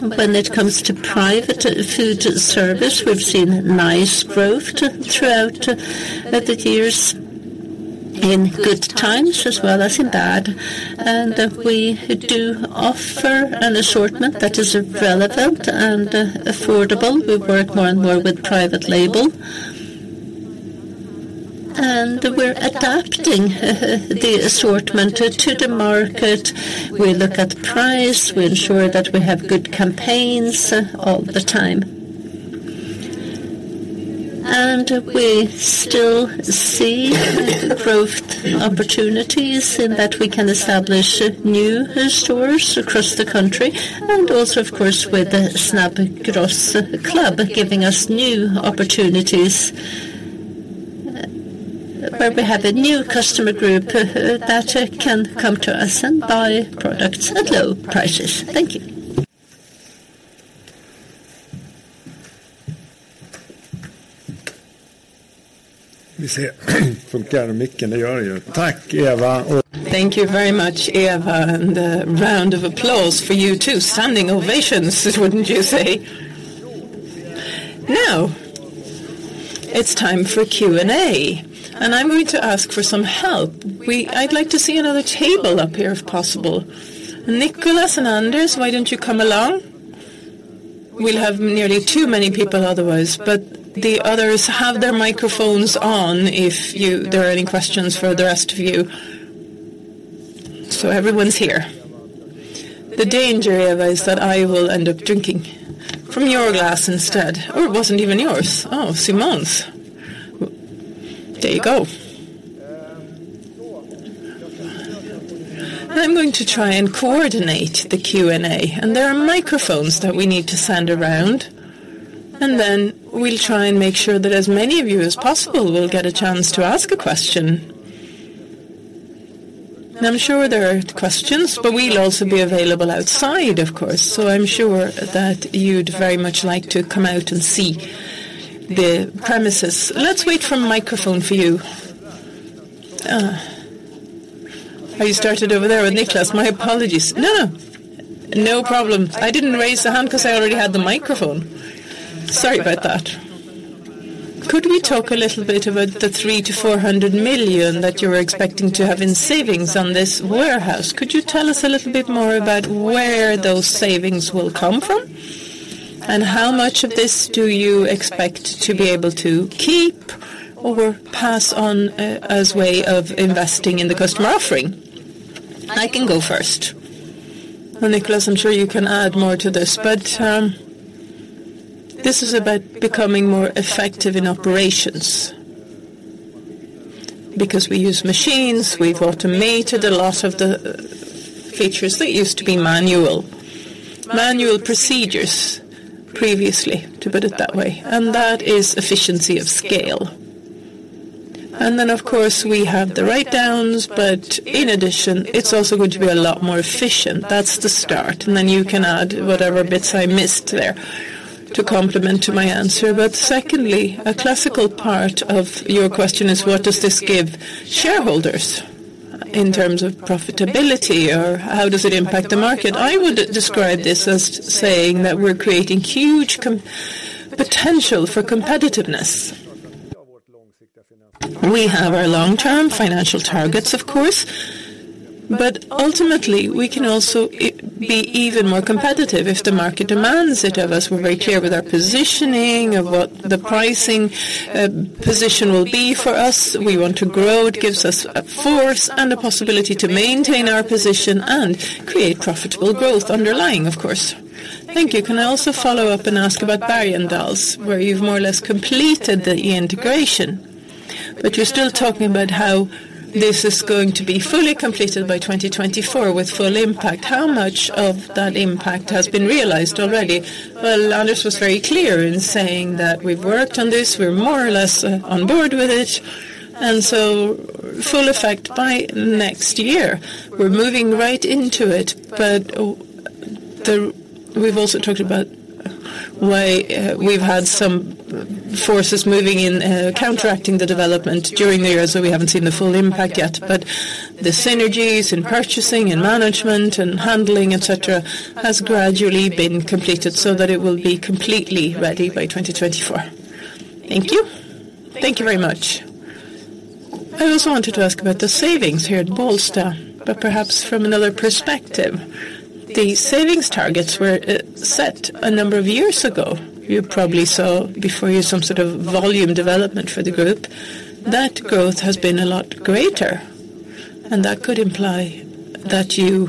When it comes to private food service, we've seen nice growth throughout the years, in good times as well as in bad. And we do offer an assortment that is relevant and affordable. We work more and more with private label. And we're adapting the assortment to the market. We look at price, we ensure that we have good campaigns all the time. We still see growth opportunities in that we can establish new stores across the country, and also, of course, with the Snabbgross Club, giving us new opportunities, where we have a new customer group that can come to us and buy products at low prices. Thank you. Thank you very much, Eva, and a round of applause for you, too. Standing ovations, wouldn't you say? Now, it's time for Q&A, and I'm going to ask for some help. We-- I'd like to see another table up here, if possible. Nicholas and Anders, why don't you come along? We'll have nearly too many people otherwise, but the others have their microphones on if you-- there are any questions for the rest of you. So everyone's here. The danger, Eva, is that I will end up drinking from your glass instead. Oh, it wasn't even yours. Oh, Simone's. There you go. I'm going to try and coordinate the Q&A, and there are microphones that we need to send around, and then we'll try and make sure that as many of you as possible will get a chance to ask a question. And I'm sure there are questions, but we'll also be available outside, of course, so I'm sure that you'd very much like to come out and see the premises. Let's wait for a microphone for you. Oh, you started over there with Nicholas. My apologies. No, no, no problem. I didn't raise the hand 'cause I already had the microphone. Sorry about that. Could we talk a little bit about the 300 million-400 million that you were expecting to have in savings on this warehouse? Could you tell us a little bit more about where those savings will come from? And how much of this do you expect to be able to keep or pass on, as way of investing in the customer offering? I can go first. Nicholas, I'm sure you can add more to this, but this is about becoming more effective in operations. Because we use machines, we've automated a lot of the features that used to be manual. Manual procedures previously, to put it that way, and that is efficiency of scale. And then, of course, we have the write-downs, but in addition, it's also going to be a lot more efficient. That's the start, and then you can add whatever bits I missed there to complement to my answer. But secondly, a classical part of your question is: What does this give shareholders in terms of profitability or how does it impact the market? I would describe this as saying that we're creating huge potential for competitiveness. We have our long-term financial targets, of course, but ultimately, we can also be even more competitive if the market demands it of us. We're very clear with our positioning, of what the pricing position will be for us. We want to grow. It gives us a force and a possibility to maintain our position and create profitable growth underlying, of course. Thank you. Can I also follow up and ask about Bergendahls, where you've more or less completed the integration, but you're still talking about how this is going to be fully completed by 2024 with full impact. How much of that impact has been realized already? Well, Anders was very clear in saying that we've worked on this, we're more or less on board with it, and so full effect by next year. We're moving right into it, but we've also talked about why we've had some forces moving in, counteracting the development during the year, so we haven't seen the full impact yet. But the synergies in purchasing and management and handling, et cetera, has gradually been completed so that it will be completely ready by 2024. Thank you. Thank you very much. I also wanted to ask about the savings here at Bålsta, but perhaps from another perspective. The savings targets were set a number of years ago. You probably saw before you some sort of volume development for the group. That growth has been a lot greater, and that could imply that you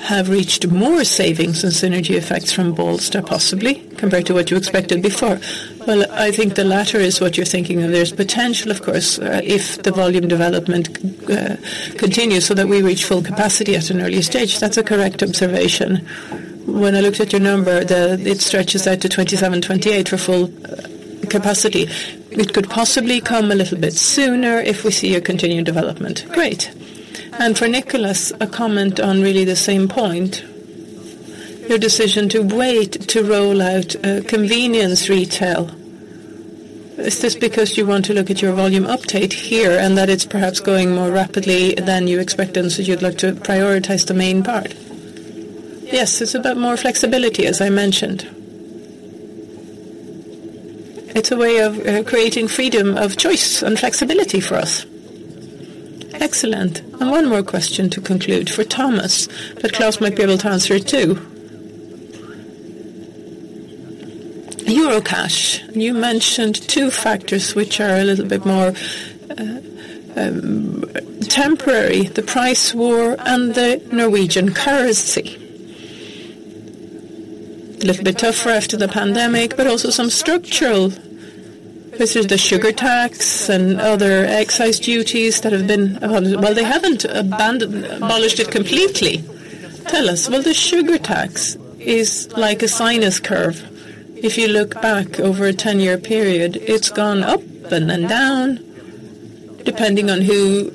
have reached more savings and synergy effects from Bålsta, possibly, compared to what you expected before. Well, I think the latter is what you're thinking, and there's potential, of course, if the volume development continues so that we reach full capacity at an early stage. That's a correct observation. When I looked at your number, it stretches out to 2027, 2028 for full capacity. It could possibly come a little bit sooner if we see a continued development. Great. For Nicholas, a comment on really the same point. Your decision to wait to roll out convenience retail, is this because you want to look at your volume uptake here, and that it's perhaps going more rapidly than you expected, and so you'd like to prioritize the main part? Yes, it's about more flexibility, as I mentioned. It's a way of creating freedom of choice and flexibility for us. Excellent. And one more question to conclude, for Thomas, but Klas might be able to answer it, too. Eurocash, you mentioned two factors which are a little bit more temporary, the price war and the Norwegian currency. A little bit tougher after the pandemic, but also some structural. This is the sugar tax and other excise duties that have been... Well, they haven't abolished it completely. Tell us. Well, the sugar tax is like a sinus curve. If you look back over a 10-year period, it's gone up and then down, depending on who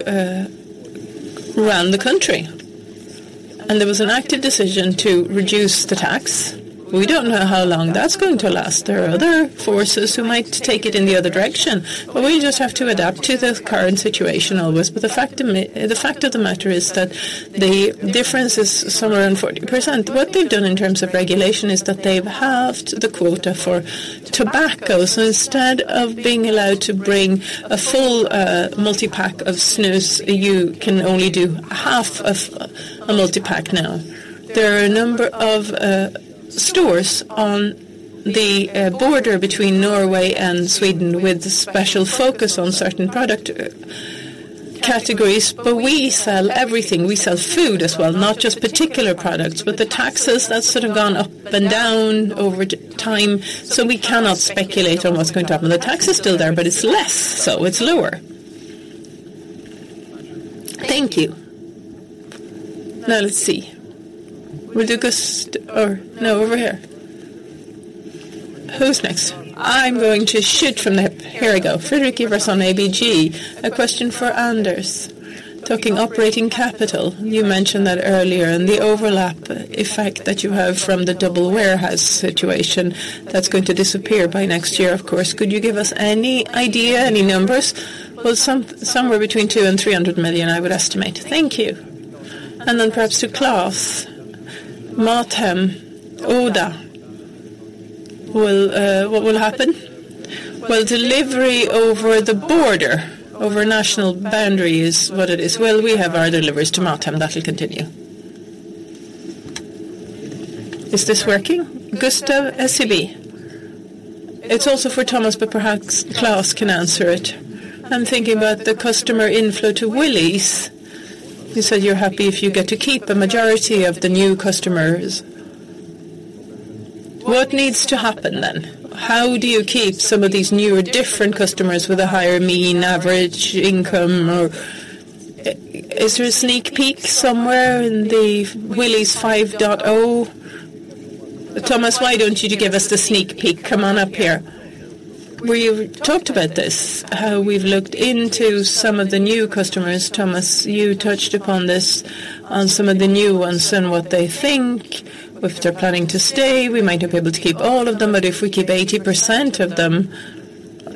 ran the country. And there was an active decision to reduce the tax. We don't know how long that's going to last. There are other forces who might take it in the other direction, but we just have to adapt to the current situation always. But the fact of the matter is that the difference is somewhere around 40%. What they've done in terms of regulation is that they've halved the quota for tobacco, so instead of being allowed to bring a full multi-pack of snus, you can only do half of a multi-pack now. There are a number of stores on the border between Norway and Sweden, with a special focus on certain product categories, but we sell everything. We sell food as well, not just particular products. But the taxes, that's sort of gone up and down over time, so we cannot speculate on what's going to happen. The tax is still there, but it's less, so it's lower. Thank you. Now, let's see. Will you go or... No, over here. Who's next? I'm going to shoot from the hip. Here I go. Fredrik Ivarsson, ABG. A question for Anders. Talking operating capital, you mentioned that earlier, and the overlap effect that you have from the double warehouse situation, that's going to disappear by next year, of course. Could you give us any idea, any numbers? Well, somewhere between 200 million and 300 million, I would estimate. Thank you. And then perhaps to Claes, MatHem, Oda, will what will happen? Well, delivery over the border, over national boundary is what it is. Well, we have our deliveries to MatHem. That will continue. Is this working? Gustav Essiebee. It's also for Thomas, but perhaps Claes can answer it. I'm thinking about the customer inflow to Willys. You said you're happy if you get to keep the majority of the new customers. What needs to happen then? How do you keep some of these new or different customers with a higher mean average income or... Is there a sneak peek somewhere in the Willys 5.0? Thomas, why don't you to give us the sneak peek? Come on up here. We've talked about this, how we've looked into some of the new customers. Thomas, you touched upon this on some of the new ones and what they think, if they're planning to stay. We might not be able to keep all of them, but if we keep 80% of them,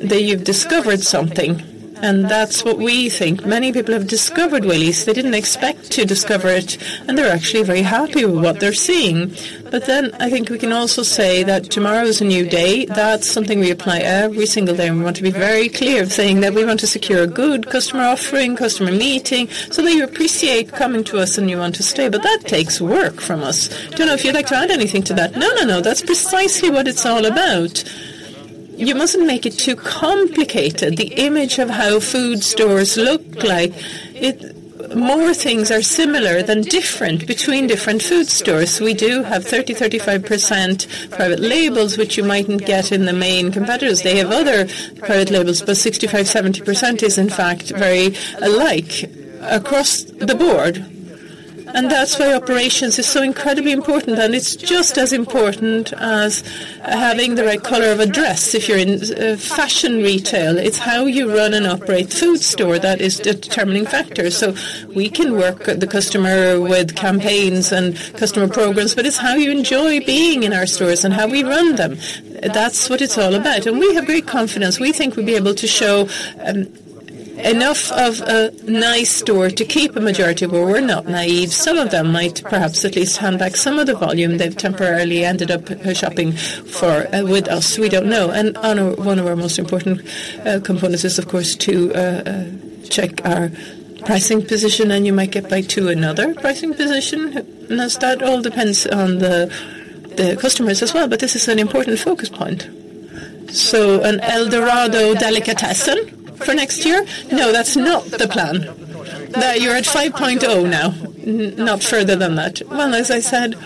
then you've discovered something, and that's what we think. Many people have discovered Willys. They didn't expect to discover it, and they're actually very happy with what they're seeing. But then I think we can also say that tomorrow's a new day. That's something we apply every single day, and we want to be very clear of saying that we want to secure a good customer offering, customer meeting, so that you appreciate coming to us, and you want to stay. But that takes work from us. Don't know if you'd like to add anything to that? No, no, no. That's precisely what it's all about. You mustn't make it too complicated, the image of how food stores look like. More things are similar than different between different food stores. We do have 30%-35% private labels, which you mightn't get in the main competitors. They have other private labels, but 65%-70% is, in fact, very alike across the board, and that's why operations is so incredibly important. And it's just as important as having the right color of a dress if you're in fashion retail. It's how you run and operate food store that is the determining factor. So we can work with the customer with campaigns and customer programs, but it's how you enjoy being in our stores and how we run them. That's what it's all about, and we have great confidence. We think we'll be able to show, ... enough of a nice store to keep a majority, but we're not naive. Some of them might perhaps at least hand back some of the volume they've temporarily ended up shopping for, with us. We don't know. And on one of our most important components is, of course, to check our pricing position, and you might get back to another pricing position. And that all depends on the customers as well, but this is an important focus point. So an Eldorado delicatessen for next year? No, that's not the plan. Now you're at 5.0 now, not further than that. Well, as I said,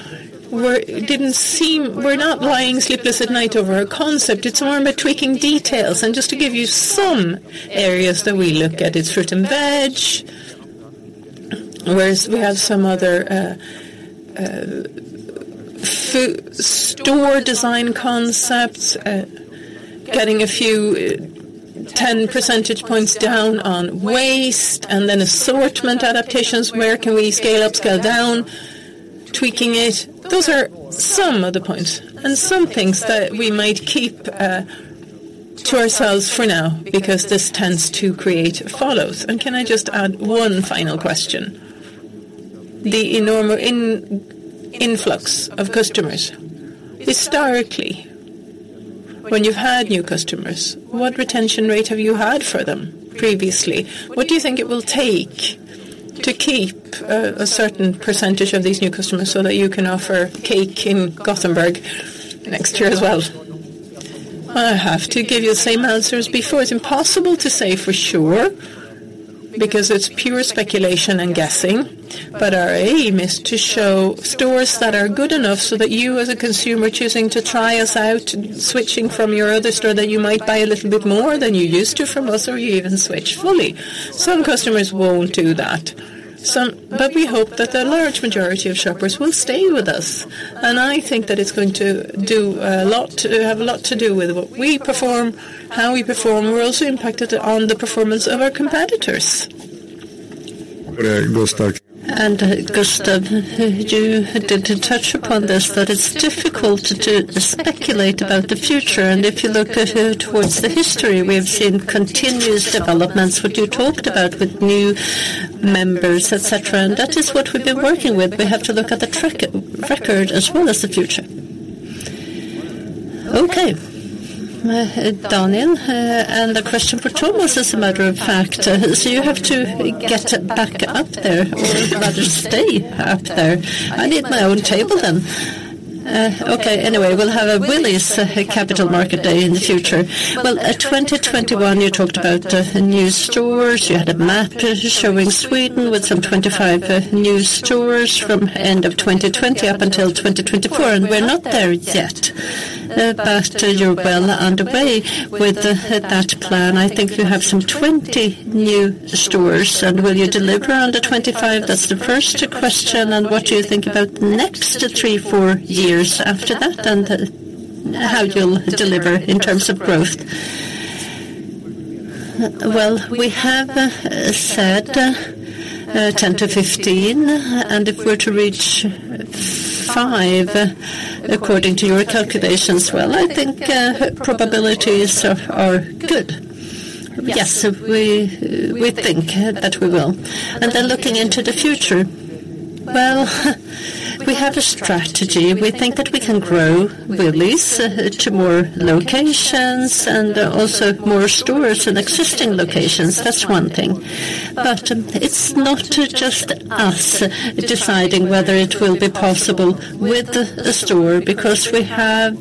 we're not lying sleepless at night over a concept. It's more about tweaking details. Just to give you some areas that we look at, it's fruit and veg, whereas we have some other food store design concepts, getting a few 10 percentage points down on waste and then assortment adaptations. Where can we scale up, scale down, tweaking it. Those are some of the points and some things that we might keep to ourselves for now, because this tends to create follows. Can I just add one final question? The enormous influx of customers. Historically, when you've had new customers, what retention rate have you had for them previously? What do you think it will take to keep a certain percentage of these new customers so that you can offer cake in Gothenburg next year as well? I have to give you the same answer as before. It's impossible to say for sure, because it's pure speculation and guessing, but our aim is to show stores that are good enough so that you, as a consumer, choosing to try us out, switching from your other store, that you might buy a little bit more than you used to from us, or you even switch fully. Some customers won't do that, some... But we hope that the large majority of shoppers will stay with us, and I think that it's going to do a lot to, have a lot to do with what we perform, how we perform. We're also impacted on the performance of our competitors. Gustav, you did touch upon this, that it's difficult to speculate about the future, and if you look at towards the history, we've seen continuous developments, what you talked about with new members, et cetera, and that is what we've been working with. We have to look at the track record as well as the future. Okay. Daniel, and a question for Thomas, as a matter of fact. So you have to get back up there or rather stay up there. I need my own table then. Okay, anyway, we'll have a Willys capital market day in the future. Well, 2021, you talked about new stores. You had a map showing Sweden with some 25 new stores from end of 2020 up until 2024, and we're not there yet. But you're well on the way with that plan. I think you have some 20 new stores. Will you deliver on the 25? That's the first question. What do you think about the next three to four years after that, and how you'll deliver in terms of growth? Well, we have said 10-15, and if we're to reach 5, according to your calculations, well, I think probabilities are good. Yes, we think that we will. Then looking into the future? Well, we have a strategy. We think that we can grow Willys to more locations and also more stores in existing locations. That's one thing. But it's not just us deciding whether it will be possible with the store, because we have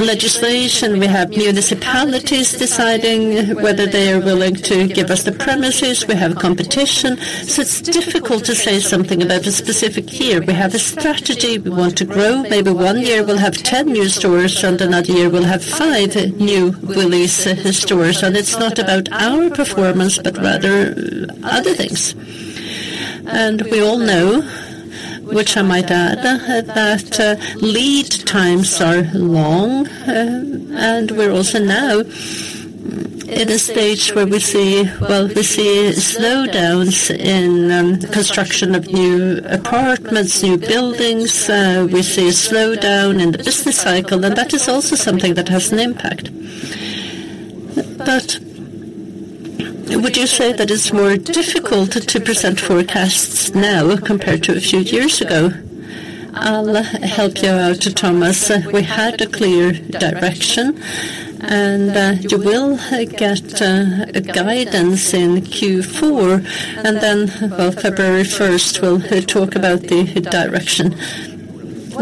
legislation, we have municipalities deciding whether they are willing to give us the premises. We have competition. So it's difficult to say something about a specific year. We have a strategy. We want to grow. Maybe one year we'll have 10 new stores, and another year we'll have 5 new Willys stores. So it's not about our performance, but rather other things. And we all know, which I might add, that, lead times are long, and we're also now in a stage where we see, well, we see slowdowns in, construction of new apartments, new buildings. We see a slowdown in the business cycle, and that is also something that has an impact. But would you say that it's more difficult to present forecasts now compared to a few years ago? I'll help you out, Thomas. We had a clear direction, and, you will get, a guidance in Q4, and then, well, February first, we'll talk about the direction.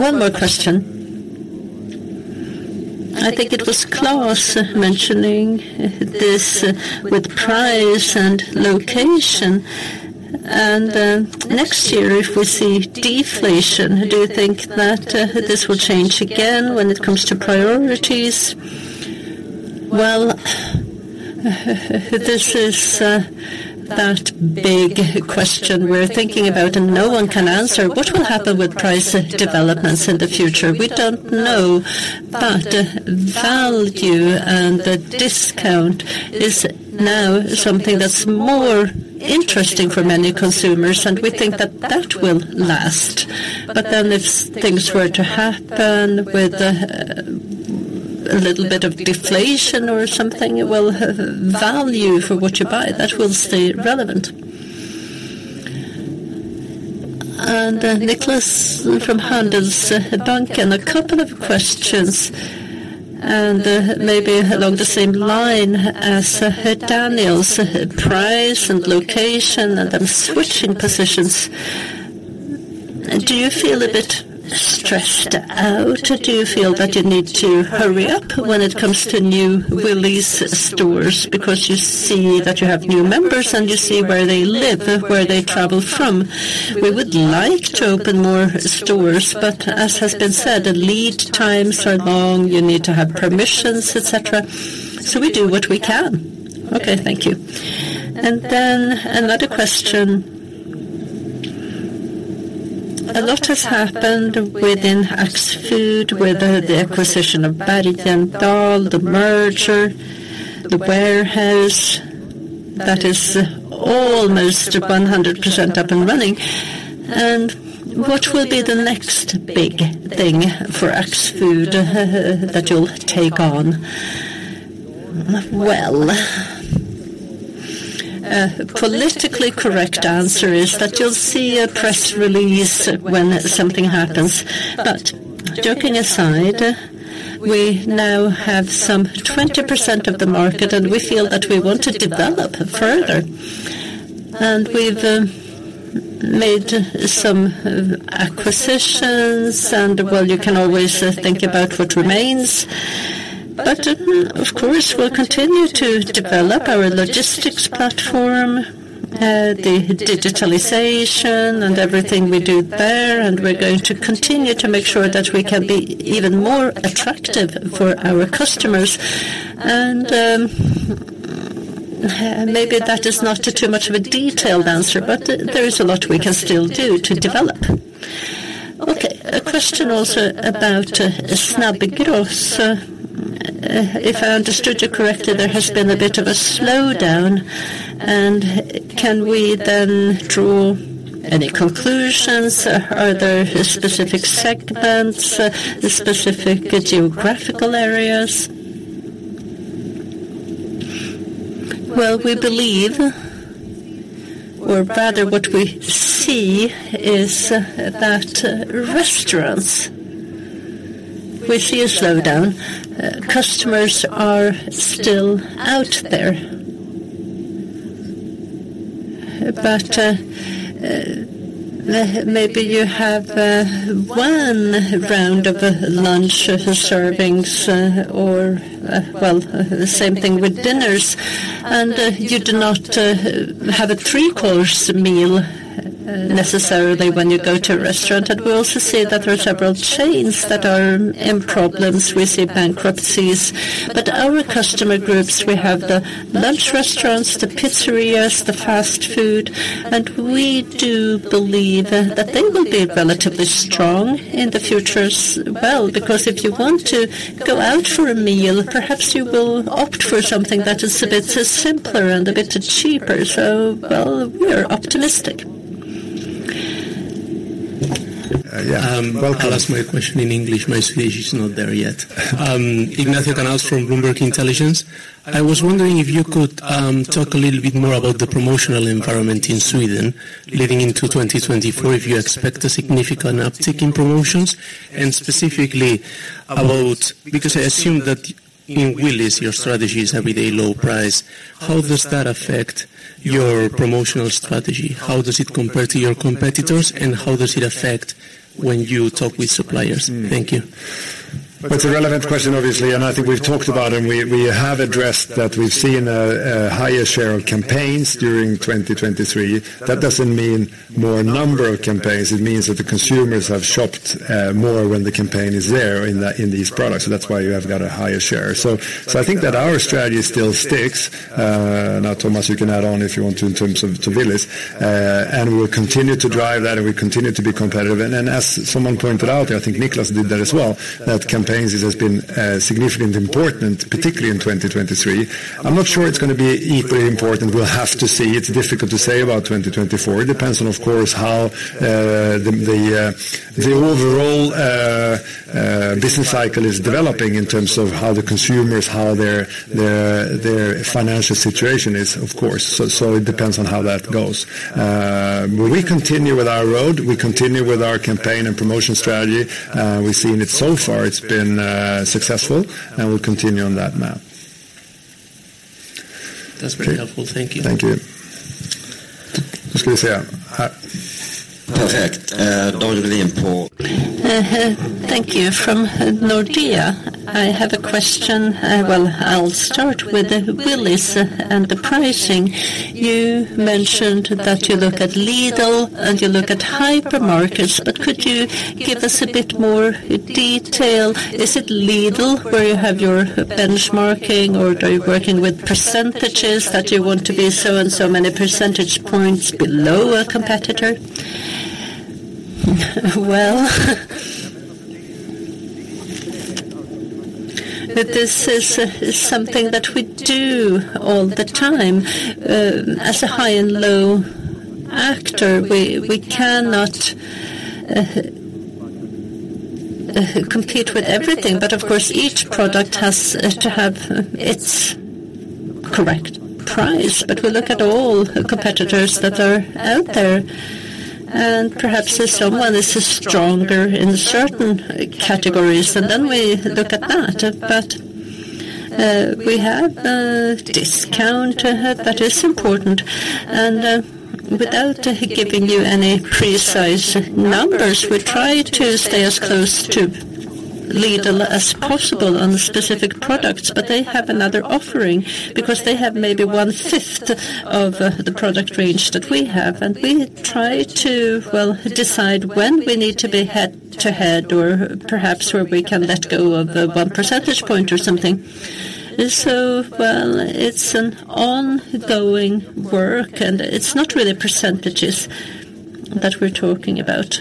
One more question. I think it was Klas mentioning this with price and location, and next year, if we see deflation, do you think that this will change again when it comes to priorities? Well, this is that big question we're thinking about and no one can answer. What will happen with price developments in the future? We don't know, but value and the discount is now something that's more interesting for many consumers, and we think that that will last. But then if things were to happen with a little bit of deflation or something, well, value for what you buy, that will stay relevant. And, Nicklas from Handelsbanken. A couple of questions, and maybe along the same line as Daniels. Price and location and then switching positions. Do you feel a bit stressed out? Do you feel that you need to hurry up when it comes to new Willys stores, because you see that you have new members, and you see where they live and where they travel from? We would like to open more stores, but as has been said, the lead times are long, you need to have permissions, et cetera, so we do what we can. Okay, thank you. And then another question. A lot has happened within Axfood, with the acquisition of Bergendahls, the merger, the warehouse that is almost 100% up and running. And what will be the next big thing for Axfood, that you'll take on? Well, politically correct answer is that you'll see a press release when something happens. But joking aside, we now have some 20% of the market, and we feel that we want to develop further. And we've made some acquisitions, and, well, you can always think about what remains. But, of course, we'll continue to develop our logistics platform, the digitalization and everything we do there, and we're going to continue to make sure that we can be even more attractive for our customers. And, maybe that is not too much of a detailed answer, but there is a lot we can still do to develop. Okay, a question also about Snabbgross. If I understood you correctly, there has been a bit of a slowdown. And can we then draw any conclusions? Are there specific segments, specific geographical areas? Well, we believe, or rather, what we see is that, restaurants, we see a slowdown. Customers are still out there. Maybe you have one round of lunch servings or, well, the same thing with dinners, and you do not have a three-course meal necessarily when you go to a restaurant. We also see that there are several chains that are in problems. We see bankruptcies. Our customer groups, we have the lunch restaurants, the pizzerias, the fast food, and we do believe that they will be relatively strong in the future as well. Because if you want to go out for a meal, perhaps you will opt for something that is a bit simpler and a bit cheaper. Well, we are optimistic. Yeah. I'll ask my question in English. My Swedish is not there yet. Ignacio Canals from Bloomberg Intelligence. I was wondering if you could talk a little bit more about the promotional environment in Sweden leading into 2024, if you expect a significant uptick in promotions? And specifically about—because I assume that in Willys, your strategy is every day low price. How does that affect your promotional strategy? How does it compare to your competitors, and how does it affect when you talk with suppliers? Thank you. That's a relevant question, obviously, and I think we've talked about it, and we have addressed that we've seen a higher share of campaigns during 2023. That doesn't mean more number of campaigns. It means that the consumers have shopped more when the campaign is there in these products. So that's why you have got a higher share. So I think that our strategy still sticks. Now, Thomas, you can add on if you want to in terms of to Willys. And we'll continue to drive that, and we continue to be competitive. And as someone pointed out, I think Nicholas did that as well, that campaigns has just been significantly important, particularly in 2023. I'm not sure it's gonna be equally important. We'll have to see. It's difficult to say about 2024. It depends on, of course, how the overall business cycle is developing in terms of how the consumers, how their financial situation is, of course. So it depends on how that goes. But we continue with our road, we continue with our campaign and promotion strategy. We've seen it so far, it's been successful, and we'll continue on that now. That's very helpful. Thank you. Thank you.... Thank you, from Nordea. I have a question. Well, I'll start with the Willys and the pricing. You mentioned that you look at Lidl, and you look at hypermarkets, but could you give us a bit more detail? Is it Lidl, where you have your benchmarking, or are you working with percentages, that you want to be so and so many percentage points below a competitor? Well, this is something that we do all the time. As a high and low actor, we cannot compete with everything, but of course, each product has to have its correct price. But we look at all competitors that are out there, and perhaps someone is stronger in certain categories, and then we look at that. But, we have a discount that is important, and, without giving you any precise numbers, we try to stay as close to Lidl as possible on specific products. But they have another offering, because they have maybe one-fifth of the product range that we have, and we try to, well, decide when we need to be head to head or perhaps where we can let go of, one percentage point or something. So well, it's an ongoing work, and it's not really percentages that we're talking about.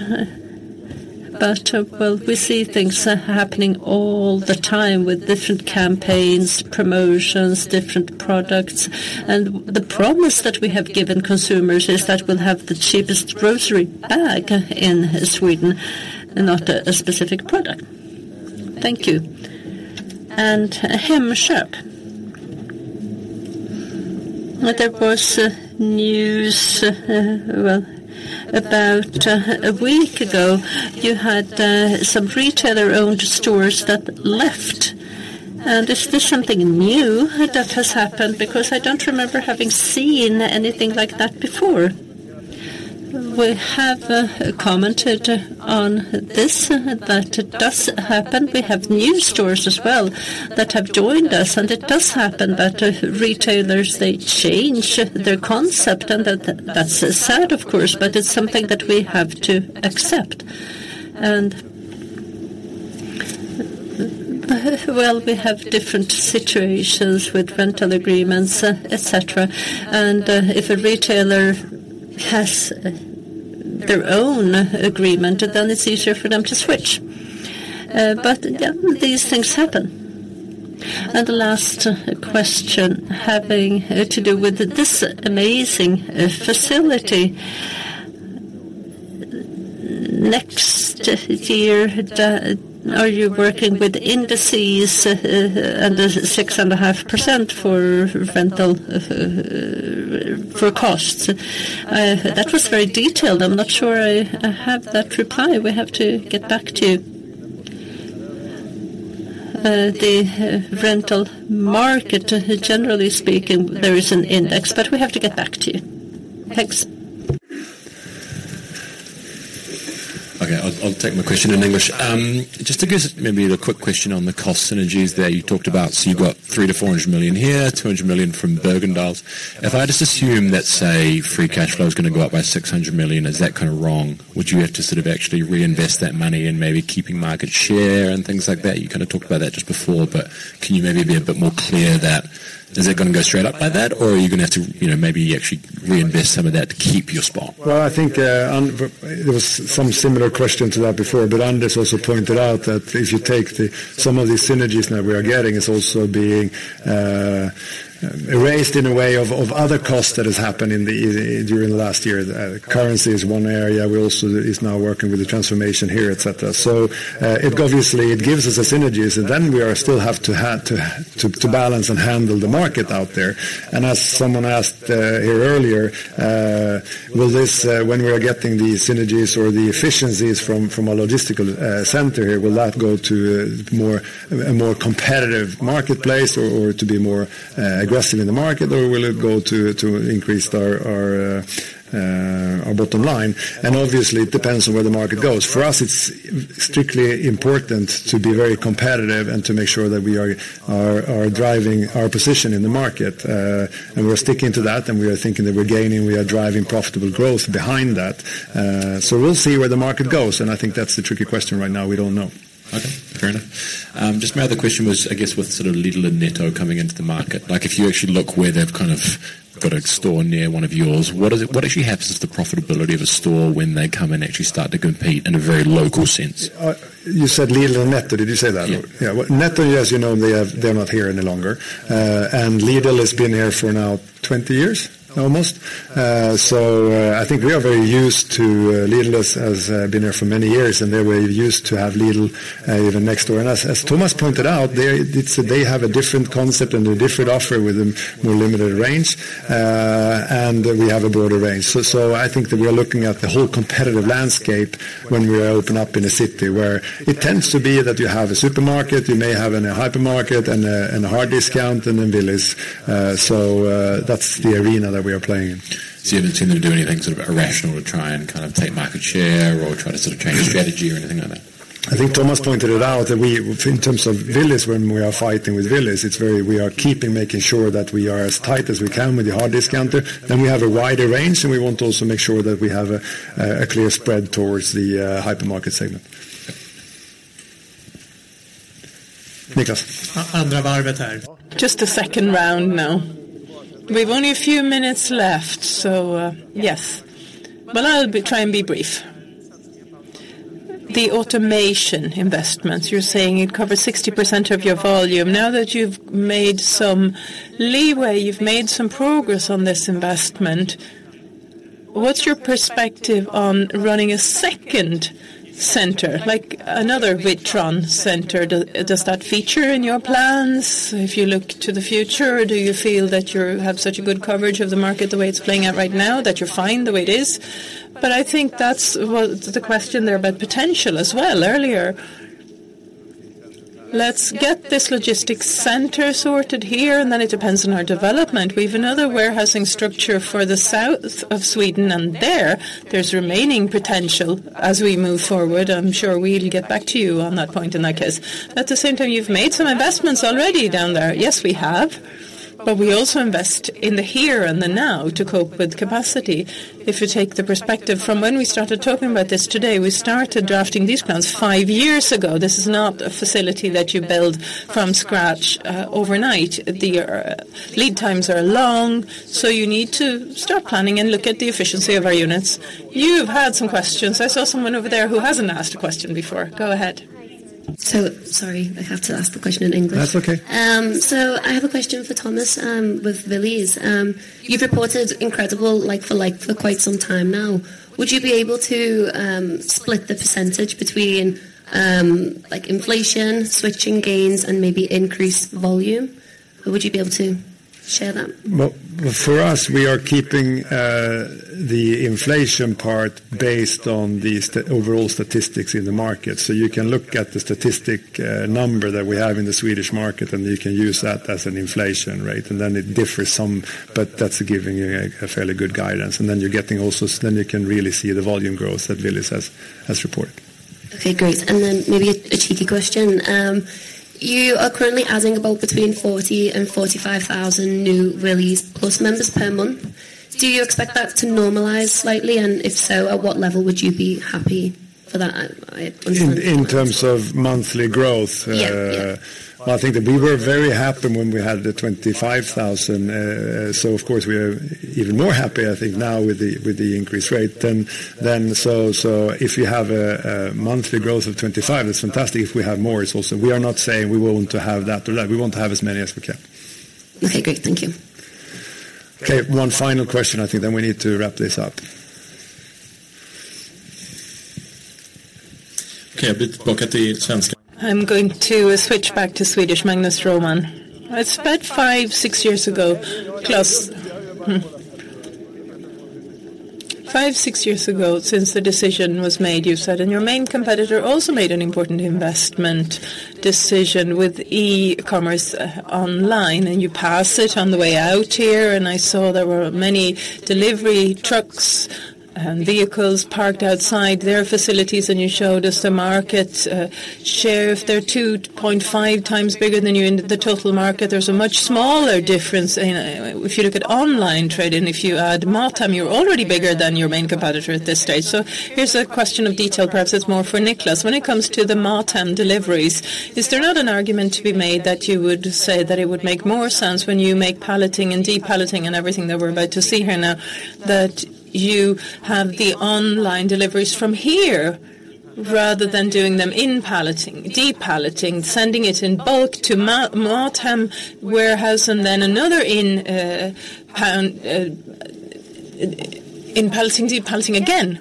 But, well, we see things happening all the time with different campaigns, promotions, different products. And the promise that we have given consumers is that we'll have the cheapest grocery bag in Sweden, and not a, a specific product. Thank you. And Hemköp. There was news, well, about a week ago. You had some retailer-owned stores that left. Is this something new that has happened? Because I don't remember having seen anything like that before. We have commented on this, that it does happen. We have new stores as well that have joined us, and it does happen that retailers, they change their concept, and that, that's sad, of course, but it's something that we have to accept. Well, we have different situations with rental agreements, et cetera, and if a retailer has their own agreement, then it's easier for them to switch. But, yeah, these things happen. And the last question, having to do with this amazing facility. Next year, are you working with indices, and the 6.5% for rental for costs? That was very detailed. I'm not sure I have that reply. We have to get back to you. The rental market, generally speaking, there is an index, but we have to get back to you. Thanks. Okay, I'll take my question in English. Just to give maybe a quick question on the cost synergies there you talked about. So you've got 300-400 million here, 200 million from Bergendahls. If I just assume that, say, free cash flow is going to go up by 600 million, is that kind of wrong? Would you have to sort of actually reinvest that money in maybe keeping market share and things like that? You kind of talked about that just before, but can you maybe be a bit more clear that, is it going to go straight up by that, or are you going to have to maybe actually reinvest some of that to keep your spot? Well, I think, and there was some similar questions about before, but Anders also pointed out that if you take some of these synergies that we are getting, it's also being erased in a way of, of other costs that has happened in the, during the last year. Currency is one area. We also is now working with the transformation here, et cetera. So, it obviously, it gives us synergies, and then we are still have to to balance and handle the market out there. And as someone asked here earlier, will this, when we are getting these synergies or the efficiencies from, from a logistical center here, will that go to a more, a more competitive marketplace or, or to be more aggressive in the market? Or will it go to, to increase our, our, our bottom line? Obviously, it depends on where the market goes. For us, it's strictly important to be very competitive and to make sure that we are, are, are driving our position in the market, and we're sticking to that, and we are thinking that we're gaining, we are driving profitable growth behind that. So we'll see where the market goes, and I think that's the tricky question right now. We don't know. Okay, fair enough. Just my other question was, I guess, with sort of Lidl and Netto coming into the market, like, if you actually look where they've kind of got a store near one of yours, what is it- what actually happens to the profitability of a store when they come and actually start to compete in a very local sense? You said Lidl and Netto, did you say that? Yeah. Yeah. Well, Netto, as they have, they're not here any longer, and Lidl has been here for now 20 years, almost. So, I think we are very used to, Lidl has, has, been here for many years, and they were used to have Lidl, even next door. And as, as Thomas pointed out, they- it's- they have a different concept and a different offer with a more limited range, and we have a broader range. So, so I think that we are looking at the whole competitive landscape when we open up in a city where it tends to be that you have a supermarket, you may have an hypermarket and a, and a hard discount and then Willys. So, that's the arena that we are playing in. You're not going to do anything sort of irrational to try and kind of take market share or try to sort of change strategy or anything like that? I think Thomas pointed it out, that we, in terms of Willys, when we are fighting with Willys, it's very—we are keeping making sure that we are as tight as we can with the hard discounter. Then we have a wider range, and we want to also make sure that we have a clear spread towards the hypermarket segment. Niklas? Just a second round now. We've only a few minutes left, so, yes. Well, I'll try and be brief. The automation investments, you're saying it covers 60% of your volume. Now that you've made some leeway, you've made some progress on this investment-... What's your perspective on running a second center, like another Vitron center? Do, does that feature in your plans if you look to the future, or do you feel that you have such a good coverage of the market, the way it's playing out right now, that you're fine the way it is? But I think that's what the question there about potential as well, earlier. Let's get this logistics center sorted here, and then it depends on our development. We have another warehousing structure for the south of Sweden, and there, there's remaining potential as we move forward. I'm sure we'll get back to you on that point, in that case. At the same time, you've made some investments already down there. Yes, we have. But we also invest in the here and the now to cope with capacity. If you take the perspective from when we started talking about this today, we started drafting these plans five years ago. This is not a facility that you build from scratch, overnight. The lead times are long, so you need to start planning and look at the efficiency of our units. You've had some questions. I saw someone over there who hasn't asked a question before. Go ahead. Sorry, I have to ask the question in English. That's okay. So I have a question for Thomas, with Willys. You've reported incredible like for like for quite some time now. Would you be able to split the percentage between, like, inflation, switching gains, and maybe increased volume? Would you be able to share that? Well, for us, we are keeping the inflation part based on the overall statistics in the market. So you can look at the statistic number that we have in the Swedish market, and you can use that as an inflation rate, and then it differs some, but that's giving you a fairly good guidance. And then you're getting also, then you can really see the volume growth that Willys has reported. Okay, great. Then maybe a cheeky question. You are currently adding about between 40,000 and 45,000 new Willys Plus members per month. Do you expect that to normalize slightly? And if so, at what level would you be happy for that? I- In terms of monthly growth? Yeah, yeah. I think that we were very happy when we had the 25,000. So of course, we are even more happy, I think, now with the increased rate than so if you have a monthly growth of 25, it's fantastic. If we have more, it's also... We are not saying we want to have that. We want to have as many as we can. Okay, great. Thank you. Okay, one final question, I think, then we need to wrap this up. Okay, I'll be back at the end. I'm going to switch back to Swedish, Magnus Råman. It's about five, six years ago, Klas. Five, six years ago, since the decision was made, you've said, and your main competitor also made an important investment decision with e-commerce online, and you passed it on the way out here, and I saw there were many delivery trucks and vehicles parked outside their facilities, and you showed us the market share. If they're 2.5 times bigger than you in the total market, there's a much smaller difference in, if you look at online trade, and if you add MatHem, you're already bigger than your main competitor at this stage. So here's a question of detail, perhaps it's more for Niklas. When it comes to the MatHem deliveries, is there not an argument to be made that you would say that it would make more sense when you make palleting and de-palleting and everything that we're about to see here now, that you have the online deliveries from here, rather than doing them in palleting, de-palleting, sending it in bulk to MatHem warehouse and then another in, in palleting, de-palleting again?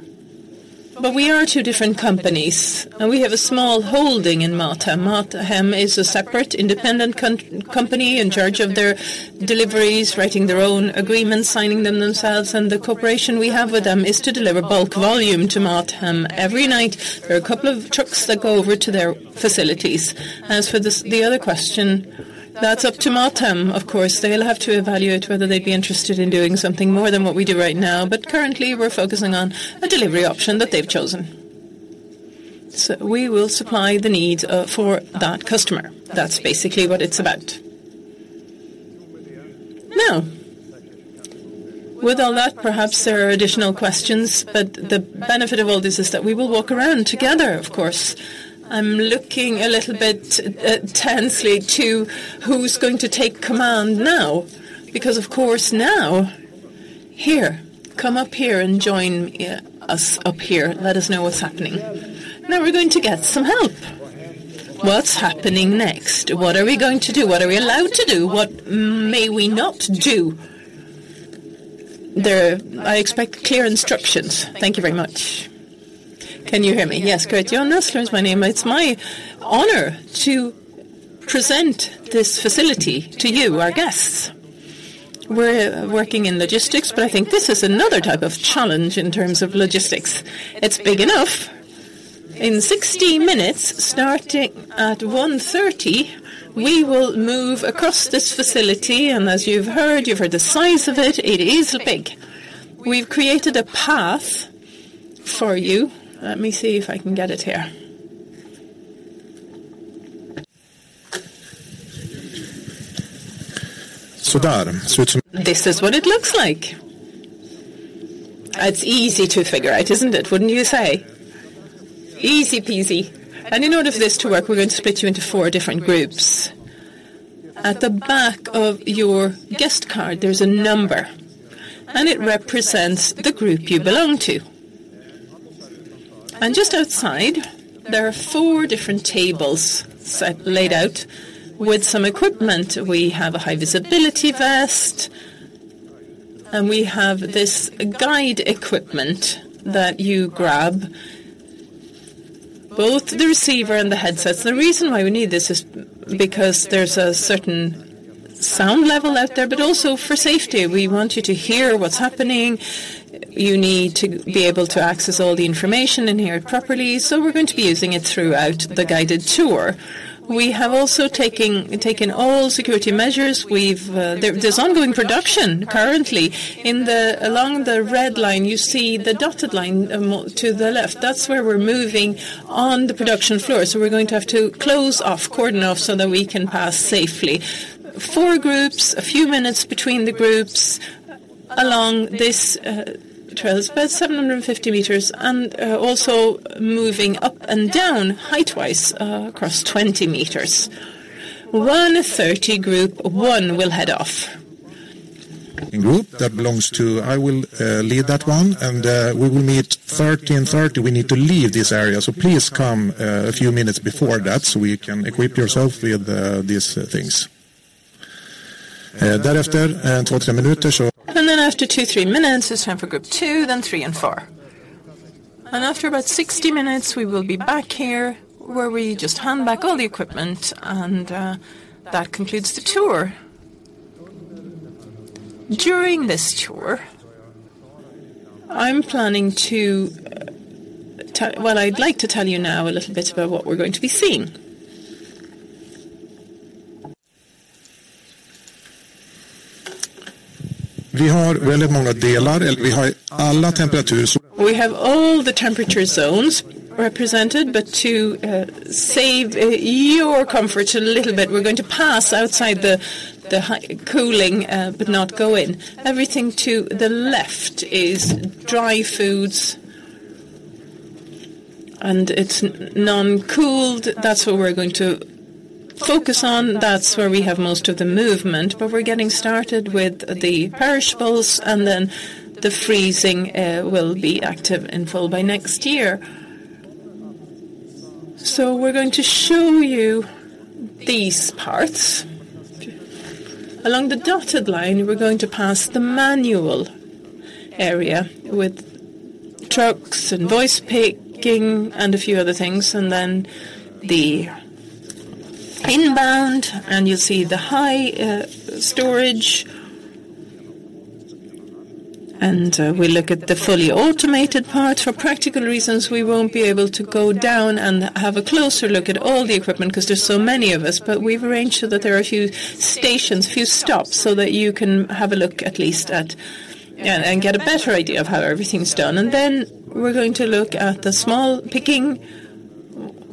But we are two different companies, and we have a small holding in MatHem. MatHem is a separate, independent company in charge of their deliveries, writing their own agreements, signing them themselves, and the cooperation we have with them is to deliver bulk volume to MatHem. Every night, there are a couple of trucks that go over to their facilities. As for the other question, that's up to MatHem, of course. They'll have to evaluate whether they'd be interested in doing something more than what we do right now, but currently, we're focusing on a delivery option that they've chosen. So we will supply the needs, for that customer. That's basically what it's about. Now, with all that, perhaps there are additional questions, but the benefit of all this is that we will walk around together, of course. I'm looking a little bit, tensely to who's going to take command now, because, of course, now, here, come up here and join us up here. Let us know what's happening. Now, we're going to get some help. What's happening next? What are we going to do? What are we allowed to do? What may we not do? There, I expect clear instructions. Thank you very much. Can you hear me? Yes, great. Johan Näslund is my name. It's my honor to present this facility to you, our guests. We're working in logistics, but I think this is another type of challenge in terms of logistics. It's big enough. In 60 minutes, starting at 1:30, we will move across this facility, and as you've heard, you've heard the size of it, it is big. We've created a path for you. Let me see if I can get it here. This is what it looks like. It's easy to figure out, isn't it? Wouldn't you say? Easy peasy. And in order for this to work, we're going to split you into 4 different groups. At the back of your guest card, there's a number, and it represents the group you belong to … And just outside, there are 4 different tables set, laid out with some equipment. We have a high-visibility vest, and we have this guide equipment that you grab, both the receiver and the headsets. The reason why we need this is because there's a certain sound level out there, but also for safety. We want you to hear what's happening. You need to be able to access all the information and hear it properly, so we're going to be using it throughout the guided tour. We have also taken all security measures. There's ongoing production currently. Along the red line, you see the dotted line more to the left. That's where we're moving on the production floor, so we're going to have to close off, cordon off, so that we can pass safely. Four groups, a few minutes between the groups, along this trail. It's about 750 meters and, also moving up and down, height-wise, across 20 meters. 1:30, group one will head off. In group, that belongs to... I will lead that one, and we will meet 3:30. We need to leave this area, so please come a few minutes before that, so we can equip yourself with these things. Thereafter, 23 minutes or- Then after 2-3 minutes, it's time for group 2, then 3 and 4. After about 60 minutes, we will be back here, where we just hand back all the equipment, and that concludes the tour. During this tour, I'm planning to tell... Well, I'd like to tell you now a little bit about what we're going to be seeing. We have very many deals. We have all temperatures- We have all the temperature zones represented, but to save your comfort a little bit, we're going to pass outside the high cooling, but not go in. Everything to the left is dry foods, and it's non-cooled. That's what we're going to focus on. That's where we have most of the movement, but we're getting started with the perishables, and then the freezing will be active in full by next year. So we're going to show you these parts. Along the dotted line, we're going to pass the manual area with trucks and voice picking and a few other things, and then the inbound, and you'll see the high storage. And we look at the fully automated parts. For practical reasons, we won't be able to go down and have a closer look at all the equipment 'cause there's so many of us, but we've arranged so that there are a few stations, a few stops, so that you can have a look at least at, and get a better idea of how everything's done. And then we're going to look at the small picking,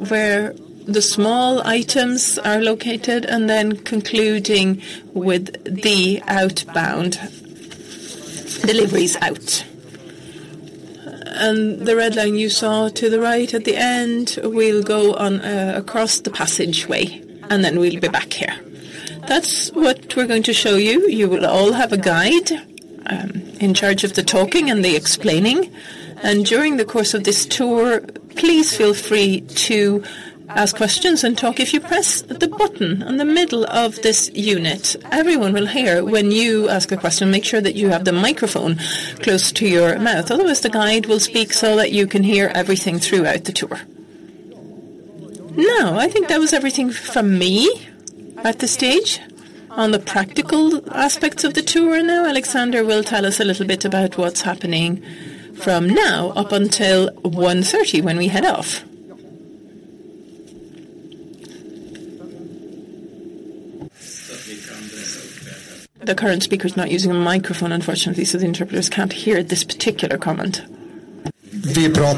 where the small items are located, and then concluding with the outbound deliveries out. And the red line you saw to the right at the end, we'll go on, across the passageway, and then we'll be back here. That's what we're going to show you. You will all have a guide, in charge of the talking and the explaining. And during the course of this tour, please feel free to ask questions and talk. If you press the button on the middle of this unit, everyone will hear when you ask a question. Make sure that you have the microphone close to your mouth. Otherwise, the guide will speak so that you can hear everything throughout the tour. Now, I think that was everything from me at this stage on the practical aspects of the tour. Now, Alexander will tell us a little bit about what's happening from now up until 1:30 P.M., when we head off. The current speaker is not using a microphone, unfortunately, so the interpreters can't hear this particular comment. We've got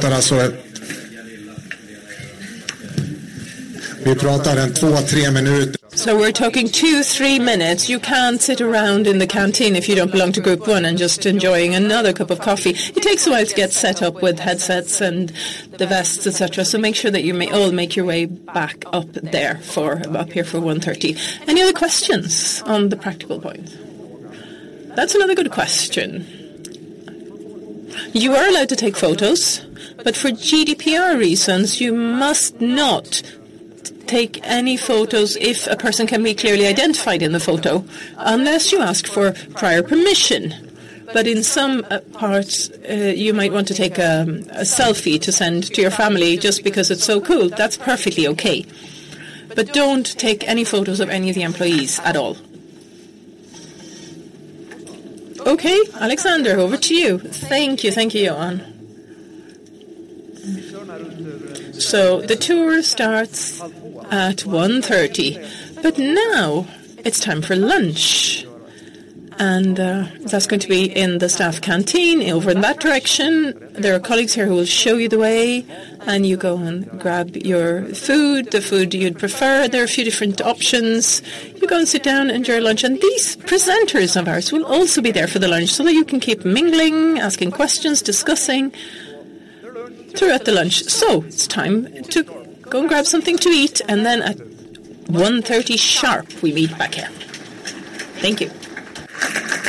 2 or 3 minutes. So we're talking 2, 3 minutes. You can't sit around in the canteen if you don't belong to group one and just enjoying another cup of coffee. It takes a while to get set up with headsets and the vests, et cetera. So make sure that you all make your way back up there for, up here for 1:30 P.M. Any other questions on the practical point? That's another good question. You are allowed to take photos, but for GDPR reasons, you must not take any photos if a person can be clearly identified in the photo, unless you ask for prior permission. But in some parts, you might want to take a selfie to send to your family, just because it's so cool. That's perfectly okay. But don't take any photos of any of the employees at all. Okay, Alexander, over to you. Thank you. Thank you, Johan. So the tour starts at 1:30 P.M., but now it's time for lunch, and that's going to be in the staff canteen over in that direction. There are colleagues here who will show you the way, and you go and grab your food, the food you'd prefer. There are a few different options. You go and sit down, enjoy your lunch. And these presenters of ours will also be there for the lunch, so that you can keep mingling, asking questions, discussing throughout the lunch. So it's time to go and grab something to eat, and then at 1:30 P.M. sharp, we meet back here. Thank you.